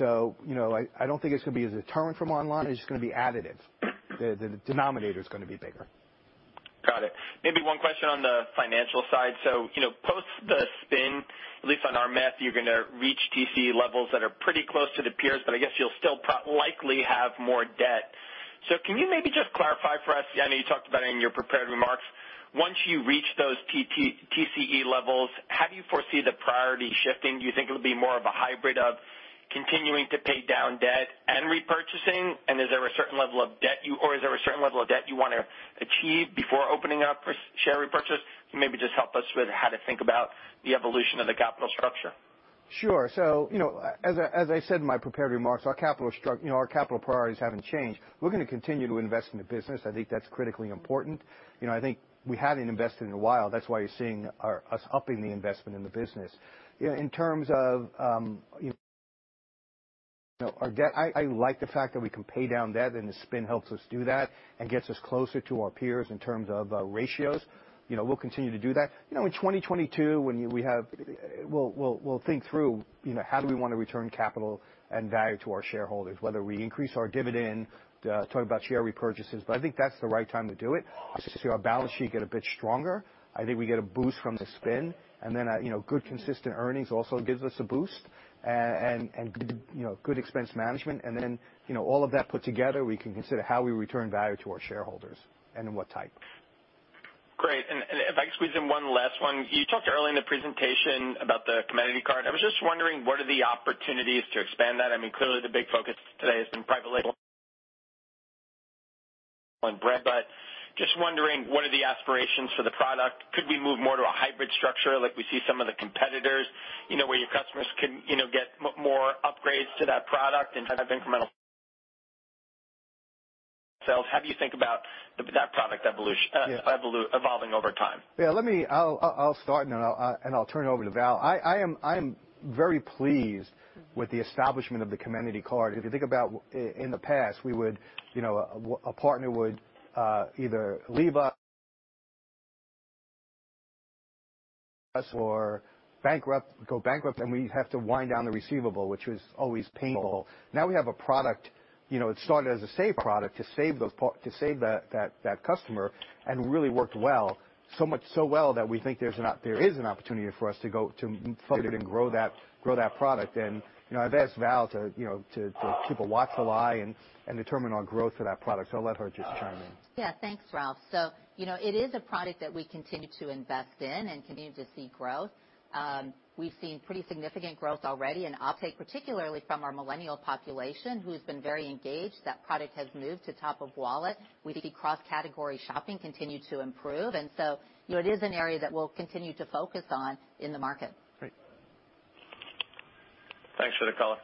I don't think it's going to be a deterrent from online. It's going to be additive. The denominator's going to be bigger. Got it. Maybe one question on the financial side. Post the spin, at least on our math, you're going to reach TCE levels that are pretty close to the peers, but I guess you'll still likely have more debt. Can you maybe just clarify for us, I know you talked about it in your prepared remarks, once you reach those TCE levels, how do you foresee the priority shifting? Do you think it'll be more of a hybrid of continuing to pay down debt and repurchasing? Is there a certain level of debt you want to achieve before opening up for share repurchase? Maybe just help us with how to think about the evolution of the capital structure. Sure. As I said in my prepared remarks, our capital priorities haven't changed. We're going to continue to invest in the business. I think that's critically important. I think we haven't invested in a while. That's why you're seeing us upping the investment in the business. In terms of our debt, I like the fact that we can pay down debt and the spin helps us do that and gets us closer to our peers in terms of our ratios. We'll continue to do that. In 2022, we'll think through how do we want to return capital and value to our shareholders, whether we increase our dividend, talk about share repurchases, but I think that's the right time to do it. Just as our balance sheet get a bit stronger, I think we get a boost from the spin, and then good consistent earnings also gives us a boost, and good expense management. All of that put together, we can consider how we return value to our shareholders and in what type. Great. If I can squeeze in one last one. You talked earlier in the presentation about the Comenity card. I was just wondering, what are the opportunities to expand that? Clearly the big focus today has been private label and Bread, just wondering what are the aspirations for the product? Could we move more to a hybrid structure like we see some of the competitors, where your customers can get more upgrades to that product in terms of incremental sales? How do you think about that product evolving over time? I'll start and I'll turn it over to Val. I'm very pleased with the establishment of the Comenity card. If you think about in the past, a partner would either leave us or go bankrupt, and we'd have to wind down the receivable, which was always painful. Now we have a product, it started as a save product to save that customer and really worked well. So much so well that we think there is an opportunity for us to grow that product. I'd ask Val to keep a watchful eye and determine on growth for that product. I'll let her just chime in. Yeah. Thanks, Ralph. It is a product that we continue to invest in and continue to see growth. We've seen pretty significant growth already, and uptake particularly from our millennial population, who's been very engaged. That product has moved to top of wallet. We see cross-category shopping continue to improve, and so it is an area that we'll continue to focus on in the market. Great. Thanks for the color.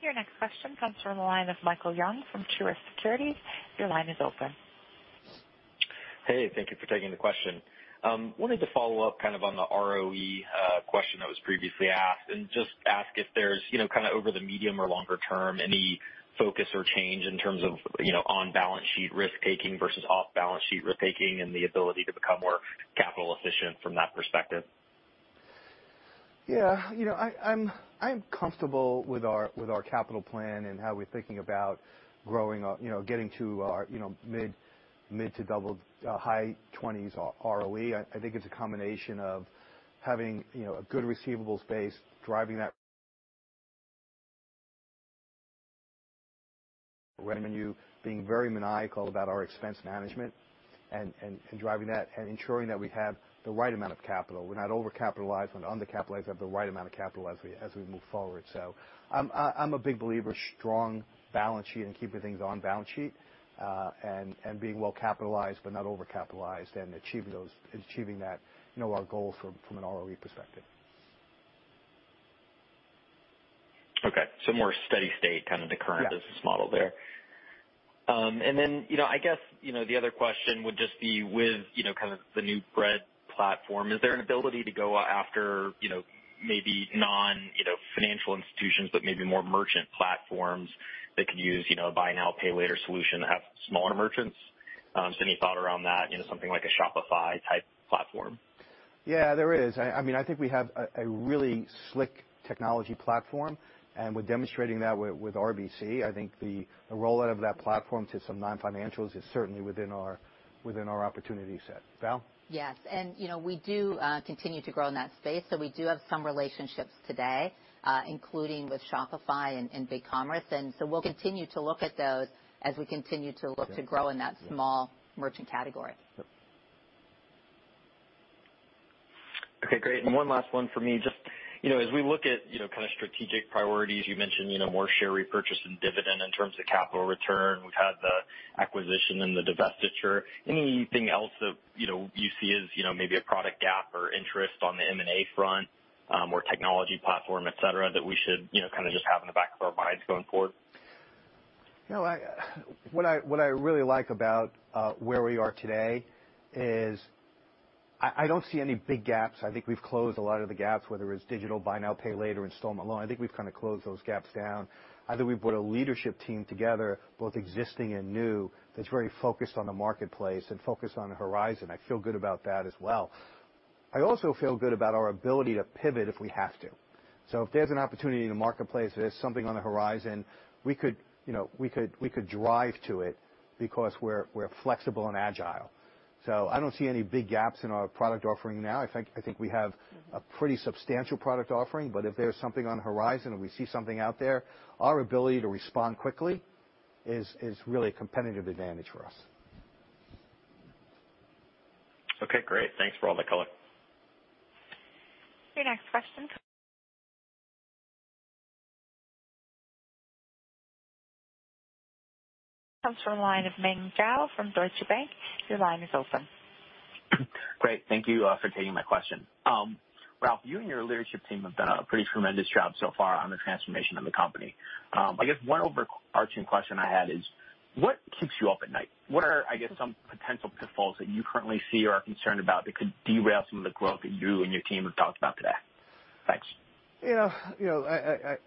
Your next question comes from the line of Michael Young from Truist Securities. Your line is open. Hey, thank you for taking the question. I wanted to follow up on the ROE question that was previously asked, and just ask if there's, over the medium or longer term, any focus or change in terms of on-balance sheet risk taking versus off-balance sheet risk taking and the ability to become more capital efficient from that perspective? Yeah. I'm comfortable with our capital plan and how we're thinking about getting to our mid to high 20s ROE. I think it's a combination of having a good receivables base, driving that revenue, being very maniacal about our expense management, and driving that and ensuring that we have the right amount of capital. We're not over-capitalized, we're not under-capitalized, we have the right amount of capital as we move forward. I'm a big believer of strong balance sheet and keeping things on balance sheet, and being well-capitalized but not over-capitalized and achieving our goals from an ROE perspective. Okay. More steady state, kind of the current business model there. Yeah. I guess the other question would just be with the new Bread platform, is there ability to go after maybe non-financial institutions but maybe more merchant platforms that could use buy now, pay later solution at smaller merchants, into something like a Shopify type platform? Yeah, there is. I think we have a really slick technology platform, and we're demonstrating that with RBC. I think the rollout of that platform to some non-financials is certainly within our opportunity set. Val? Yes. We do continue to grow in that space. We do have some relationships today, including with Shopify and BigCommerce. We'll continue to look at those as we continue to look to grow in that small merchant category. Okay, great. One last one for me. Just as we look at strategic priorities, you mentioned more share repurchase and dividend in terms of capital return. We've had the acquisition and the divestiture. Anything else that you see as maybe a product gap or interest on the M&A front or technology platform, et cetera, that we should just have in the back of our minds going forward? What I really like about where we are today is I don't see any big gaps. I think we've closed a lot of the gaps, whether it's digital buy now, pay later, installment loan. I think we've closed those gaps down. I think we've put a leadership team together, both existing and new, that's very focused on the marketplace and focused on the horizon. I feel good about that as well. I also feel good about our ability to pivot if we have to. If there's an opportunity in the marketplace, there's something on the horizon, we could drive to it because we're flexible and agile. I don't see any big gaps in our product offering now. In fact, I think we have a pretty substantial product offering. If there's something on the horizon and we see something out there, our ability to respond quickly is really a competitive advantage for us. Okay, great. Thanks for all the color. Your next question comes from the line of Meng Jiao from Deutsche Bank. Your line is open. Great. Thank you for taking my question. Ralph, you and your leadership team have done a pretty tremendous job so far on the transformation of the company. I guess one overarching question I had is what keeps you up at night? What are some potential pitfalls that you currently see or are concerned about that could derail some of the growth that you and your team have talked about today? Thanks.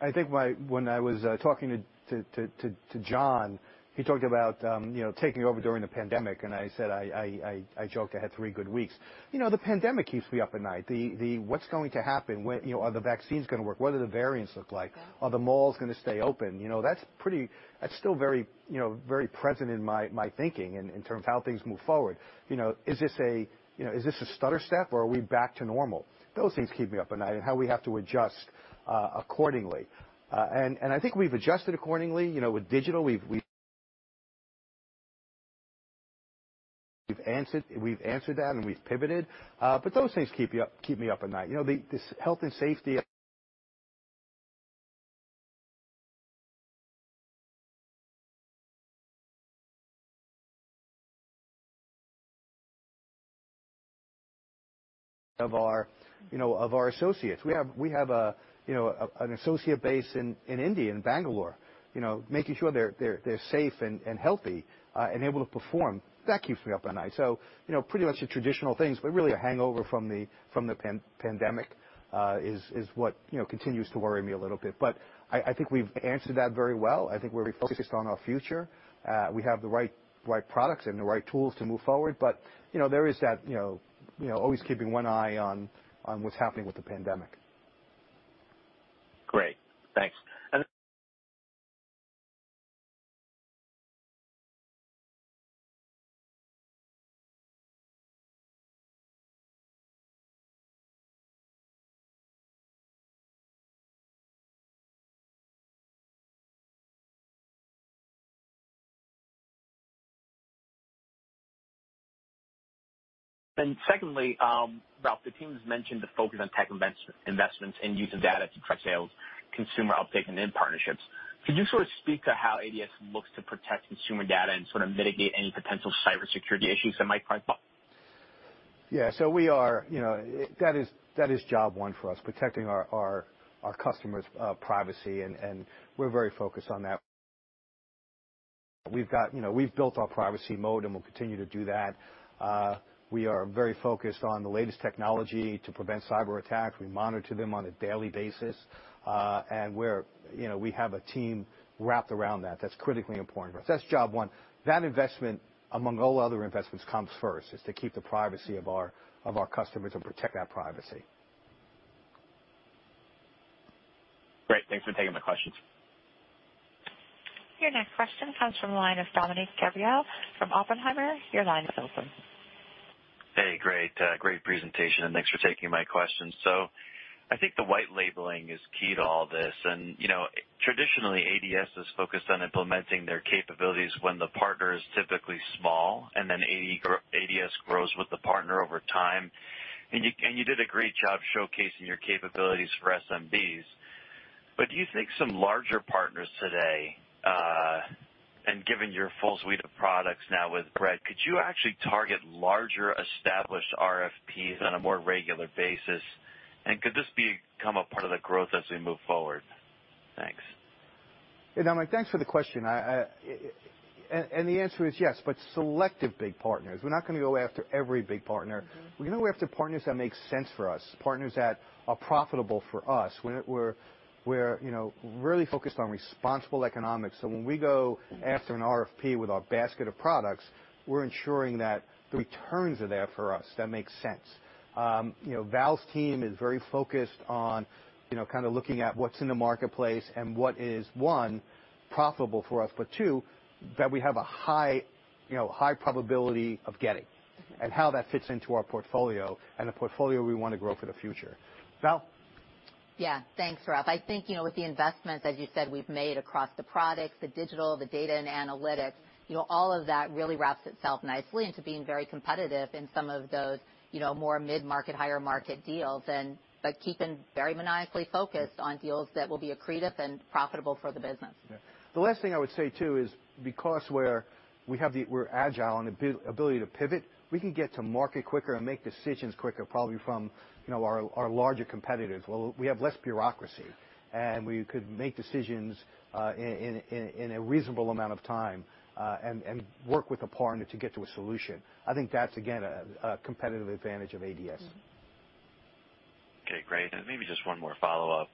I think when I was talking to John, he talked about taking over during the pandemic, and I said I joked I had three good weeks. The pandemic keeps me up at night. What's going to happen? Are the vaccines going to work? What do the variants look like? Are the malls going to stay open? That's still very present in my thinking in terms of how things move forward. Is this a stutter step or are we back to normal? Those things keep me up at night, and how we have to adjust accordingly. I think we've adjusted accordingly. With digital, we've answered that and we've pivoted. Those things keep me up at night. The health and safety of our associates. We have an associate base in India, in Bangalore. Making sure they're safe and healthy and able to perform, that keeps me up at night. Pretty much the traditional things, but really a hangover from the pandemic is what continues to worry me a little bit. I think we've answered that very well. I think we're very focused on our future. We have the right products and the right tools to move forward. There is that always keeping one eye on what's happening with the pandemic. Great. Thanks. Secondly, Ralph, the team has mentioned the focus on tech investments and using data to drive sales, consumer uptake, and in partnerships. Could you sort of speak to how ADS looks to protect consumer data and sort of mitigate any potential cybersecurity issues that might crop up? Yeah. That is job one for us, protecting our customers' privacy, and we're very focused on that. We've built our privacy mode and we'll continue to do that. We are very focused on the latest technology to prevent cyberattack. We monitor them on a daily basis. We have a team wrapped around that that's critically important to us. That's job one. That investment, among all other investments, comes first, is to keep the privacy of our customers and protect that privacy. Great. Thanks for taking my questions. Your next question comes from the line of Dominick Gabriele from Oppenheimer. Your line is open. Hey. Great presentation and thanks for taking my question. I think the white labeling is key to all this. Traditionally, ADS is focused on implementing their capabilities when the partner is typically small, and then ADS grows with the partner over time. You did a great job showcasing your capabilities for SMBs. Do you think some larger partners today, and given your full suite of products now with Bread, could you actually target larger established RFPs on a more regular basis? Could this become a part of the growth as we move forward? Thanks. [Dominick], thanks for the question. The answer is yes, but selective big partners. We're not going to go after every big partner. We're going to go after partners that make sense for us, partners that are profitable for us. We're really focused on responsible economics. When we go after an RFP with our basket of products, we're ensuring that the returns are there for us. That makes sense. Val's team is very focused on looking at what's in the marketplace and what is, one, profitable for us, but two, that we have a high probability of getting and how that fits into our portfolio and the portfolio we want to grow for the future. Val? Thanks, Ralph. I think with the investments, as you said, we've made across the products, the digital, the data and analytics, all of that really wraps itself nicely into being very competitive in some of those more mid-market, higher market deals and by keeping very maniacally focused on deals that will be accretive and profitable for the business. The last thing I would say, too, is because we're agile and ability to pivot, we can get to market quicker and make decisions quicker probably from our larger competitors. We have less bureaucracy, and we could make decisions in a reasonable amount of time and work with a partner to get to a solution. I think that's again, a competitive advantage of ADS. Okay, great. Maybe just one more follow-up.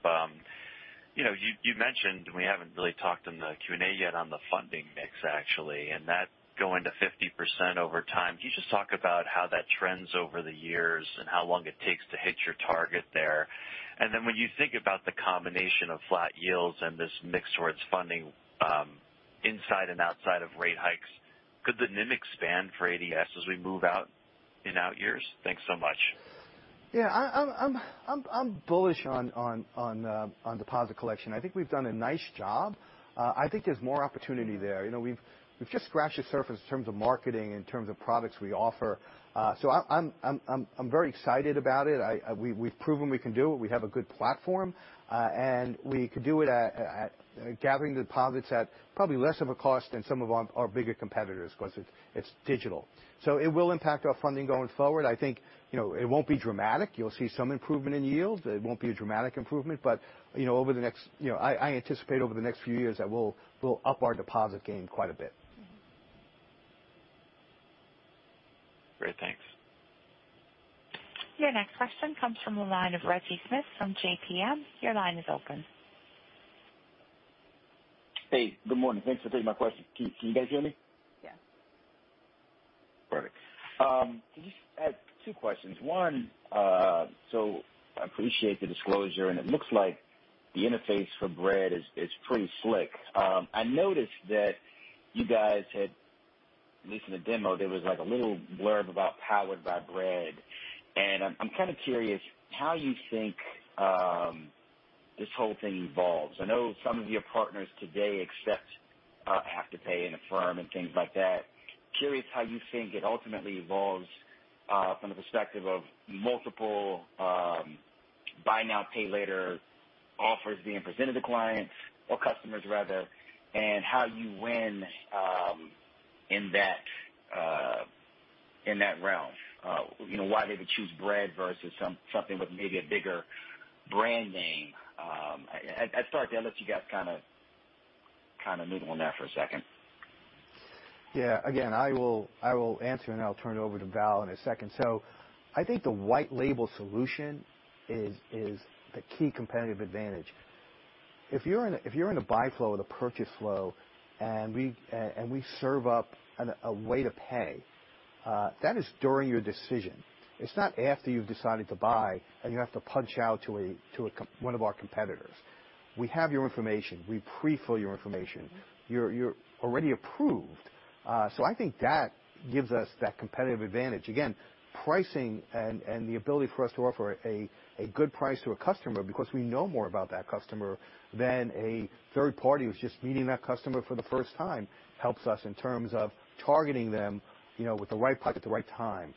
You mentioned we haven't really talked in the Q&A yet on the funding mix actually, and that going to 50% over time. Can you just talk about how that trends over the years and how long it takes to hit your target there? Then when you think about the combination of flat yields and this mix towards funding inside and outside of rate hikes, could the mix expand for ADS as we move out in out years? Thanks so much. Yeah. I'm bullish on deposit collection. I think we've done a nice job. I think there's more opportunity there. We've just scratched the surface in terms of marketing, in terms of products we offer. I'm very excited about it. We've proven we can do it. We have a good platform. We can do it at gathering the deposits at probably less of a cost than some of our bigger competitors because it's digital. It will impact our funding going forward. I think it won't be dramatic. You'll see some improvement in yields. It won't be a dramatic improvement. I anticipate over the next few years that we'll up our deposit game quite a bit. Great. Thanks. Your next question comes from the line of Reggie Smith from JPMorgan. Your line is open. Hey, good morning. Thanks for taking my question. Can you guys hear me? Yeah. Perfect. Two questions. One, I appreciate the disclosure. It looks like the interface for Bread is pretty slick. I noticed that you guys had, at least in the demo, there was a little blurb about powered by Bread. I'm kind of curious how you think this whole thing evolves. I know some of your partners today accept Afterpay and Affirm and things like that. Curious how you think it ultimately evolves from the perspective of multiple buy now, pay later offers being presented to clients or customers rather, how you win in that realm. Why they would choose Bread versus something with maybe a bigger brand name? I'm sorry if I left you guys kind of mingling there for a second. Again, I will answer and I'll turn it over to Val in a second. I think the white label solution is the key competitive advantage. If you're in a buy flow or the purchase flow and we serve up a way to pay, that is during your decision. It's not after you've decided to buy and you have to punch out to one of our competitors. We have your information. We pre-fill your information. You're already approved. I think that gives us that competitive advantage. Again, pricing and the ability for us to offer a good price to a customer because we know more about that customer than a third party who's just meeting that customer for the first time helps us in terms of targeting them with the right product at the right time.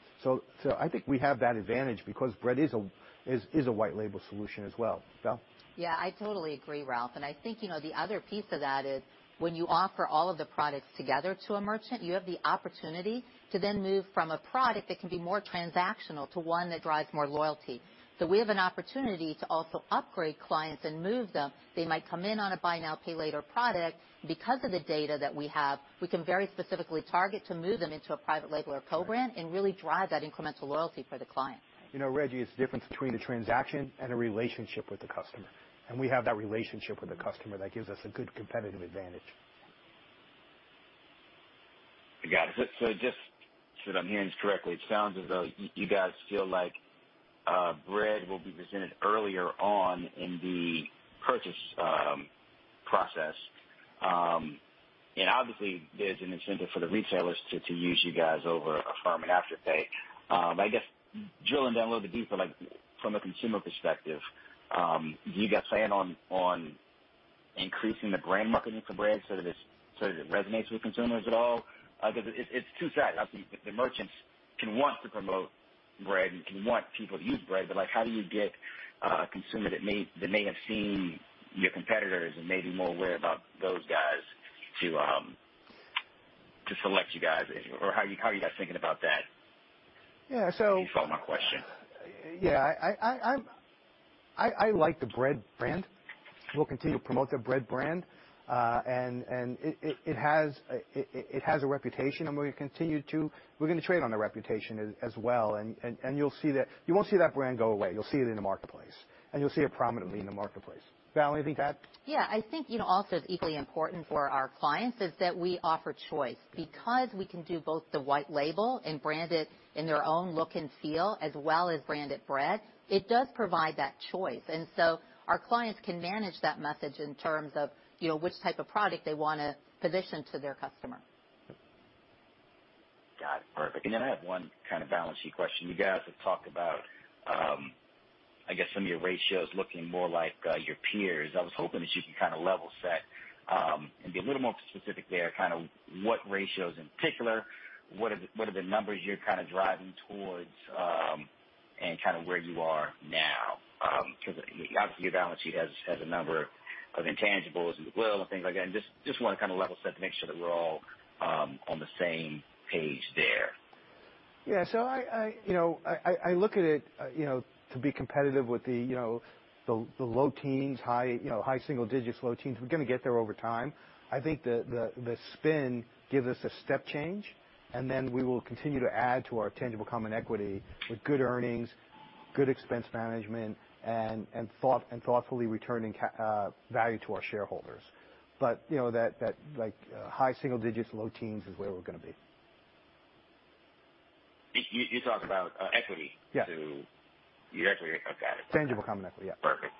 I think we have that advantage because Bread is a white label solution as well. Val? Yeah, I totally agree, Ralph. I think the other piece of that is when you offer all of the products together to a merchant, you have the opportunity to then move from a product that can be more transactional to one that drives more loyalty. We have an opportunity to also upgrade clients and move them. They might come in on a buy now, pay later product. Because of the data that we have, we can very specifically target to move them into a private label or program and really drive that incremental loyalty for the client. Reggie, it's the difference between a transaction and a relationship with a customer. And we have that relationship with a customer that gives us a good competitive advantage. I got it. Just so that I'm hearing this correctly, it sounds as though you guys feel like Bread will be presented earlier on in the purchase process. Obviously there's an incentive for the retailers to use you guys over Affirm, Afterpay. I guess drilling down a little deeper, from a consumer perspective, do you guys plan on increasing the brand marketing for Bread so that it resonates with consumers at all? It's two sides. Obviously, if the merchants can want to promote Bread and can want people to use Bread, how do you get a consumer that may have seen your competitors and may be more aware about those guys to select you guys in, or how are you guys thinking about that? Yeah, so- You saw my question. Yeah. I like the Bread brand. We'll continue to promote the Bread brand. It has a reputation, and we're going to continue to trade on the reputation as well, and you won't see that brand go away. You'll see it in the marketplace, and you'll see it prominently in the marketplace. Val, anything to add? Yeah. I think also equally important for our clients is that we offer choice, because we can do both the white label and brand it in their own look and feel, as well as branded Bread. It does provide that choice, and so our clients can manage that message in terms of which type of product they want to position to their customer. Got it. Perfect. Then I have one kind of balancing question. You guys have talked about, I guess, some of your ratios looking more like your peers. I was hoping that you could kind of level set and be a little more specific there, kind of what ratios in particular, what are the numbers you're kind of driving towards, and kind of where you are now? Because obviously your balance sheet has a number of intangibles and goodwill and things like that. Just want to kind of level set to make sure that we're all on the same page there. Yeah. I look at it to be competitive with the low teens, high single digits, low teens. We're going to get there over time. I think the spin gives us a step change, and then we will continue to add to our tangible common equity with good earnings, good expense management, and thoughtfully returning value to our shareholders. That high single digits, low teens is where we're going to be. You talked about equity. Yeah. Too. You guys are going to come at it. Tangible common equity, yeah. Perfect.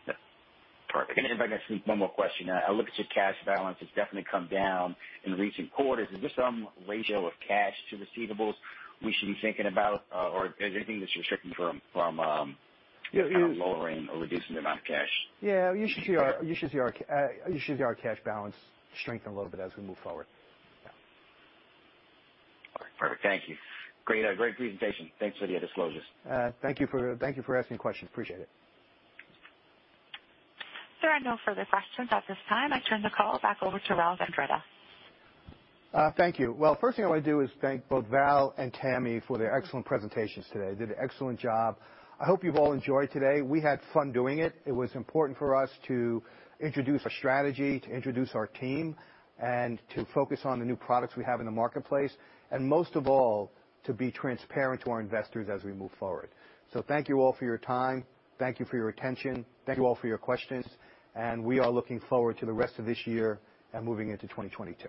If I could sneak one more question. I looked at your cash balance. It's definitely come down in the recent quarters. Is there some ratio of cash to receivables we should be thinking about? Is there anything that should restrict you from. You. Lowering or reducing the amount of cash? Yeah. You should see our cash balance strengthen a little bit as we move forward. Yeah. All right, perfect. Thank you. Great presentation. Thanks for the disclosures. Thank you for asking questions. Appreciate it. There are no further questions at this time. I turn the call back over to Ralph Andretta. Thank you. Well, first thing I want to do is thank both Val and Tammy for their excellent presentations today. They did an excellent job. I hope you've all enjoyed today. We had fun doing it. It was important for us to introduce our strategy, to introduce our team, and to focus on the new products we have in the marketplace, and most of all, to be transparent to our investors as we move forward. Thank you all for your time, thank you for your attention, thank you all for your questions, and we are looking forward to the rest of this year and moving into 2022.